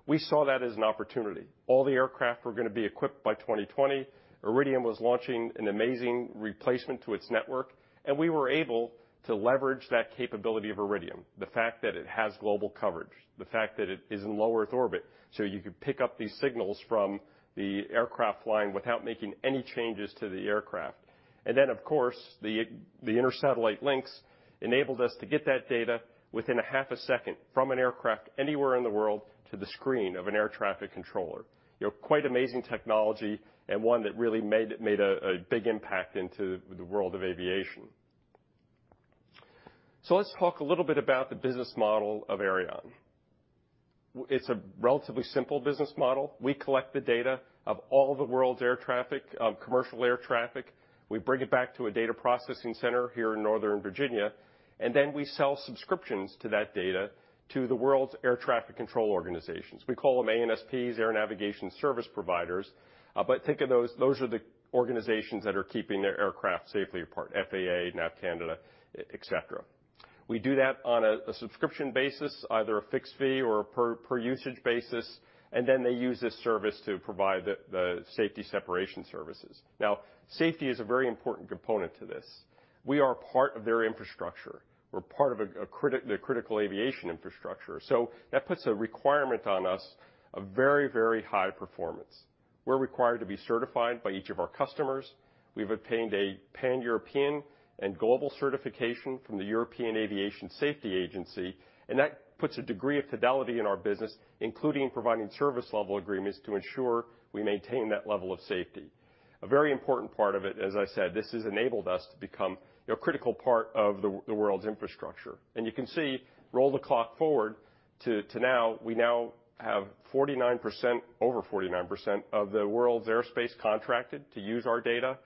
We saw that as an opportunity. All the aircraft were going to be equipped by 2020. Iridium was launching an amazing replacement to its network, we were able to leverage that capability of Iridium. The fact that it has global coverage, the fact that it is in low Earth orbit, you could pick up these signals from the aircraft flying without making any changes to the aircraft. The inter-satellite links enabled us to get that data within a half a second from an aircraft anywhere in the world to the screen of an air traffic controller. Quite amazing technology and one that really made a big impact into the world of aviation. Let's talk a little bit about the business model of Aireon. It's a relatively simple business model. We collect the data of all the world's air traffic, commercial air traffic. We bring it back to a data processing center here in Northern Virginia, and then we sell subscriptions to that data to the world's air traffic control organizations. We call them ANSPs, Air Navigation Service Providers. Think of those are the organizations that are keeping their aircraft safely apart, FAA, NAV Canada, et cetera. We do that on a subscription basis, either a fixed fee or a per usage basis. They use this service to provide the safety separation services. Safety is a very important component to this. We are part of their infrastructure. We're part of the critical aviation infrastructure. That puts a requirement on us of very high performance. We're required to be certified by each of our customers. We've obtained a Pan-European and global certification from the European Union Aviation Safety Agency. That puts a degree of fidelity in our business, including providing service level agreements to ensure we maintain that level of safety. A very important part of it, as I said, this has enabled us to become a critical part of the world's infrastructure. You can see, roll the clock forward to now. We now have over 49% of the world's airspace contracted to use our data.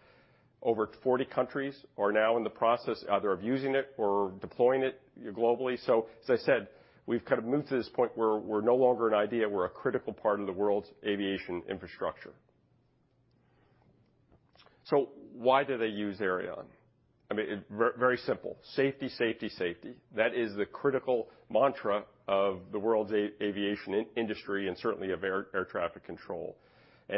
Over 40 countries are now in the process either of using it or deploying it globally. As I said, we've kind of moved to this point where we're no longer an idea. We're a critical part of the world's aviation infrastructure. Why do they use Aireon? I mean, very simple. Safety. That is the critical mantra of the world's aviation industry and certainly of air traffic control.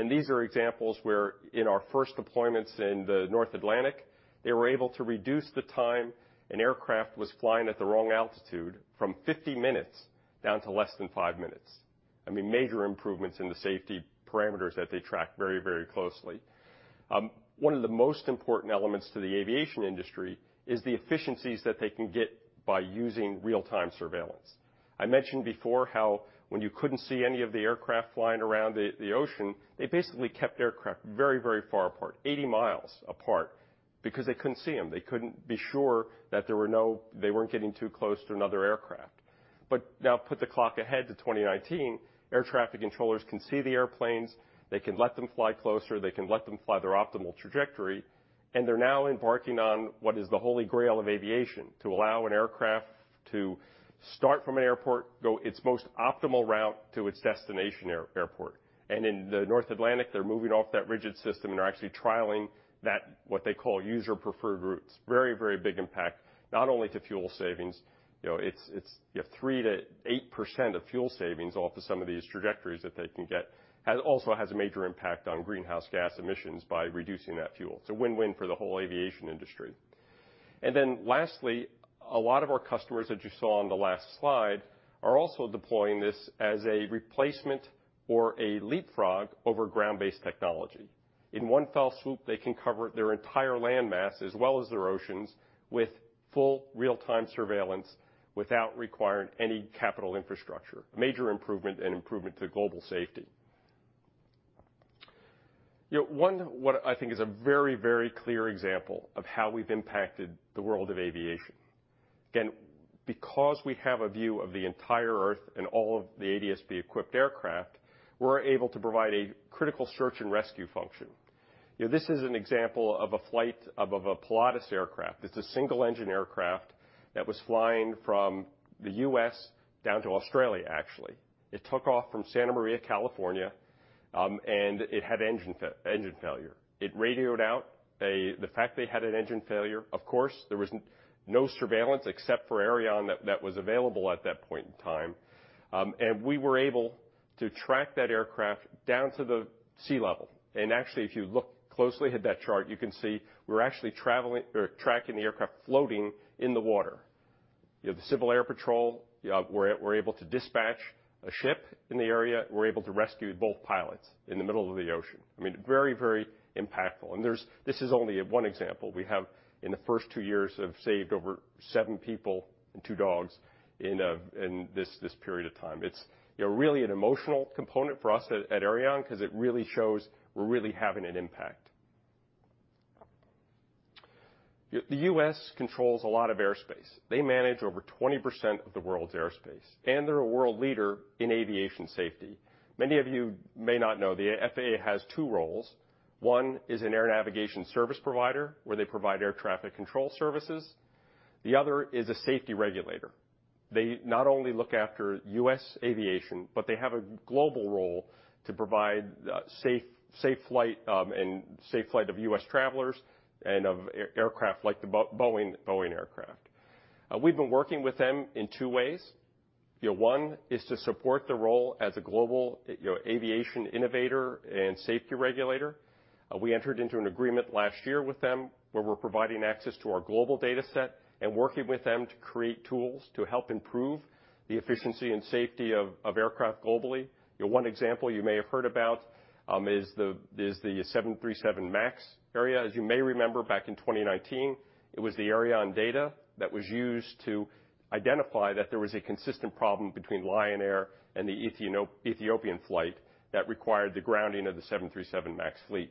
These are examples where in our first deployments in the North Atlantic, they were able to reduce the time an aircraft was flying at the wrong altitude from 50 minutes down to less than five minutes. I mean, major improvements in the safety parameters that they track very closely. One of the most important elements to the aviation industry is the efficiencies that they can get by using real-time surveillance. I mentioned before how when you couldn't see any of the aircraft flying around the ocean, they basically kept aircraft very far apart, 80 mi apart because they couldn't see them. They couldn't be sure that they weren't getting too close to another aircraft. Now put the clock ahead to 2019. Air traffic controllers can see the airplanes. They can let them fly closer. They can let them fly their optimal trajectory. They're now embarking on what is the holy grail of aviation, to allow an aircraft to start from an airport, go its most optimal route to its destination airport. In the North Atlantic, they're moving off that rigid system. They're actually trialing that what they call User Preferred Routes. Very big impact, not only to fuel savings. It's 3%-8% of fuel savings off of some of these trajectories that they can get. Also has a major impact on greenhouse gas emissions by reducing that fuel. It's a win-win for the whole aviation industry. Lastly, a lot of our customers that you saw on the last slide are also deploying this as a replacement or a leapfrog over ground-based technology. In one fell swoop, they can cover their entire land mass as well as their oceans with full real-time surveillance without requiring any capital infrastructure. Major improvement and improvement to global safety. One what I think is a very clear example of how we've impacted the world of aviation. Again, because we have a view of the entire Earth and all of the ADS-B equipped aircraft, we're able to provide a critical search and rescue function. This is an example of a flight of a Pilatus Aircraft. It's a single-engine aircraft that was flying from the U.S. down to Australia, actually. It took off from Santa Maria, California, and it had engine failure. It radioed out the fact they had an engine failure. Of course, there was no surveillance except for Aireon that was available at that point in time. We were able to track that aircraft down to the sea level. Actually, if you look closely at that chart, you can see we're actually tracking the aircraft floating in the water. The Civil Air Patrol were able to dispatch a ship in the area, were able to rescue both pilots in the middle of the ocean. I mean, very impactful. This is only one example. We have in the first two years have saved over seven people and two dogs in this period of time. It's really an emotional component for us at Aireon because it really shows we're really having an impact. The U.S. controls a lot of airspace. They manage over 20% of the world's airspace, and they're a world leader in aviation safety. Many of you may not know the FAA has two roles. One is an air navigation service provider, where they provide air traffic control services. The other is a safety regulator. They not only look after U.S. aviation, but they have a global role to provide safe flight of U.S. travelers and of aircraft like the Boeing aircraft. We've been working with them in two ways. One is to support the role as a global aviation innovator and safety regulator. We entered into an agreement last year with them where we're providing access to our global data set and working with them to create tools to help improve the efficiency and safety of aircraft globally. One example you may have heard about is the 737 MAX. Aireon, as you may remember back in 2019, it was the Aireon data that was used to identify that there was a consistent problem between Lion Air and the Ethiopian flight that required the grounding of the 737 MAX fleet.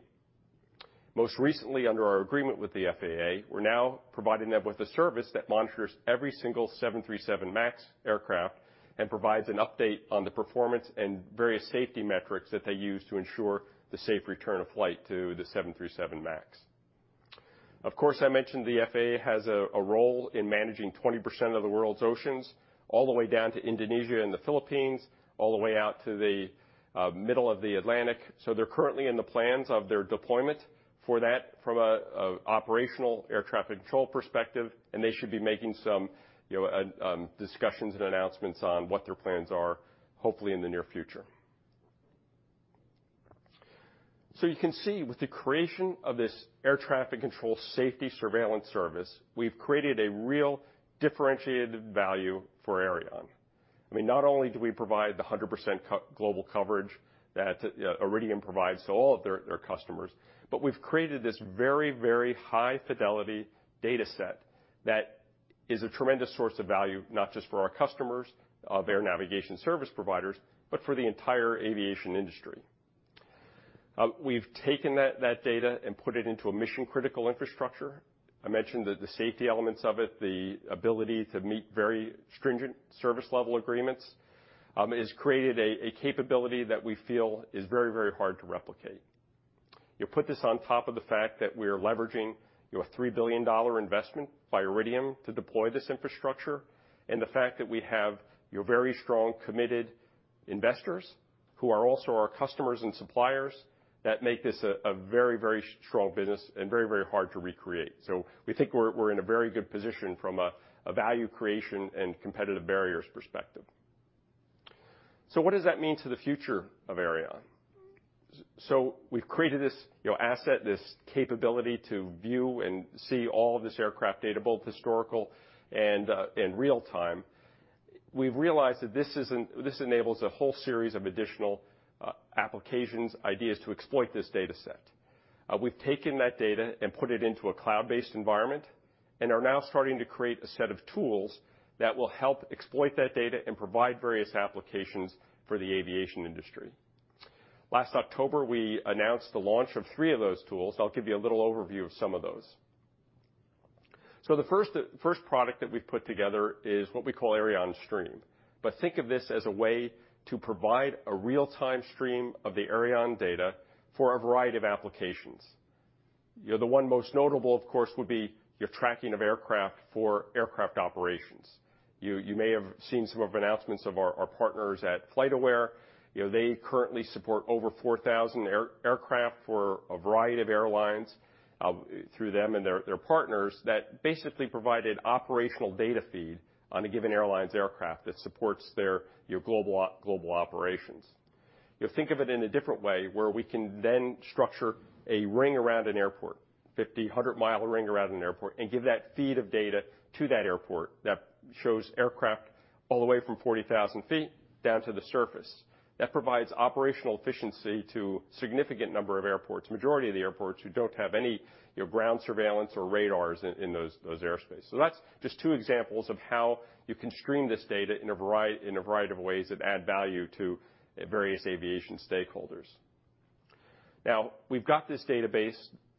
Most recently, under our agreement with the FAA, we're now providing them with a service that monitors every single 737 MAX aircraft and provides an update on the performance and various safety metrics that they use to ensure the safe return of flight to the 737 MAX. I mentioned the FAA has a role in managing 20% of the world's oceans, all the way down to Indonesia and the Philippines, all the way out to the middle of the Atlantic. They're currently in the plans of their deployment for that from an operational air traffic control perspective, and they should be making some discussions and announcements on what their plans are, hopefully in the near future. You can see with the creation of this air traffic control safety surveillance service, we've created a real differentiated value for Aireon. Not only do we provide the 100% global coverage that Iridium provides to all their customers, but we've created this very high-fidelity data set that is a tremendous source of value, not just for our customers, their navigation service providers, but for the entire aviation industry. We've taken that data andmput it into a mission-critical infrastructure. I mentioned the safety elements of it, the ability to meet very stringent service level agreements, has created a capability that we feel is very hard to replicate. You put this on top of the fact that we are leveraging a $3 billion investment by Iridium to deploy this infrastructure, and the fact that we have very strong, committed investors who are also our customers and suppliers that make this a very strong business and very hard to recreate. We think we're in a very good position from a value creation and competitive barriers perspective. What does that mean to the future of Aireon? We've created this asset, this capability to view and see all of this aircraft data, both historical and in real-time. We've realized that this enables a whole series of additional applications, ideas to exploit this data set. We've taken that data and put it into a cloud-based environment and are now starting to create a set of tools that will help exploit that data and provide various applications for the aviation industry. Last October, we announced the launch of three of those tools. I'll give you a little overview of some of those. The first product that we've put together is what we call AireonSTREAM. Think of this as a way to provide a real-time stream of the Aireon data for a variety of applications. The one most notable, of course, would be your tracking of aircraft for aircraft operations. You may have seen some of announcements of our partners at FlightAware. They currently support over 4,000 aircraft for a variety of airlines, through them and their partners that basically provide an operational data feed on a given airline's aircraft that supports their global operations. You think of it in a different way, where we can then structure a ring around an airport, 50, 100-mi ring around an airport, and give that feed of data to that airport that shows aircraft all the way from 40,000 ft down to the surface. That provides operational efficiency to a significant number of airports, majority of the airports who don't have any ground surveillance or radars in those airspaces. That's just two examples of how you can stream this data in a variety of ways that add value to various aviation stakeholders. We've got this database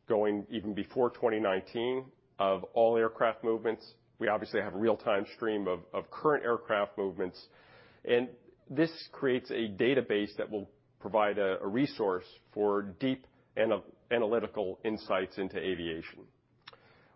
going even before 2019 of all aircraft movements. We obviously have a real-time stream of current aircraft movements. This creates a database that will provide a resource for deep analytical insights into aviation.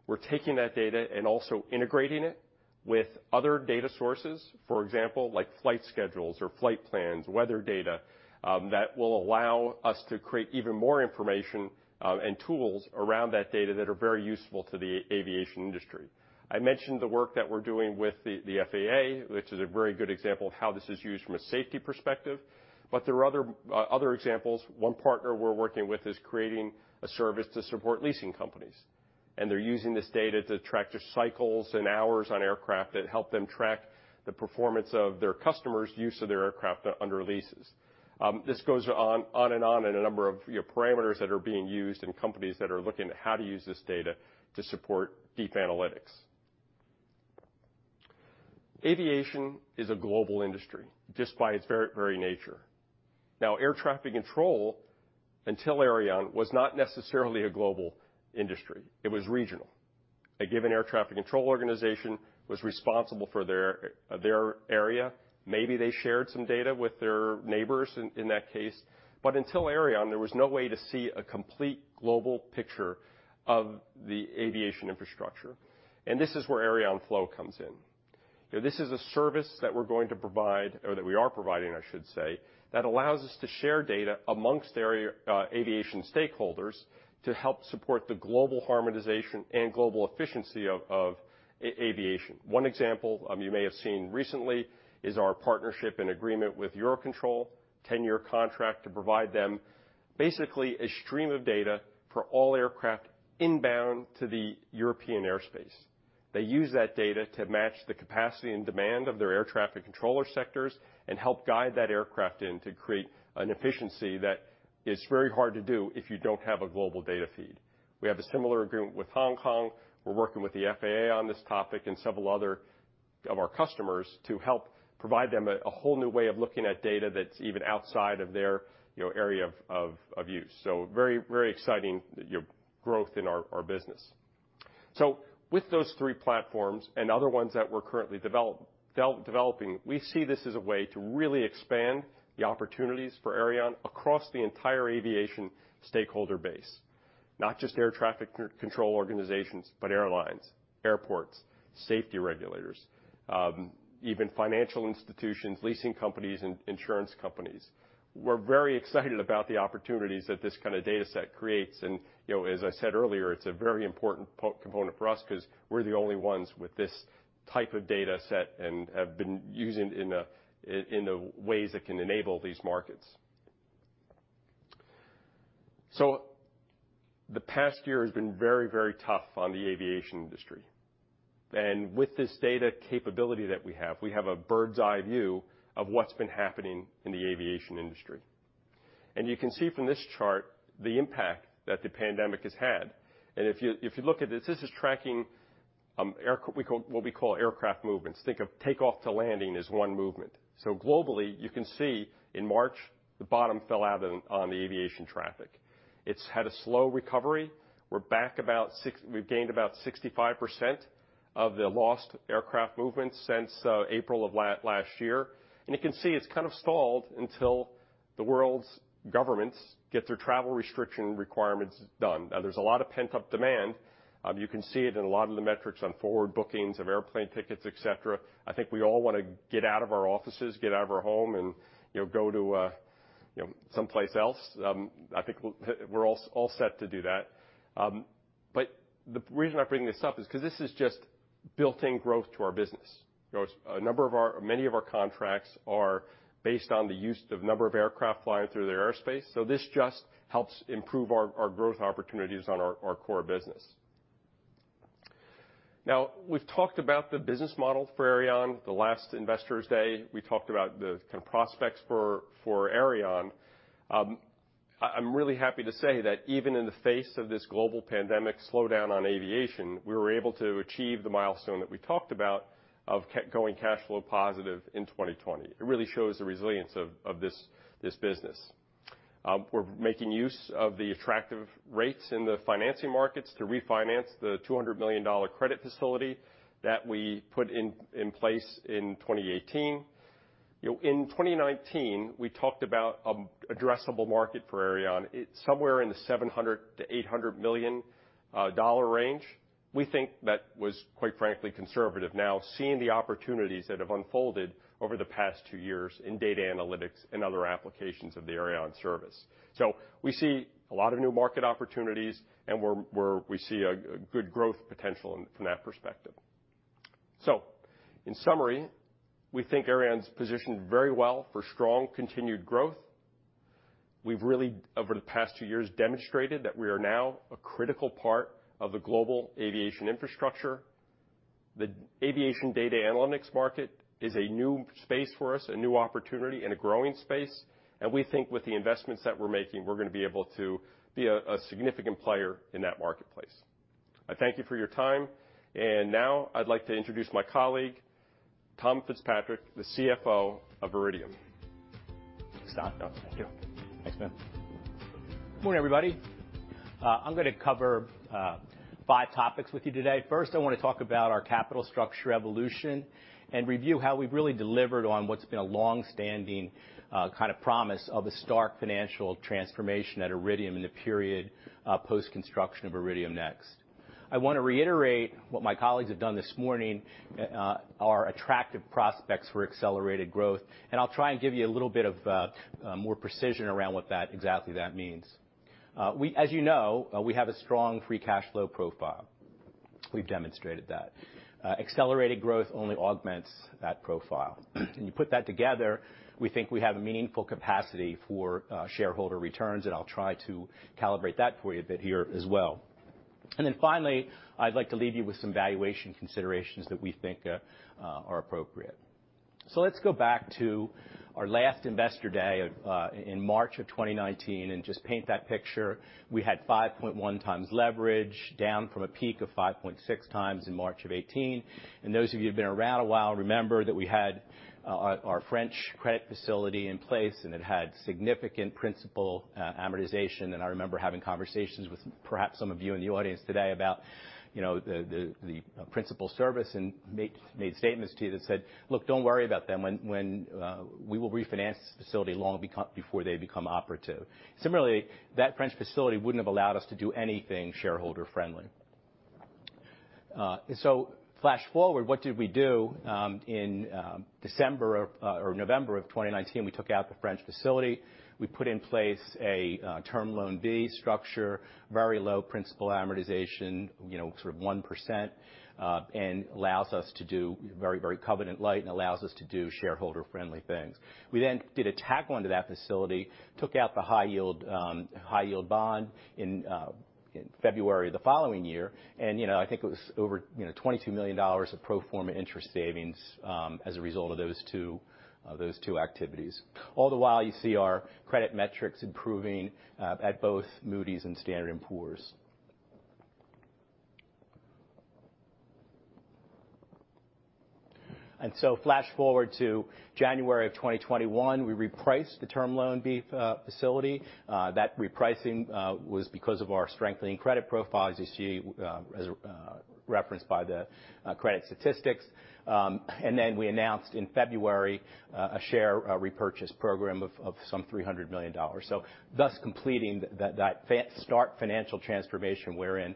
We're taking that data and also integrating it with other data sources. For example, like flight schedules or flight plans, weather data, that will allow us to create even more information and tools around that data that are very useful to the aviation industry. I mentioned the work that we're doing with the FAA, which is a very good example of how this is used from a safety perspective. There are other examples. One partner we're working with is creating a service to support leasing companies. They're using this data to track the cycles and hours on aircraft that help them track the performance of their customers' use of their aircraft under leases. This goes on and on in a number of parameters that are being used in companies that are looking at how to use this data to support deep analytics. Aviation is a global industry just by its very nature. Air traffic control, until Aireon, was not necessarily a global industry. It was regional. A given air traffic control organization was responsible for their area. Maybe they shared some data with their neighbors in that case. Until Aireon, there was no way to see a complete global picture of the aviation infrastructure. This is where AireonFLOW comes in. This is a service that we are providing, that allows us to share data amongst aviation stakeholders to help support the global harmonization and global efficiency of aviation. One example you may have seen recently is our partnership and agreement with Eurocontrol, 10-year contract to provide them basically a stream of data for all aircraft inbound to the European airspace. They use that data to match the capacity and demand of their air traffic controller sectors and help guide that aircraft in to create an efficiency that is very hard to do if you don't have a global data feed. We have a similar agreement with Hong Kong. We're working with the FAA on this topic and several other of our customers to help provide them a whole new way of looking at data that's even outside of their area of use. Very exciting growth in our business. With those three platforms and other ones that we're currently developing, we see this as a way to really expand the opportunities for Aireon across the entire aviation stakeholder base, not just air traffic control organizations, but airlines, airports, safety regulators, even financial institutions, leasing companies, and insurance companies. We're very excited about the opportunities that this kind of dataset creates. As I said earlier, it's a very important component for us because we're the only ones with this type of dataset and have been using it in ways that can enable these markets. The past year has been very, very tough on the aviation industry. With this data capability that we have, we have a bird's eye view of what's been happening in the aviation industry. You can see from this chart the impact that the pandemic has had. If you look at it, this is tracking what we call aircraft movements. Think of takeoff to landing as one movement. Globally, you can see in March, the bottom fell out on the aviation traffic. It's had a slow recovery. We've gained about 65% of the lost aircraft movements since April of last year. You can see it's kind of stalled until the world's governments get their travel restriction requirements done. There's a lot of pent-up demand. You can see it in a lot of the metrics on forward bookings of airplane tickets, et cetera. I think we all want to get out of our offices, get out of our home, and go to someplace else. I think we're all set to do that. The reason I bring this up is because this is just built-in growth to our business. Many of our contracts are based on the use of number of aircraft flying through the airspace, so this just helps improve our growth opportunities on our core business. We've talked about the business model for Aireon. The last Investor Day, we talked about the prospects for Aireon. I'm really happy to say that even in the face of this global pandemic slowdown on aviation, we were able to achieve the milestone that we talked about of going cash flow positive in 2020. It really shows the resilience of this business. We're making use of the attractive rates in the financing markets to refinance the $200 million credit facility that we put in place in 2018. In 2019, we talked about addressable market for Aireon. It's somewhere in the $700 million-$800 million range. We think that was, quite frankly, conservative. Seeing the opportunities that have unfolded over the past two years in data analytics and other applications of the Aireon service. We see a lot of new market opportunities, and we see a good growth potential from that perspective. In summary, we think Aireon's positioned very well for strong continued growth. We've really, over the past two years, demonstrated that we are now a critical part of the global aviation infrastructure. The aviation data analytics market is a new space for us, a new opportunity, and a growing space. We think with the investments that we're making, we're going to be able to be a significant player in that marketplace. I thank you for your time. Now I'd like to introduce my colleague, Tom Fitzpatrick, the CFO of Iridium. Thanks, Don. Thank you. Thanks, Matt. Good morning, everybody. I'm going to cover five topics with you today. First, I want to talk about our capital structure evolution and review how we really delivered on what's been a longstanding kind of promise of a stark financial transformation at Iridium in the period post-construction of Iridium NEXT. I want to reiterate what my colleagues have done this morning, our attractive prospects for accelerated growth. I'll try and give you a little bit of more precision around what that exactly that means. As you know, we have a strong free cash flow profile. We've demonstrated that. Accelerated growth only augments that profile. When you put that together, we think we have a meaningful capacity for shareholder returns, and I'll try to calibrate that for you a bit here as well. Finally, I'd like to leave you with some valuation considerations that we think are appropriate. Let's go back to our last Investor Day in March of 2019 and just paint that picture. We had 5.1 times leverage down from a peak of 5.6 times in March of 2018. Those of you who've been around a while, remember that we had our French credit facility in place, and it had significant principal amortization. I remember having conversations with perhaps some of you in the audience today about the principal service and made statements to you that said, "Look, don't worry about them. We will refinance this facility long before they become operative." Similarly, that French facility wouldn't have allowed us to do anything shareholder-friendly. Flash forward, what did we do? In November of 2019, we took out the French facility. We put in place a term loan B structure, very low principal amortization, sort of 1%, and allows us to do very covenant light and allows us to do shareholder-friendly things. We then did a tack on to that facility, took out the high yield bond in February of the following year, and I think it was over $22 million of pro forma interest savings as a result of those two activities. All the while, you see our credit metrics improving at both Moody's and Standard & Poor's. Flash forward to January of 2021, we repriced the term loan B facility. That repricing was because of our strengthening credit profile, as you see, as referenced by the credit statistics. Then we announced in February a share repurchase program of some $300 million. Thus completing that smart financial transformation wherein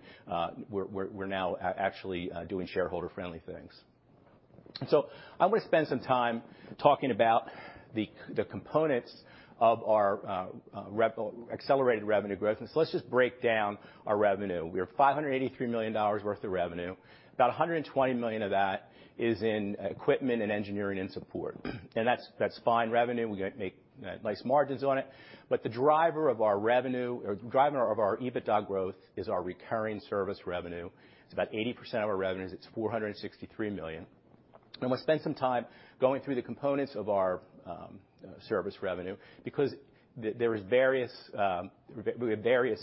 we're now actually doing shareholder-friendly things. I'm going to spend some time talking about the components of our accelerated revenue growth. Let's just break down our revenue. We are $583 million worth of revenue. About $120 million of that is in equipment and engineering and support. That's fine revenue. We make nice margins on it. The driver of our revenue or driver of our EBITDA growth is our recurring service revenue. It's about 80% of our revenues. It's $463 million. I'm going to spend some time going through the components of our service revenue because we have various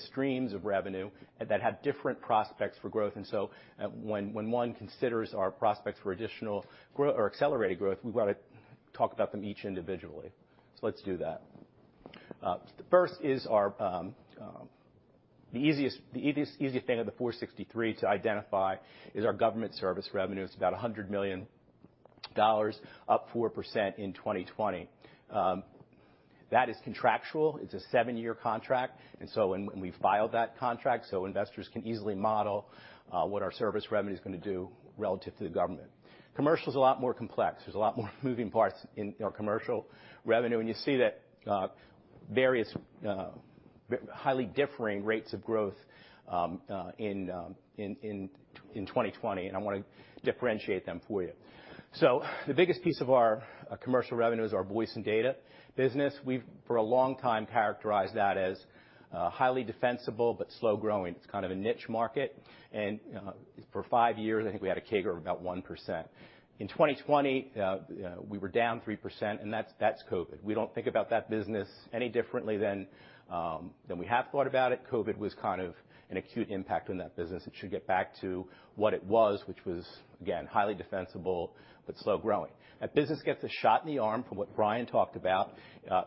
streams of revenue that have different prospects for growth. When one considers our prospects for additional growth or accelerated growth, we've got to talk about them each individually. Let's do that. The easiest thing of the 463 to identify is our government service revenue. It's about $100 million, up 4% in 2020. That is contractual. It's a seven-year contract. When we filed that contract, so investors can easily model what our service revenue is going to do relative to the government. Commercial is a lot more complex. There's a lot more moving parts in our commercial revenue, and you see that various highly differing rates of growth in 2020. I want to differentiate them for you. The biggest piece of our commercial revenue is our voice and data business. We've for a long time characterized that as highly defensible but slow growing. It's kind of a niche market. For five years, I think we had a CAGR of about 1%. In 2020, we were down 3%, and that's COVID. We don't think about that business any differently than we have thought about it. COVID was kind of an acute impact on that business. It should get back to what it was, which was, again, highly defensible but slow growing. That business gets a shot in the arm from what Bryan J. Hartin talked about,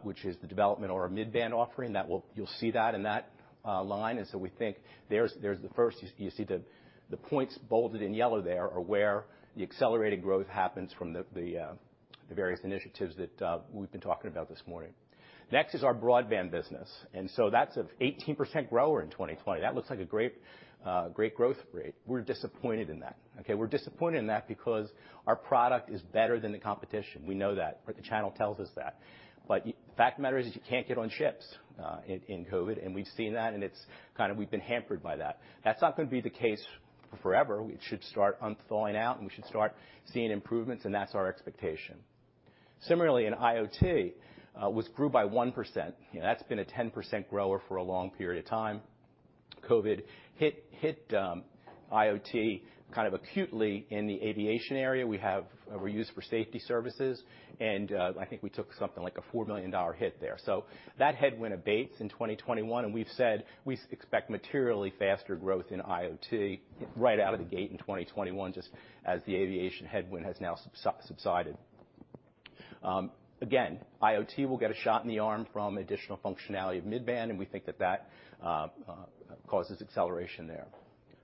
which is the development of our mid-band offering. You'll see that in that line, we think there's the first. You see the points bolded in yellow there are where the accelerated growth happens from the various initiatives that we've been talking about this morning. Next is our broadband business. That's an 18% grower in 2020. That looks like a great growth rate. We're disappointed in that. Okay. We're disappointed in that because our product is better than the competition. We know that. The channel tells us that. The fact of the matter is you can't get on ships in COVID, and we've seen that, and it's kind of we've been hampered by that. That's not going to be the case forever. We should start unthawing out, and we should start seeing improvements, and that's our expectation. Similarly, in IoT, which grew by 1%. That's been a 10% grower for a long period of time. COVID hit IoT kind of acutely in the aviation area. We're used for safety services, and I think we took something like a $4 million hit there. That headwind abates in 2021, and we've said we expect materially faster growth in IoT right out of the gate in 2021, just as the aviation headwind has now subsided. IoT will get a shot in the arm from additional functionality of mid-band, and we think that that causes acceleration there.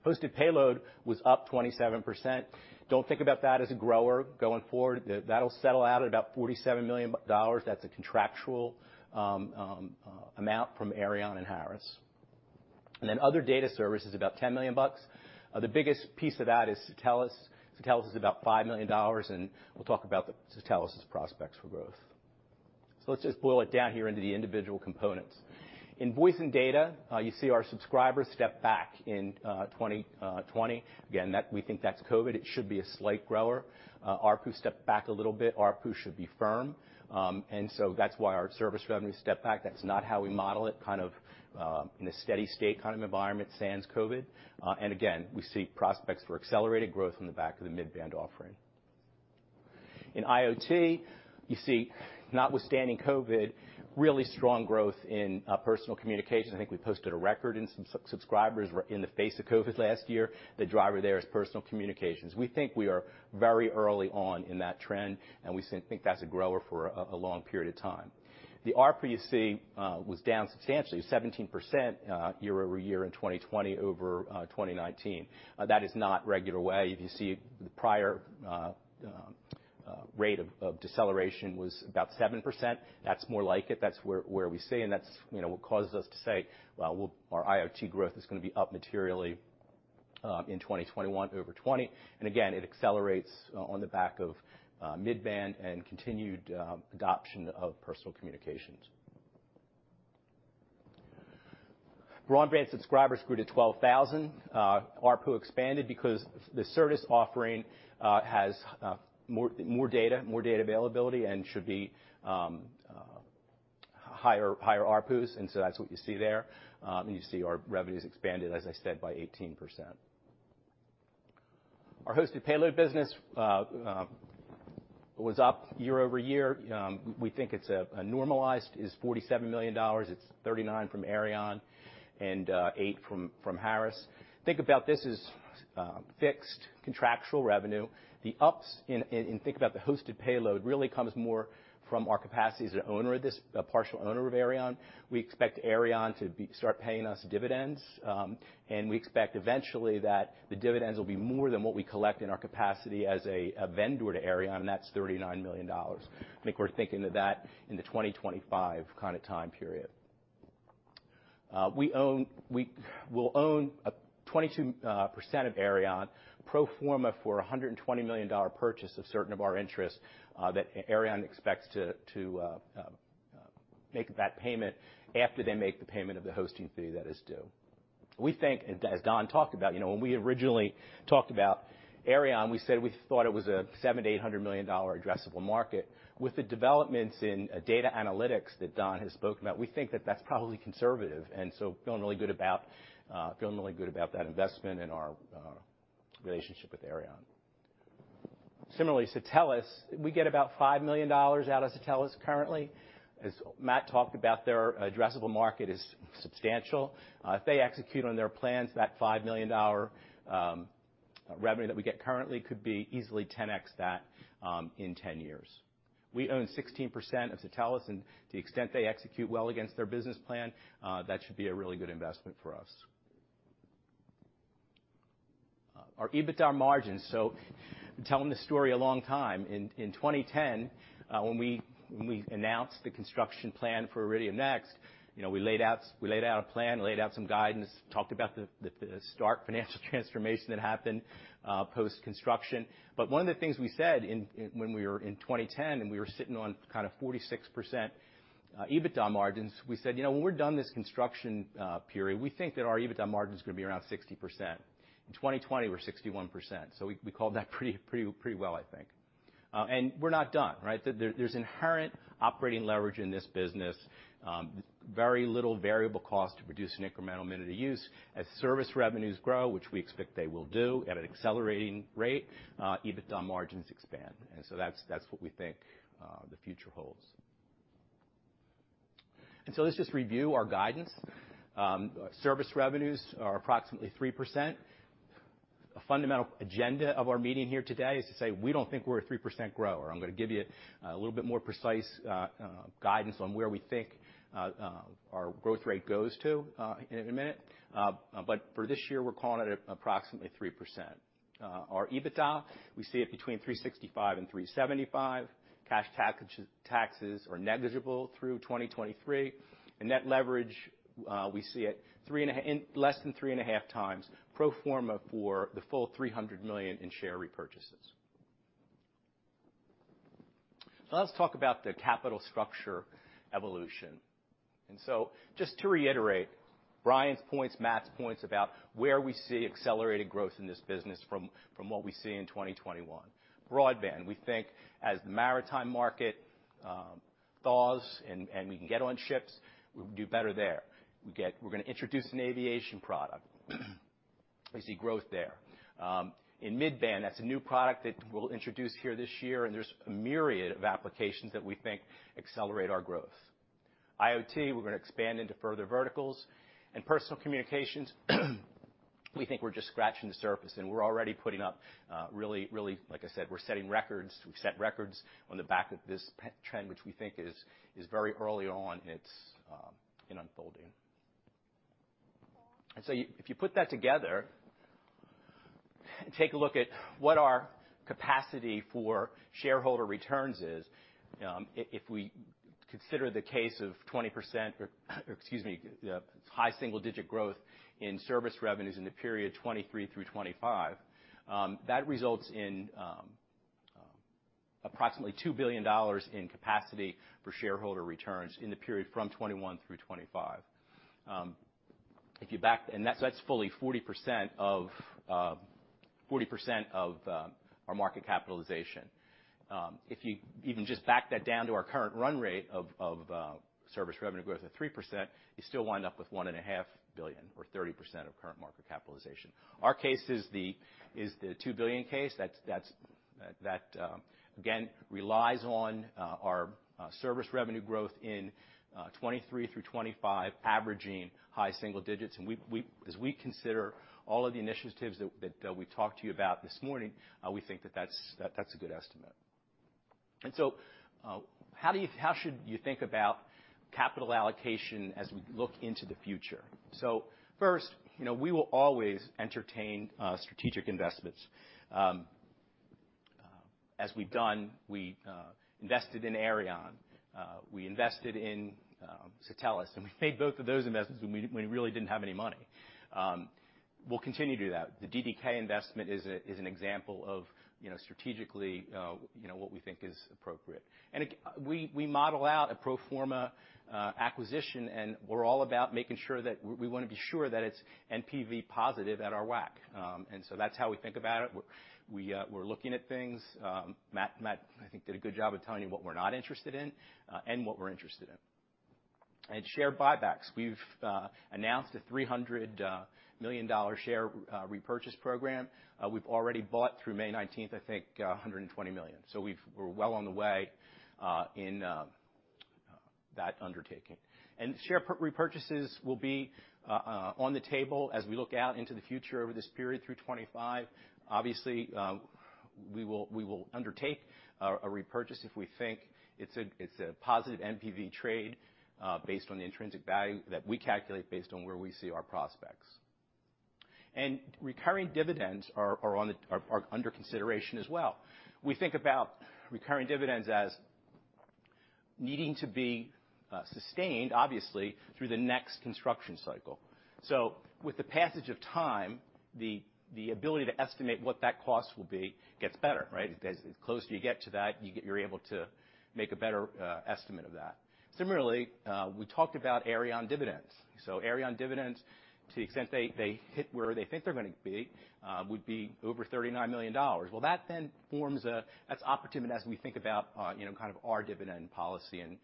Hosted payload was up 27%. Don't think about that as a grower going forward. That'll settle out at about $47 million. That's a contractual amount from Aireon and Harris. Then other data services, about $10 million. The biggest piece of that is Satelles. Satelles is about $5 million, and we'll talk about Satelles prospects for growth. Let's just boil it down here into the individual components. In voice and data, you see our subscribers step back in 2020. We think that's COVID. It should be a slight grower. ARPU stepped back a little bit. ARPU should be firm. So that's why our service revenue stepped back. That's not how we model it, kind of in a steady state kind of environment sans COVID. Again, we see prospects for accelerated growth on the back of the mid-band offering. In IoT, you see, notwithstanding COVID, really strong growth in personal communications. I think we posted a record in subscribers in the face of COVID last year. The driver there is personal communications. We think we are very early on in that trend, and we think that's a grower for a long period of time. The ARPU, you see, was down substantially, 17% year-over-year in 2020 over 2019. That is not regular way. If you see the prior rate of deceleration was about 7%. That's more like it. That's where we see, that's what causes us to say, well our IoT growth is going to be up materially in 2021 over 2020. Again, it accelerates on the back of mid-band and continued adoption of personal communications. Broadband subscribers grew to 12,000. ARPU expanded because the service offering has more data availability and should be higher ARPUs. That's what you see there. You see our revenues expanded, as I said, by 18%. Our hosted payload business was up year-over-year. We think it's normalized is $47 million. It's 39 from Aireon and eight from Harris. Think about this as fixed contractual revenue. The ups, and think about the hosted payload, really comes more from our capacity as a partial owner of Aireon. We expect Aireon to start paying us dividends. We expect eventually that the dividends will be more than what we collect in our capacity as a vendor to Aireon, that's $39 million. I think we're thinking of that in the 2025 kind of time period. We'll own 22% of Aireon pro forma for $120 million purchase of certain of our interests that Aireon expects to make that payment after they make the payment of the hosting fee that is due. We think, as Don talked about, when we originally talked about Aireon, we said we thought it was a $700 million-$800 million addressable market. With the developments in data analytics that Don has spoken about, we think that that's probably conservative. Feeling really good about that investment and our relationship with Aireon. Similarly, Satelles, we get about $5 million out of Satelles currently. As Matt talked about, their addressable market is substantial. If they execute on their plans, that $5 million revenue that we get currently could be easily 10x that in 10 years. We own 16% of Satelles, and to the extent they execute well against their business plan, that should be a really good investment for us. Our EBITDA margins. We've been telling this story a long time. In 2010, when we announced the construction plan for Iridium NEXT, we laid out a plan, laid out some guidance, talked about the stark financial transformation that happened post-construction. One of the things we said when we were in 2010, and we were sitting on kind of 46% EBITDA margins, we said, "When we're done this construction period, we think that our EBITDA margin is going to be around 60%." In 2020, we're 61%. We called that pretty well, I think. We're not done, right? There's inherent operating leverage in this business. Very little variable cost to produce an incremental minute of use. As service revenues grow, which we expect they will do at an accelerating rate, EBITDA margins expand. That's what we think the future holds. Let's just review our guidance. Service revenues are approximately 3%. A fundamental agenda of our meeting here today is to say, we don't think we're a 3% grower. I'm going to give you a little bit more precise guidance on where we think our growth rate goes to in a minute. For this year, we're calling it approximately 3%. Our EBITDA, we see it between $365 and $375. Cash taxes are negligible through 2023. Net leverage, we see it less than 3.5x Pro forma for the full $300 million in share repurchases. Now let's talk about the capital structure evolution. Just to reiterate Bryan's points, Matt's points about where we see accelerated growth in this business from what we see in 2021. Broadband, we think as the maritime market thaws and we can get on ships, we can do better there. We're going to introduce an aviation product. We see growth there. In mid-band, that's a new product that we'll introduce here this year, and there's a myriad of applications that we think accelerate our growth. IoT, we're going to expand into further verticals. Personal communications, we think we're just scratching the surface and we're already putting up really, like I said, we're setting records. We've set records on the back of this trend, which we think is very early on in unfolding. If you put that together and take a look at what our capacity for shareholder returns is, if we consider the case of 20%, excuse me, high single-digit growth in service revenues in the period 2023 through 2025, that results in approximately $2 billion in capacity for shareholder returns in the period from 2021 through 2025. That's fully 40% of our market capitalization. If you even just back that down to our current run rate of service revenue growth of 3%, you still wind up with $1.5 billion or 30% of current market capitalization. Our case is the $2 billion case. That, again, relies on our service revenue growth in 2023 through 2025 averaging high single digits. As we consider all of the initiatives that we talked to you about this morning, we think that that's a good estimate. How should you think about capital allocation as we look into the future? First, we will always entertain strategic investments. As we've done, we invested in Aireon, we invested in Satelles, and we made both of those investments when we really didn't have any money. We'll continue to do that. The DDK investment is an example of strategically what we think is appropriate. We model out a pro forma acquisition, and we're all about making sure that it's NPV positive at our WACC. That's how we think about it. We're looking at things. Matt, I think, did a good job of telling you what we're not interested in and what we're interested in. Share buybacks. We've announced a $300 million share repurchase program. We've already bought through May 19th, I think, $120 million. We're well on the way in that undertaking. Share repurchases will be on the table as we look out into the future over this period through 2025. Obviously, we will undertake a repurchase if we think it's a positive NPV trade based on the intrinsic value that we calculate based on where we see our prospects. Recurring dividends are under consideration as well. We think about recurring dividends as needing to be sustained, obviously, through the next construction cycle. With the passage of time, the ability to estimate what that cost will be gets better, right? The closer you get to that, you're able to make a better estimate of that. Similarly, we talked about Aireon dividends. Aireon dividends, to the extent they hit where they think they're going to be would be over $39 million. That forms an opportunity as we think about our dividend policy and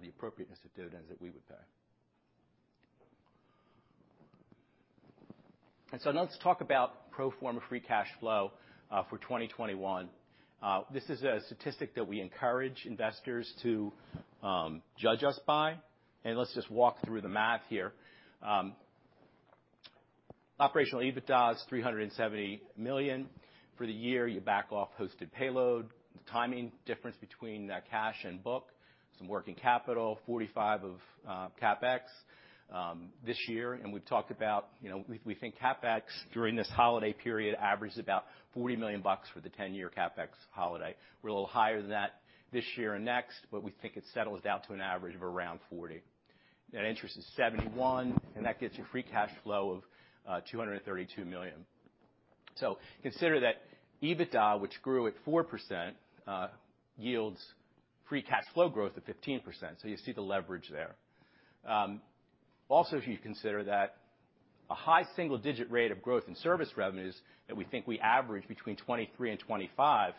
the appropriateness of dividends that we would pay. Let's talk about pro forma free cash flow for 2021. This is a statistic that we encourage investors to judge us by. Let's just walk through the math here. Operational EBITDA is $370 million for the year. You back off hosted payload, timing difference between that cash and book, some working capital, $45 million of CapEx this year. We think CapEx during this holiday period averages about $40 million for the 10-year CapEx holiday. We're a little higher than that this year and next, we think it settles down to an average of around $40 million. Net interest is 71, that gets you free cash flow of $232 million. Consider that EBITDA, which grew at 4%, yields free cash flow growth of 15%. You see the leverage there. Also, if you consider that a high single-digit rate of growth in service revenues that we think we average between 2023 and 2025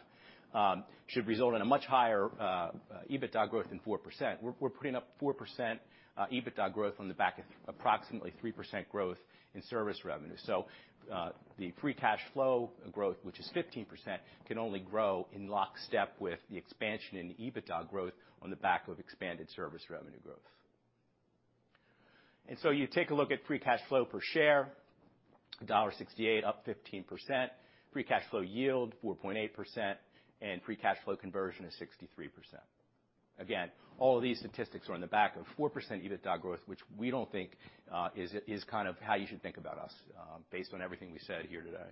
should result in a much higher EBITDA growth than 4%. We're putting up 4% EBITDA growth on the back of approximately 3% growth in service revenue. The free cash flow growth, which is 15%, can only grow in lockstep with the expansion in EBITDA growth on the back of expanded service revenue growth. You take a look at free cash flow per share, $1.68, up 15%, free cash flow yield, 4.8%, and free cash flow conversion is 63%. All these statistics are on the back of 4% EBITDA growth, which we don't think is how you should think about us based on everything we said here today.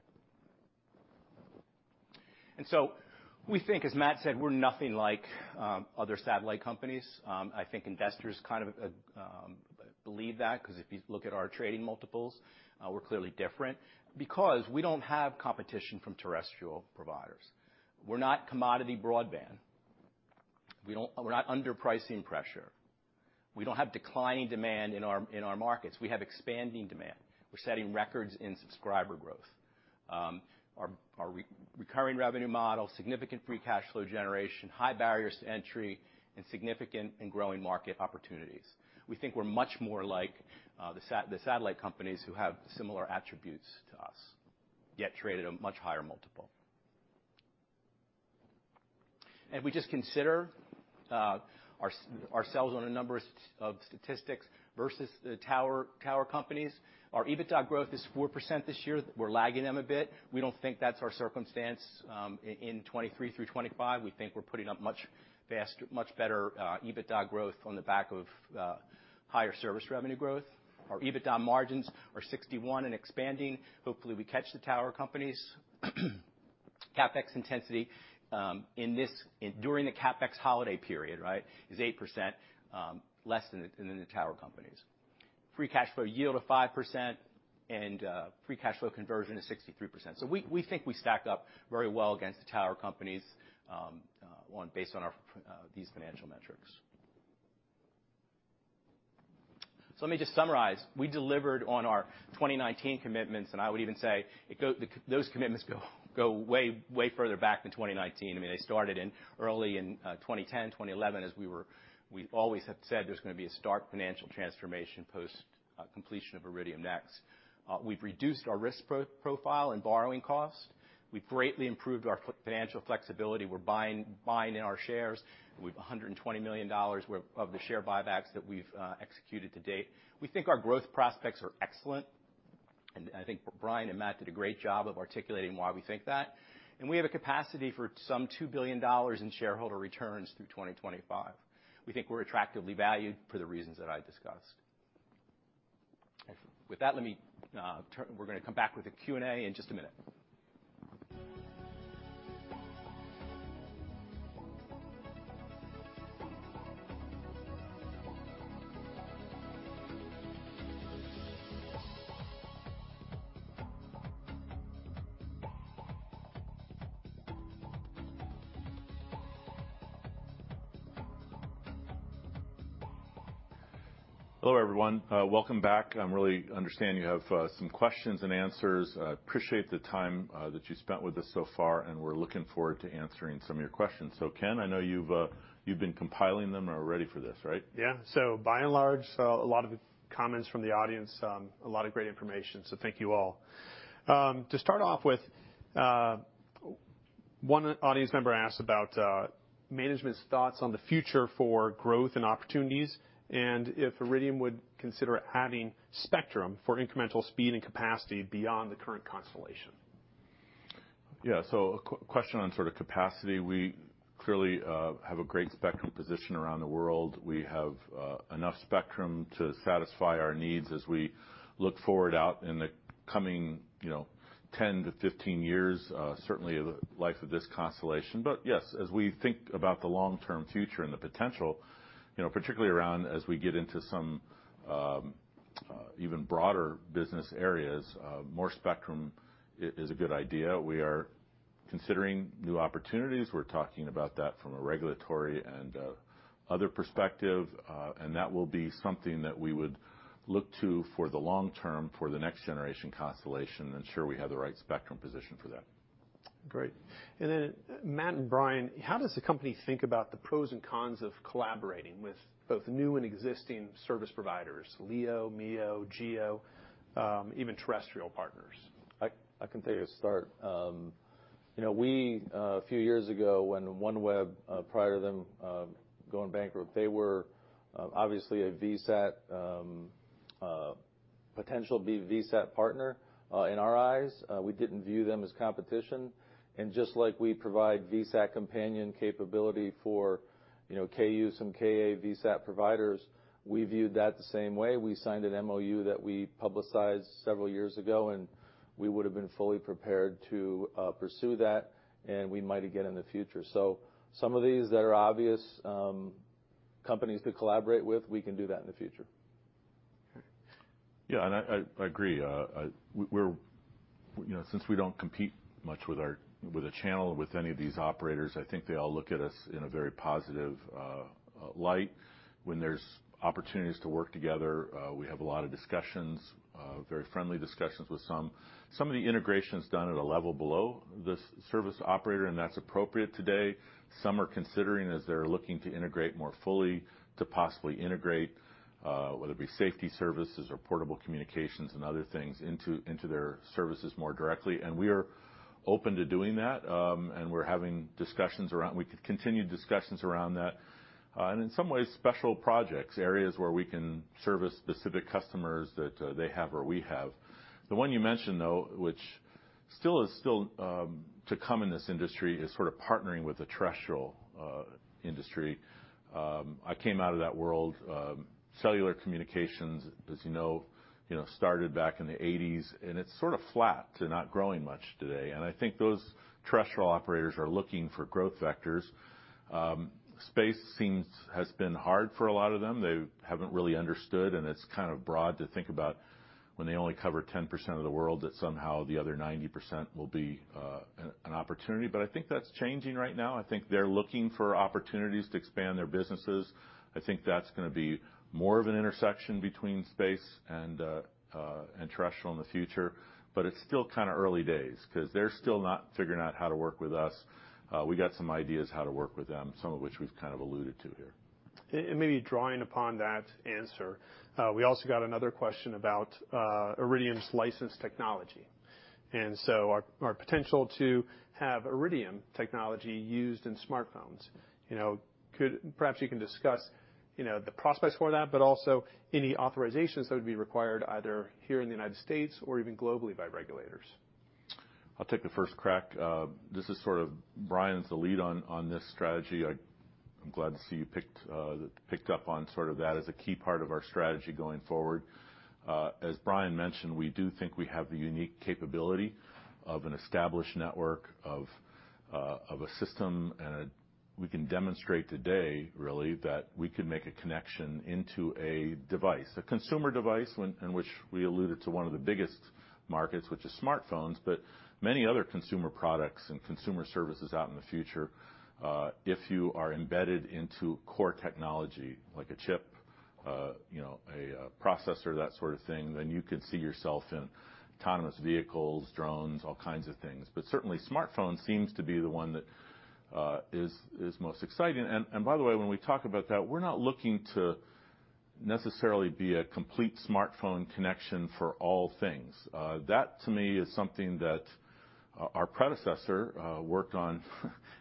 We think, as Matt said, we're nothing like other satellite companies. I think investors believe that because if you look at our trading multiples, we're clearly different because we don't have competition from terrestrial providers. We're not commodity broadband. We're not under pricing pressure. We don't have declining demand in our markets. We have expanding demand. We're setting records in subscriber growth. Our recurring revenue model, significant free cash flow generation, high barriers to entry, and significant and growing market opportunities. We think we're much more like the satellite companies who have similar attributes to us, yet trade at a much higher multiple. We just consider ourselves on a number of statistics versus the tower companies. Our EBITDA growth is 4% this year. We're lagging them a bit. We don't think that's our circumstance in 2023 through 2025. We think we're putting up much better EBITDA growth on the back of higher service revenue growth. Our EBITDA margins are 61% and expanding. Hopefully, we catch the tower companies. CapEx intensity during the CapEx holiday period is 8%, less than the tower companies. Free cash flow yield of 5%, and free cash flow conversion is 63%. We think we stack up very well against the tower companies based on these financial metrics. Let me just summarize. We delivered on our 2019 commitments, and I would even say those commitments go way further back than 2019. They started early in 2010, 2011, as we always have said there's going to be a stark financial transformation post completion of Iridium NEXT. We've reduced our risk profile and borrowing costs. We've greatly improved our financial flexibility. We're buying in our shares with $120 million worth of the share buybacks that we've executed to date. We think our growth prospects are excellent. I think Bryan and Matt did a great job of articulating why we think that. We have a capacity for some $2 billion in shareholder returns through 2025. We think we're attractively valued for the reasons that I discussed. With that, we're going to come back with the Q&A in just a minute. Hello, everyone. Welcome back. I really understand you have some questions and answers. I appreciate the time that you spent with us so far, and we're looking forward to answering some of your questions. Ken, I know you've been compiling them and are ready for this, right? Yeah. By and large, a lot of the comments from the audience, a lot of great information. Thank you all. To start off with, one audience member asked about management's thoughts on the future for growth and opportunities and if Iridium would consider adding spectrum for incremental speed and capacity beyond the current constellation. Yeah. A question on sort of capacity. We clearly have a great spectrum position around the world. We have enough spectrum to satisfy our needs as we look forward out in the coming 10-15 years, certainly the life of this constellation. Yes, as we think about the long-term future and the potential, particularly around as we get into some even broader business areas, more spectrum is a good idea. We are considering new opportunities. We're talking about that from a regulatory and other perspective. That will be something that we would look to for the long term for the next generation constellation, ensure we have the right spectrum position for that. Great. Matt and Bryan, how does the company think about the pros and cons of collaborating with both new and existing service providers, LEO, MEO, GEO, even terrestrial partners? I can take a start. A few years ago when OneWeb, prior to them going bankrupt, they were obviously a potential VSAT partner in our eyes. We didn't view them as competition. Just like we provide VSAT companion capability for Ku-band and Ka-band VSAT providers, we viewed that the same way. We signed an MOU that we publicized several years ago, and we would've been fully prepared to pursue that, and we might again in the future. Some of these that are obvious companies to collaborate with, we can do that in the future. Yeah, I agree. Since we don't compete much with the channel with any of these operators, I think they all look at us in a very positive light. When there's opportunities to work together, we have a lot of discussions, very friendly discussions with some. Some of the integration is done at a level below the service operator, and that's appropriate today. Some are considering, as they're looking to integrate more fully, to possibly integrate, whether it be safety services or portable communications and other things into their services more directly. We are open to doing that. We're having discussions around, we continue discussions around that. In some ways, special projects, areas where we can service specific customers that they have or we have. The one you mentioned, though, which still is still to come in this industry, is sort of partnering with the terrestrial industry. I came out of that world. Cellular communications, as you know, started back in the 1980s, and it's sort of flat. They're not growing much today. I think those terrestrial operators are looking for growth vectors. Space has been hard for a lot of them. They haven't really understood, and it's kind of broad to think about when they only cover 10% of the world, that somehow the other 90% will be an opportunity. I think that's changing right now. I think they're looking for opportunities to expand their businesses. I think that's going to be more of an intersection between space and terrestrial in the future. It's still kind of early days because they're still not figuring out how to work with us. We got some ideas how to work with them, some of which we've kind of alluded to here. Maybe drawing upon that answer, we also got another question about Iridium's licensed technology and our potential to have Iridium technology used in smartphones. Perhaps you can discuss the prospects for that, but also any authorizations that would be required either here in the United States or even globally by regulators. I'll take the first crack. This is sort of Bryan's the lead on this strategy. I'm glad to see you picked up on sort of that as a key part of our strategy going forward. As Bryan mentioned, we do think we have the unique capability of an established network of a system. We can demonstrate today really that we can make a connection into a device. A consumer device, in which we alluded to one of the biggest markets, which is smartphones. Many other consumer products and consumer services out in the future. If you are embedded into core technology like a chip, a processor, that sort of thing, you could see yourself in autonomous vehicles, drones, all kinds of things. Certainly smartphones seems to be the one that is most exciting. By the way, when we talk about that, we're not looking to necessarily be a complete smartphone connection for all things. That to me is something that our predecessor worked on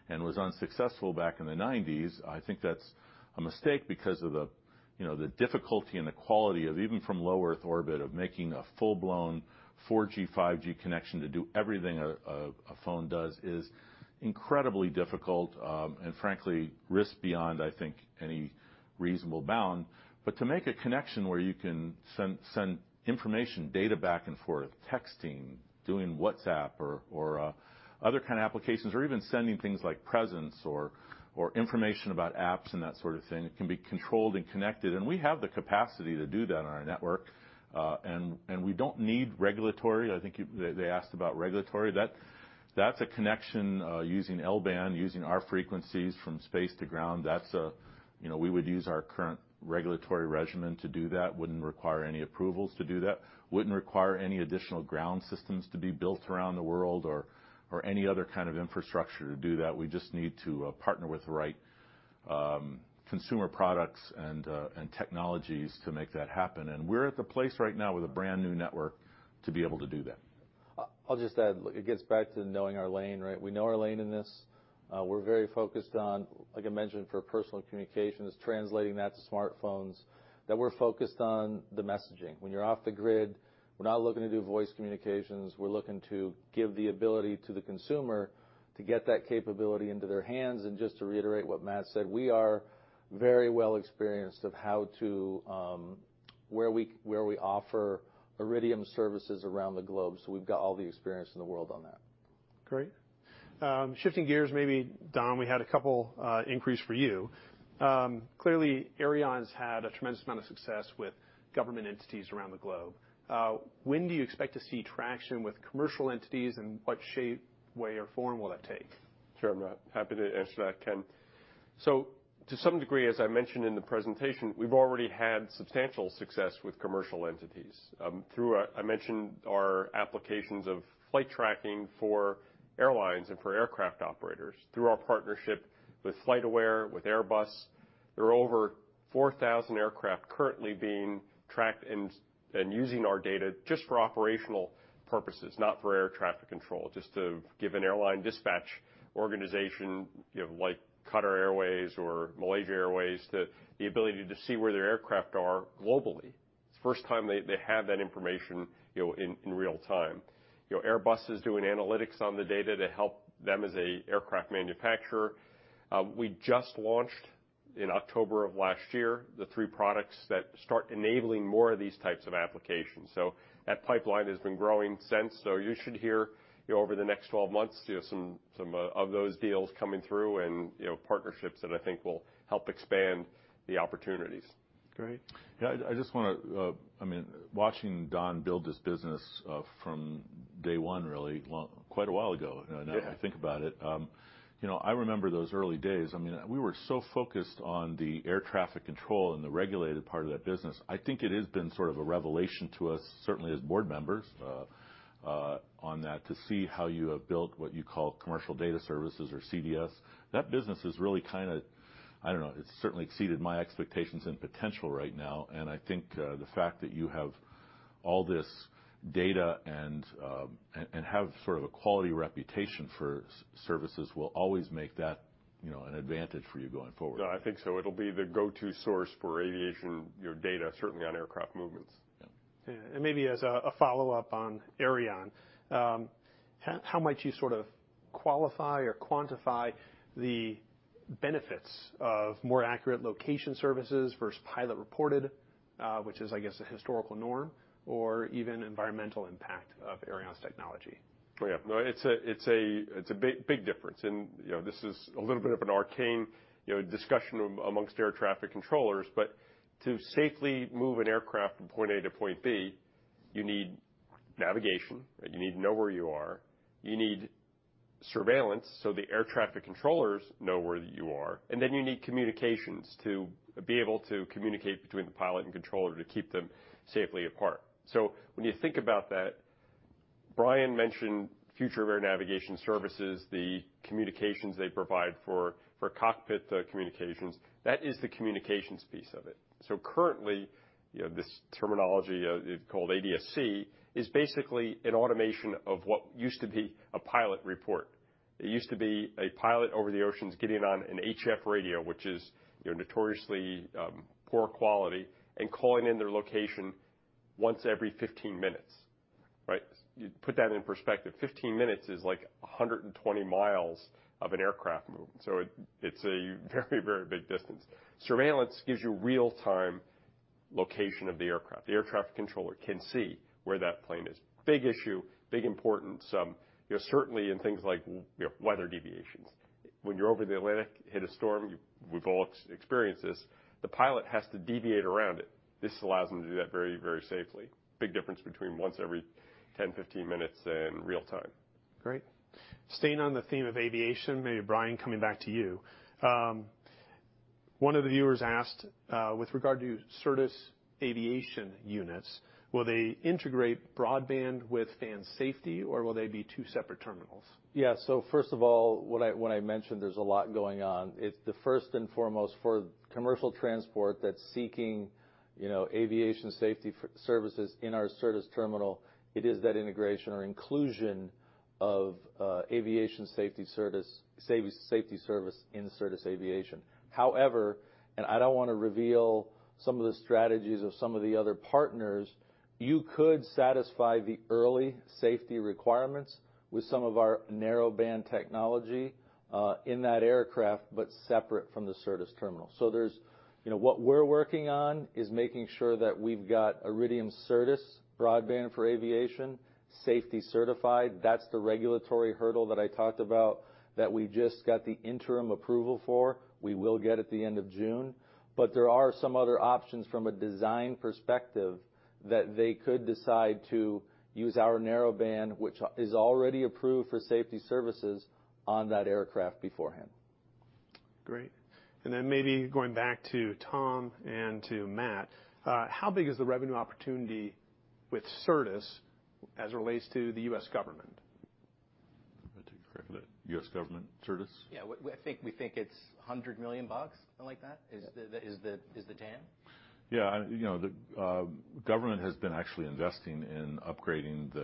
and was unsuccessful back in the 1990s. I think that's a mistake because of the difficulty and the quality of even from LEO of making a full-blown 4G, 5G connection to do everything a phone does is incredibly difficult, and frankly, risk beyond, I think, any reasonable bound. To make a connection where you can send information, data back and forth, texting, doing WhatsApp or other kind of applications, or even sending things like presence or information about apps and that sort of thing can be controlled and connected. We have the capacity to do that on our network. We don't need regulatory. I think they asked about regulatory. That's a connection using L-band, using our frequencies from space to ground. We would use our current regulatory regimen to do that. Wouldn't require any approvals to do that. Wouldn't require any additional ground systems to be built around the world or any other kind of infrastructure to do that. We just need to partner with the right consumer products and technologies to make that happen. We're at the place right now with a brand-new network to be able to do that. I'll just add. It gets back to knowing our lane, right? We know our lane in this. We're very focused on, like I mentioned, for personal communications, translating that to smartphones, that we're focused on the messaging. When you're off the grid, we're not looking to do voice communications. We're looking to give the ability to the consumer to get that capability into their hands. Just to reiterate what Matt said, we are very well experienced of where we offer Iridium services around the globe. We've got all the experience in the world on that. Great. Shifting gears, maybe, Don, we had a couple inquiries for you. Clearly, Aireon's had a tremendous amount of success with government entities around the globe. When do you expect to see traction with commercial entities and what shape, way, or form will it take? Sure, Matt. Happy to answer that, Ken. To some degree, as I mentioned in the presentation, we've already had substantial success with commercial entities. I mentioned our applications of flight tracking for airlines and for aircraft operators through our partnership with FlightAware, with Airbus. There are over 4,000 aircraft currently being tracked and using our data just for operational purposes, not for air traffic control, just to give an airline dispatch organization like Qatar Airways or Malaysia Airlines the ability to see where their aircraft are globally. It's the first time they have that information in real-time. Airbus is doing analytics on the data to help them as an aircraft manufacturer. We just launched in October of last year the three products that start enabling more of these types of applications. That pipeline has been growing since. You should hear over the next 12 months, see some of those deals coming through and partnerships that I think will help expand the opportunities. Great. Yeah. Watching Don build this business from day one really quite a while ago now that I think about it. I remember those early days. We were so focused on the air traffic control and the regulated part of that business. I think it has been sort of a revelation to us, certainly as board members, on that to see how you have built what you call commercial data services or CDS. That business has really kind of, I don't know, it's certainly exceeded my expectations and potential right now, I think the fact that you have all this data and have sort of a quality reputation for services will always make that an advantage for you going forward. Yeah, I think so. It'll be the go-to source for aviation data, certainly on aircraft movements. Yeah. Maybe as a follow-up on Aireon. How might you sort of qualify or quantify the benefits of more accurate location services versus pilot-reported, which is, I guess, a historical norm or even environmental impact of Aireon's technology? Yeah. No, it's a big difference. This is a little bit of an arcane discussion amongst air traffic controllers. To safely move an aircraft from point A to point B, you need navigation, and you need to know where you are. You need surveillance so the air traffic controllers know where you are. You need communications to be able to communicate between the pilot and controller to keep them safely apart. When you think about that, Bryan mentioned Future Air Navigation Services, the communications they provide for cockpit communications. That is the communications piece of it. Currently, this terminology called ADS-C is basically an automation of what used to be a pilot report. It used to be a pilot over the oceans getting on an HF radio, which is notoriously poor quality, and calling in their location once every 15 minutes, right? Put that in perspective. 15 minutes is like 120 mi of an aircraft movement. It's a very big distance. Surveillance gives you real-time location of the aircraft. The air traffic controller can see where that plane is. Big issue, big importance. Certainly in things like weather deviations. When you're over the Atlantic, hit a storm, we've all experienced this. The pilot has to deviate around it. This allows them to do that very safely. Big difference between once every 10, 15 minutes and real-time. Great. Staying on the theme of aviation, maybe, Bryan, coming back to you. One of the viewers asked, with regard to your Certus aviation units, will they integrate broadband and safety, or will they be two separate terminals? First of all, when I mentioned there's a lot going on, it's the first and foremost for commercial transport that's seeking aviation safety services in our Certus terminal, it is that integration or inclusion of aviation safety service in Certus aviation. However, I don't want to reveal some of the strategies of some of the other partners, you could satisfy the early safety requirements with some of our narrow band technology, in that aircraft, but separate from the Certus terminal. What we're working on is making sure that we've got Iridium Certus broadband for aviation safety certified. That's the regulatory hurdle that I talked about that we just got the interim approval for. We will get at the end of June. There are some other options from a design perspective that they could decide to use our narrow band, which is already approved for safety services on that aircraft beforehand. Great. Maybe going back to Tom and to Matt, how big is the revenue opportunity with Certus as it relates to the U.S. government? I'll take credit. U.S. government Certus. Yeah. We think it's $100 million or like that. Is the TAM. Yeah. The government has been actually investing in upgrading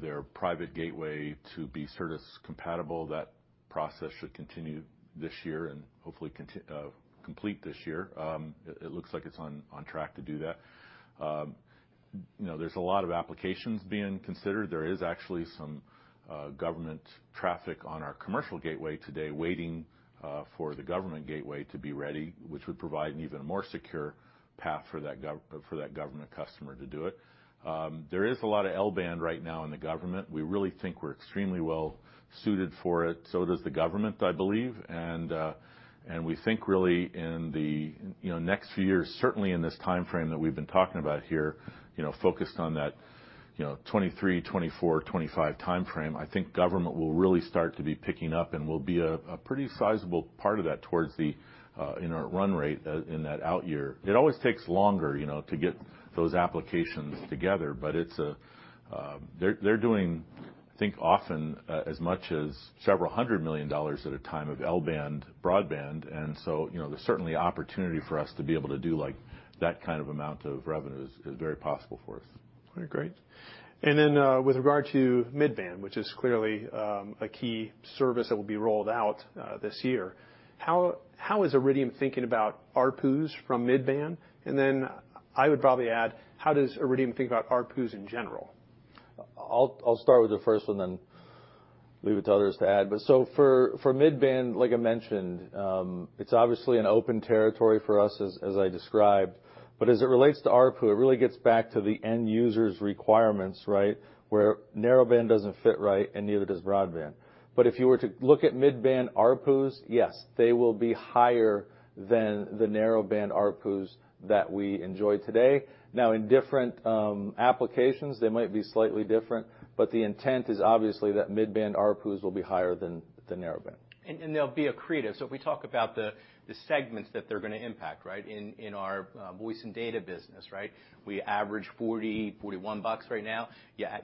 their private gateway to be Certus compatible. That process should continue this year and hopefully complete this year. It looks like it's on track to do that. There's a lot of applications being considered. There is actually some government traffic on our commercial gateway today waiting for the government gateway to be ready, which would provide an even more secure path for that government customer to do it. There is a lot of L-band right now in the government. We really think we're extremely well-suited for it, so does the government, I believe. We think really in the next few years, certainly in this timeframe that we've been talking about here, focused on that 2023, 2024, 2025 timeframe, I think government will really start to be picking up and will be a pretty sizable part of that towards the run rate in that out year. It always takes longer to get those applications together, but they're doing, I think, often as much as $ several hundred million at a time of L-band broadband. There's certainly opportunity for us to be able to do like that kind of amount of revenue is very possible for us. Okay, great. With regard to mid-band, which is clearly a key service that will be rolled out this year, how is Iridium thinking about ARPUs from mid-band? I would probably add, how does Iridium think about ARPUs in general? I'll start with the first one, then leave it to others to add. For mid-band, like I mentioned, it's obviously an open territory for us as I described, but as it relates to ARPU, it really gets back to the end user's requirements, right? Where narrow band doesn't fit right, and neither does broadband. If you were to look at mid-band ARPUs, yes, they will be higher than the narrow band ARPUs that we enjoy today. Now, in different applications, they might be slightly different, but the intent is obviously that mid-band ARPUs will be higher than narrow band. They'll be accretive. We talk about the segments that they're going to impact, right? In our voice and data business, right? We average $40, $41 right now.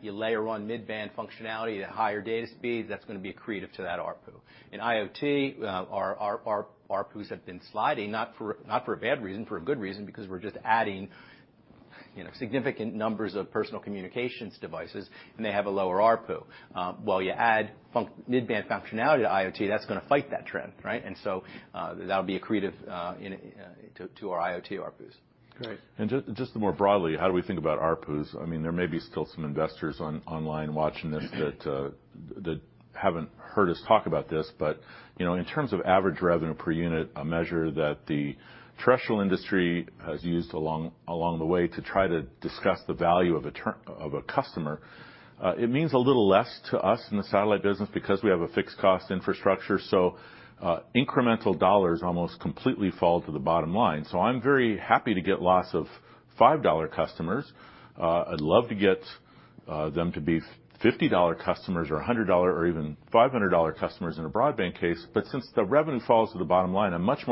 You layer on mid-band functionality at higher data speed, that's going to be accretive to that ARPU. In IoT, our ARPUs have been sliding not for a bad reason, for a good reason, because we're just adding significant numbers of personal communications devices, and they have a lower ARPU. While you add mid-band functionality to IoT, that's going to fight that trend, right? That'll be accretive to our IoT ARPUs. Great. Just more broadly, how do we think about ARPUs? There may be still some investors online watching this that haven't heard us talk about this. In terms of average revenue per unit, a measure that the terrestrial industry has used along the way to try to discuss the value of a customer. It means a little less to us in the satellite business because we have a fixed cost infrastructure, so incremental dollars almost completely fall to the bottom line. I'm very happy to get lots of $5 customers. I'd love to get them to be $50 customers or $100 or even $500 customers in a broadband case. Since the revenue falls to the bottom line, I'm much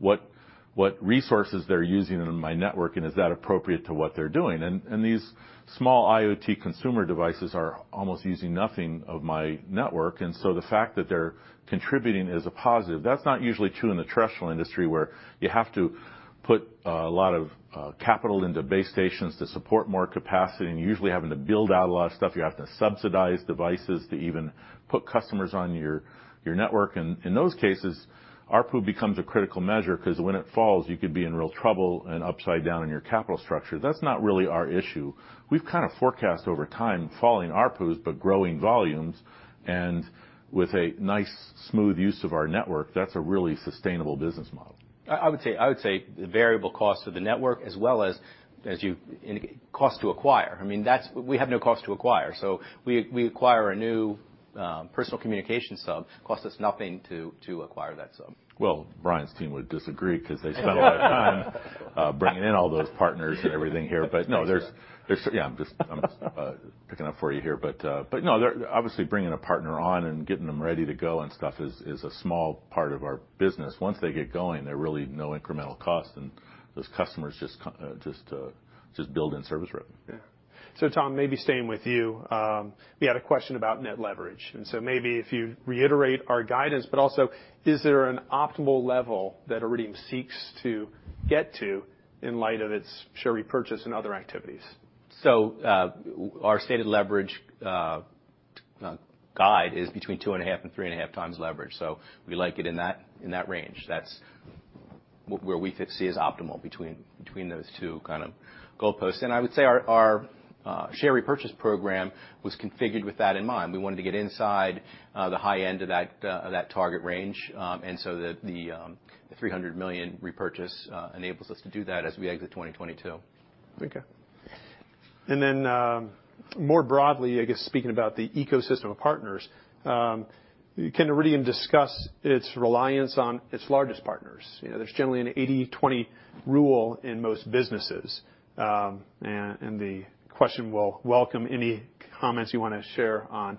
more interested in what resources they're using in my network, and is that appropriate to what they're doing. These small IoT consumer devices are almost using nothing of my network. The fact that they're contributing is a positive. That's not usually true in the terrestrial industry, where you have to put a lot of capital into base stations to support more capacity and usually having to build out a lot of stuff. You have to subsidize devices to even put customers on your network. In those cases, ARPU becomes a critical measure because when it falls, you could be in real trouble and upside down on your capital structure. That's not really our issue. We've kind of forecast over time falling ARPUs but growing volumes and with a nice smooth use of our network. That's a really sustainable business model. I would say the variable cost of the network as well as cost to acquire. We have no cost to acquire. We acquire a new personal communication sub, costs us nothing to acquire that sub. Well, Bryan's team would disagree because they spent a lot of time bringing in all those partners and everything here. No, I'm just picking on for you here. No, they're obviously bringing a partner on and getting them ready to go and stuff is a small part of our business. Once they get going, they're really no incremental cost, and those customers just build in service revenue. Tom, maybe staying with you. We had a question about net leverage, and so maybe if you reiterate our guidance, but also is there an optimal level that Iridium seeks to get to in light of its share repurchase and other activities? Our stated leverage guide is between two and a half and three and a half times leverage. We like it in that range. That's where we see as optimal between those two kind of goalposts. I would say our share repurchase program was configured with that in mind. We wanted to get inside the high end of that target range. The $300 million repurchase enables us to do that as we exit 2022. Okay. More broadly, I guess speaking about the ecosystem of partners, can Iridium discuss its reliance on its largest partners? There's generally an 80/20 rule in most businesses. The question will welcome any comments you want to share on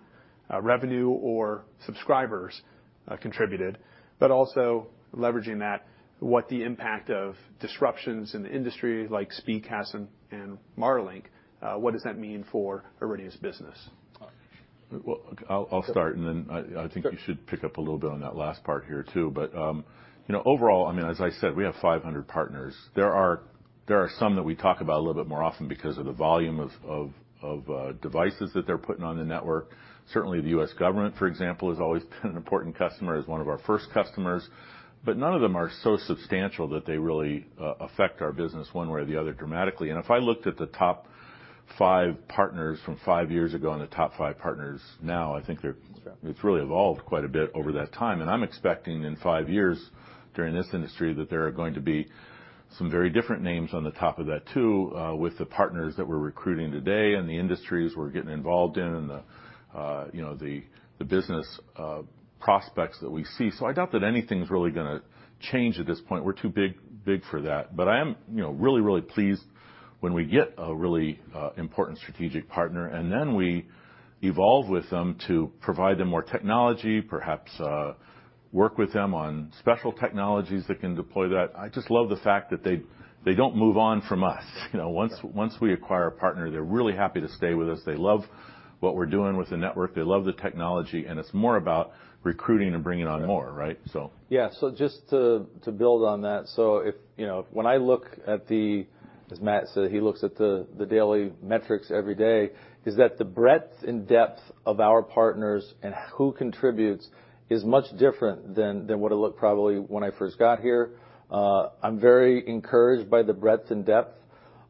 revenue or subscribers contributed, but also leveraging that, what the impact of disruptions in the industry like Speedcast and Marlink. What does that mean for Iridium's business? I'll start and then I think you should pick up a little bit on that last part here, too. Overall, as I said, we have 500 partners. There are some that we talk about a little bit more often because of the volume of devices that they're putting on the network. Certainly, the U.S. government, for example, has always been an important customer as one of our first customers. None of them are so substantial that they really affect our business one way or the other dramatically. If I looked at the top five partners from five years ago and the top five partners now, I think it's really evolved quite a bit over that time. I'm expecting in five years during this industry that there are going to be some very different names on the top of that, too, with the partners that we're recruiting today and the industries we're getting involved in and the business prospects that we see. I doubt that anything's really going to change at this point. We're too big for that. I'm really pleased when we get a really important strategic partner and then we evolve with them to provide them more technology, perhaps work with them on special technologies that can deploy that. I just love the fact that they don't move on from us. Once we acquire a partner, they're really happy to stay with us. They love what we're doing with the network. They love the technology, and it's more about recruiting and bringing on more, right? Yeah. Just to build on that. When I look at the, as Matt said, he looks at the daily metrics every day, is that the breadth and depth of our partners and who contributes is much different than what it looked probably when I first got here. I'm very encouraged by the breadth and depth.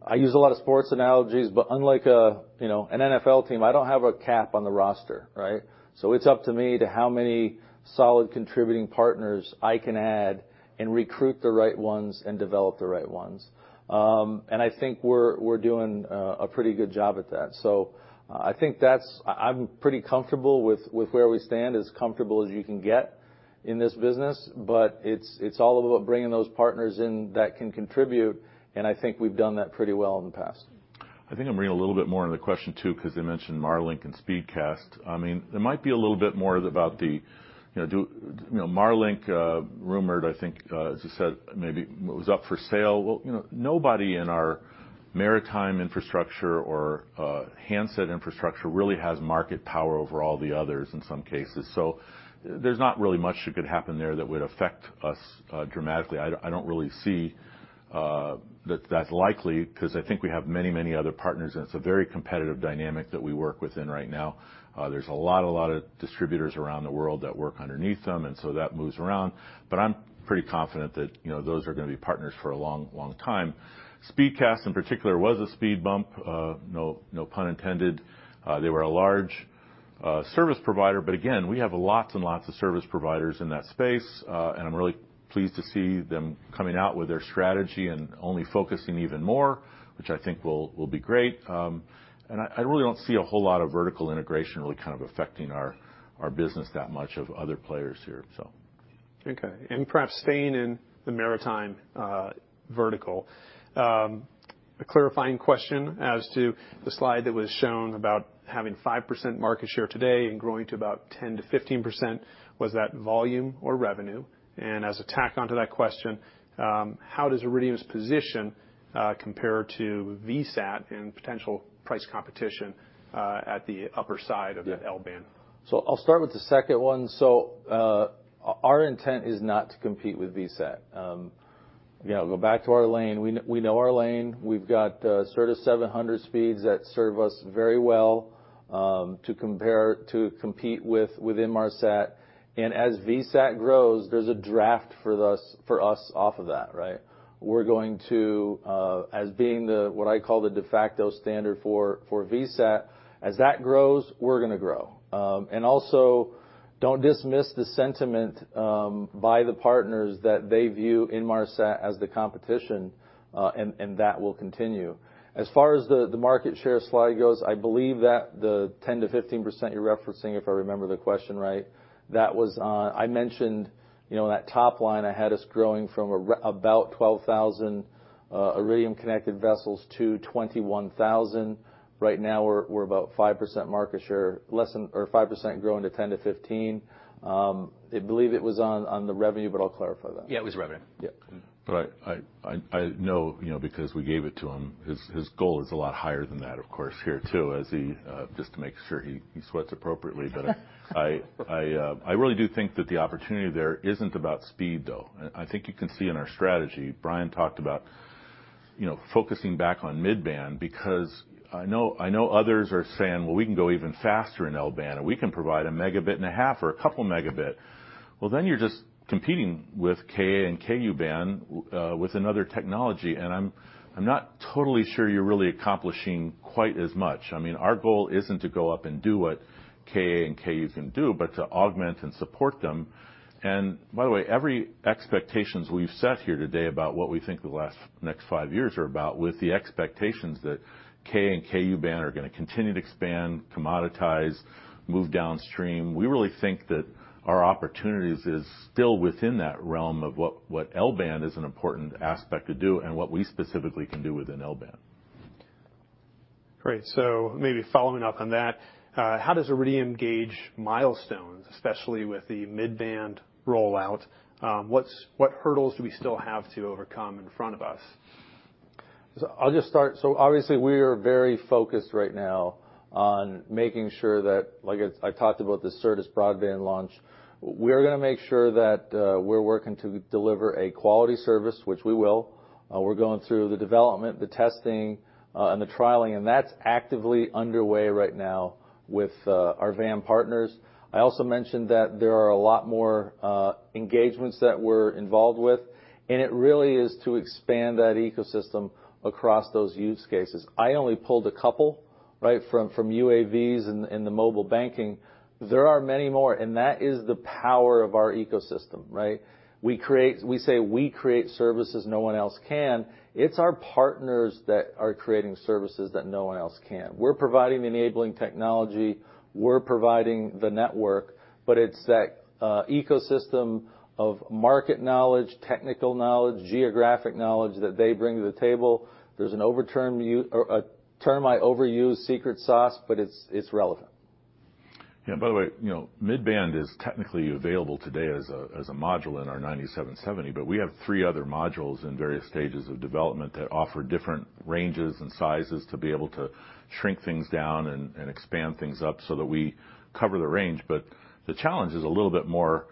I use a lot of sports analogies, but unlike an NFL team, I don't have a cap on the roster, right? It's up to me to how many solid contributing partners I can add and recruit the right ones and develop the right ones. I think we're doing a pretty good job at that. I think that I'm pretty comfortable with where we stand, as comfortable as you can get in this business. It's all about bringing those partners in that can contribute, and I think we've done that pretty well in the past. I think I'm hearing a little bit more on the question, too, because they mentioned Marlink and Speedcast. It might be a little bit more about the Marlink rumored, I think, as you said, maybe it was up for sale. Nobody in our maritime infrastructure or handset infrastructure really has market power over all the others in some cases. There's not really much that could happen there that would affect us dramatically. I don't really see that that's likely because I think we have many other partners, and it's a very competitive dynamic that we work within right now. There's a lot of distributors around the world that work underneath them, and so that moves around. I'm pretty confident that those are going to be partners for a long time. Speedcast, in particular, was a speed bump, no pun intended. They were a large service provider. Again, we have lots and lots of service providers in that space. I'm really pleased to see them coming out with their strategy and only focusing even more, which I think will be great. I really don't see a whole lot of vertical integration really kind of affecting our business that much of other players here, so. Okay. Perhaps staying in the maritime vertical. A clarifying question as to the slide that was shown about having 5% market share today and growing to about 10%-15%, was that volume or revenue? As a tack onto that question, how does Iridium's position compare to VSAT and potential price competition at the upper side of that L-band? I'll start with the second one. Our intent is not to compete with VSAT. Go back to our lane. We know our lane. We've got the sort of 700 speeds that serve us very well to compete with Inmarsat. As VSAT grows, there's a draft for us off of that, right? As being what I call the de facto standard for VSAT. As that grows, we're going to grow. Also don't dismiss the sentiment by the partners that they view Inmarsat as the competition, and that will continue. As far as the market share slide goes, I believe that the 10%-15% you're referencing, if I remember the question right, I mentioned that top line I had us growing from about 12,000 Iridium connected vessels to 21,000. Right now, we're about 5% market share, less than or 5% growing to 10%-15%. I believe it was on the revenue, I'll clarify that. Yeah, it was revenue. Yeah. I know because we gave it to him, his goal is a lot higher than that, of course, here, too, just to make sure he sweats appropriately. I really do think that the opportunity there isn't about speed, though. I think you can see in our strategy, Bryan J. Hartin talked about focusing back on mid-band because I know others are saying, "Well, we can go even faster in L-band. We can provide one and a half megabit or a couple of megabit." Then you're just competing with Ka-band and Ku-band with another technology, and I'm not totally sure you're really accomplishing quite as much. Our goal isn't to go up and do what Ka-band and Ku-band can do, but to augment and support them. By the way, every expectations we've set here today about what we think the next five years are about with the expectations that Ka-band and Ku-band are going to continue to expand, commoditize, move downstream. We really think that our opportunities is still within that realm of what L-band is an important aspect to do, and what we specifically can do within L-band. Great. Maybe following up on that, how does Iridium gauge milestones, especially with the mid-band rollout? What hurdles do we still have to overcome in front of us? I'll just start. Obviously, we are very focused right now on making sure that, like I talked about the Certus broadband launch. We're going to make sure that we're working to deliver a quality service, which we will. We're going through the development, the testing, and the trialing, and that's actively underway right now with our VAR partners. I also mentioned that there are a lot more engagements that we're involved with, and it really is to expand that ecosystem across those use cases. I only pulled a couple from UAVs and the mobile banking. There are many more, and that is the power of our ecosystem. We say we create services no one else can. It's our partners that are creating services that no one else can. We're providing enabling technology. We're providing the network, but it's that ecosystem of market knowledge, technical knowledge, geographic knowledge that they bring to the table. There's a term I overuse, secret sauce, but it's relevant. Yeah. By the way, midband is technically available today as a module in our 9770, but we have three other modules in various stages of development that offer different ranges and sizes to be able to shrink things down and expand things up so that we cover the range. But the challenge is a little bit more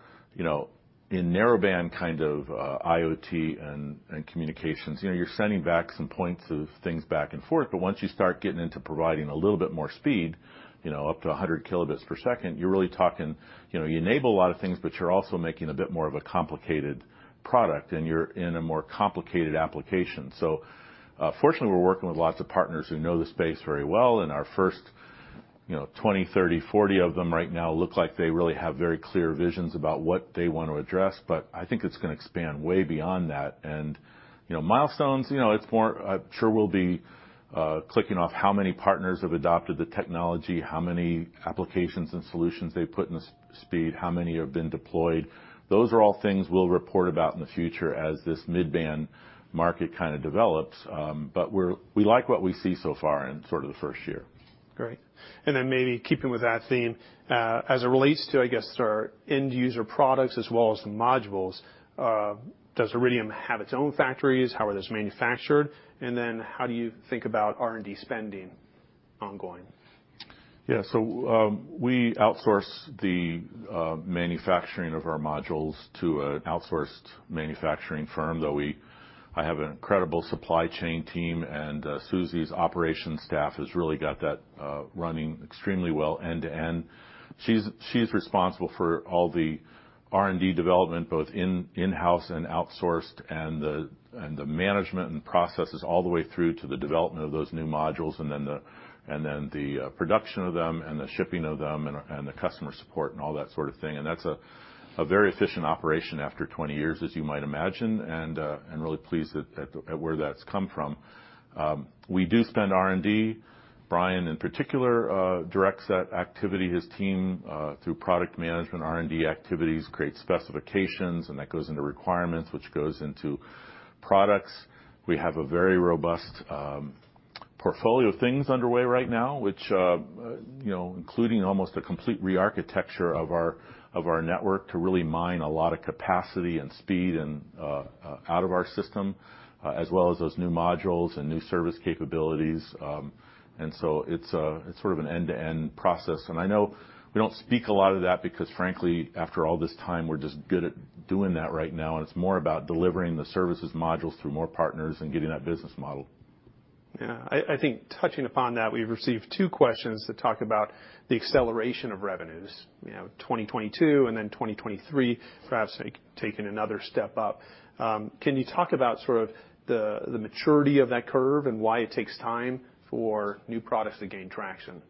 in narrowband kind of IoT and communications. You're sending back some points of things back and forth, but once you start getting into providing a little bit more speed, up to 100 kilobits per second, you're really talking, you enable a lot of things, but you're also making a bit more of a complicated product, and you're in a more complicated application. Fortunately, we're working with lots of partners who know the space very well, and our first 20, 30, 40 of them right now look like they really have very clear visions about what they want to address. I think it's going to expand way beyond that. Milestones, I'm sure we'll be clicking off how many partners have adopted the technology, how many applications and solutions they put in place, how many have been deployed. Those are all things we'll report about in the future as this mid-band market kind of develops, but we like what we see so far in sort of the first year. Great. Maybe keeping with that theme, as it relates to, I guess, our end-user products as well as the modules, does Iridium have its own factories? How it is manufactured, and then how do you think about R&D spending ongoing? Yeah. We outsource the manufacturing of our modules to an outsourced manufacturing firm, though I have an incredible supply chain team, and Suzi's operations staff has really got that running extremely well end to end. She's responsible for all the R&D development, both in-house and outsourced, and the management and processes all the way through to the development of those new modules, and then the production of them and the shipping of them and the customer support and all that sort of thing. That's a very efficient operation after 20 years, as you might imagine, and really pleased at where that's come from. We do spend R&D. Bryan, in particular, directs that activity. His team through product management R&D activities, creates specifications, and that goes into requirements, which goes into products. We have a very robust portfolio of things underway right now, including almost a complete re-architecture of our network to really mine a lot of capacity and speed out of our system, as well as those new modules and new service capabilities. It's sort of an end-to-end process. I know we don't speak a lot of that because frankly, after all this time, we're just good at doing that right now, and it's more about delivering the services modules through more partners and getting that business model. Yeah. I think touching upon that, we've received two questions that talk about the acceleration of revenues, 2022 and then 2023 perhaps taking another step up. Can you talk about sort of the maturity of that curve and why it takes time for new products to gain traction?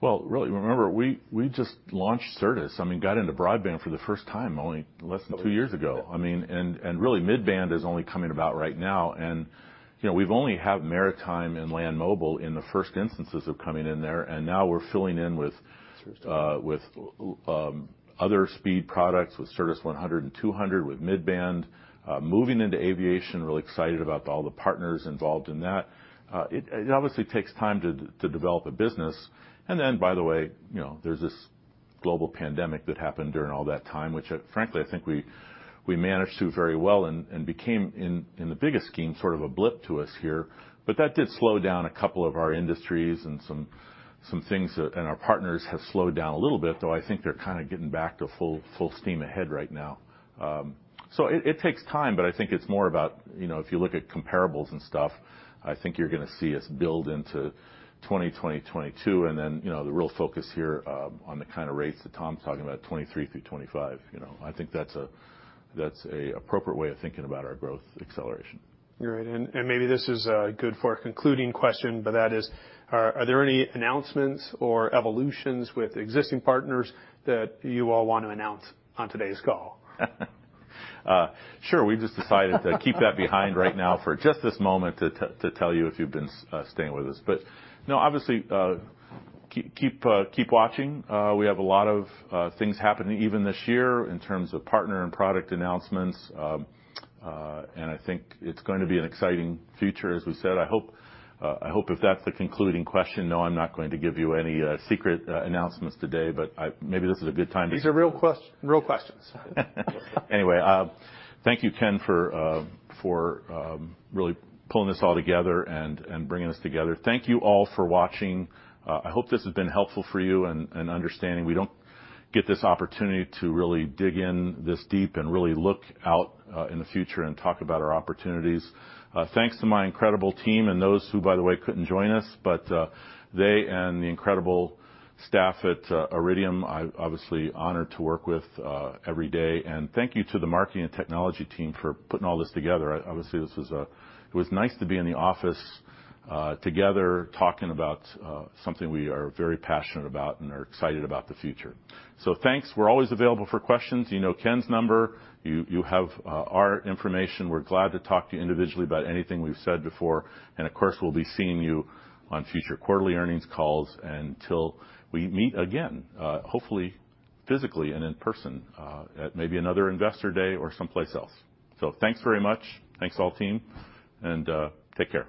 Well, really, remember, we just launched Certus. I mean, got into broadband for the first time only less than two years ago. Really, midband is only coming about right now. We've only had maritime and land mobile in the first instances of coming in there, and now we're filling in with Certus other speed products with Certus 100 and 200 with midband. Moving into aviation, really excited about all the partners involved in that. It obviously takes time to develop a business. By the way, there's this global pandemic that happened during all that time, which frankly, I think we managed through very well and became, in the bigger scheme, sort of a blip to us here. That did slow down a couple of our industries and some things, and our partners have slowed down a little bit, though I think they're kind of getting back to full steam ahead right now. It takes time, I think it's more about if you look at comparables and stuff, I think you're going to see us build into 2020, 2022, and then the real focus here on the kind of rates that Tom's talking about, 2023 through 2025. I think that's an appropriate way of thinking about our growth acceleration. Great. Maybe this is good for a concluding question, but that is, are there any announcements or evolutions with existing partners that you all want to announce on today's call? Sure. We just decided to keep that behind right now for just this moment to tell you if you've been staying with us. No, obviously, keep watching. We have a lot of things happening even this year in terms of partner and product announcements. I think it's going to be an exciting future, as we said. I hope if that's the concluding question, no, I'm not going to give you any secret announcements today, but maybe this is a good time to. These are real questions. Thank you, Ken, for really pulling this all together and bringing us together. Thank you all for watching. I hope this has been helpful for you and understanding. We don't get this opportunity to really dig in this deep and really look out in the future and talk about our opportunities. Thanks to my incredible team and those who, by the way, couldn't join us, but they and the incredible staff at Iridium, I'm obviously honored to work with every day. Thank you to the marketing and technology team for putting all this together. Obviously, it was nice to be in the office together talking about something we are very passionate about and are excited about the future. Thanks. We're always available for questions. You know Ken's number. You have our information. We're glad to talk to you individually about anything we've said before. Of course, we'll be seeing you on future quarterly earnings calls until we meet again, hopefully physically and in person at maybe another Investor Day or someplace else. Thanks very much. Thanks all, team, and take care.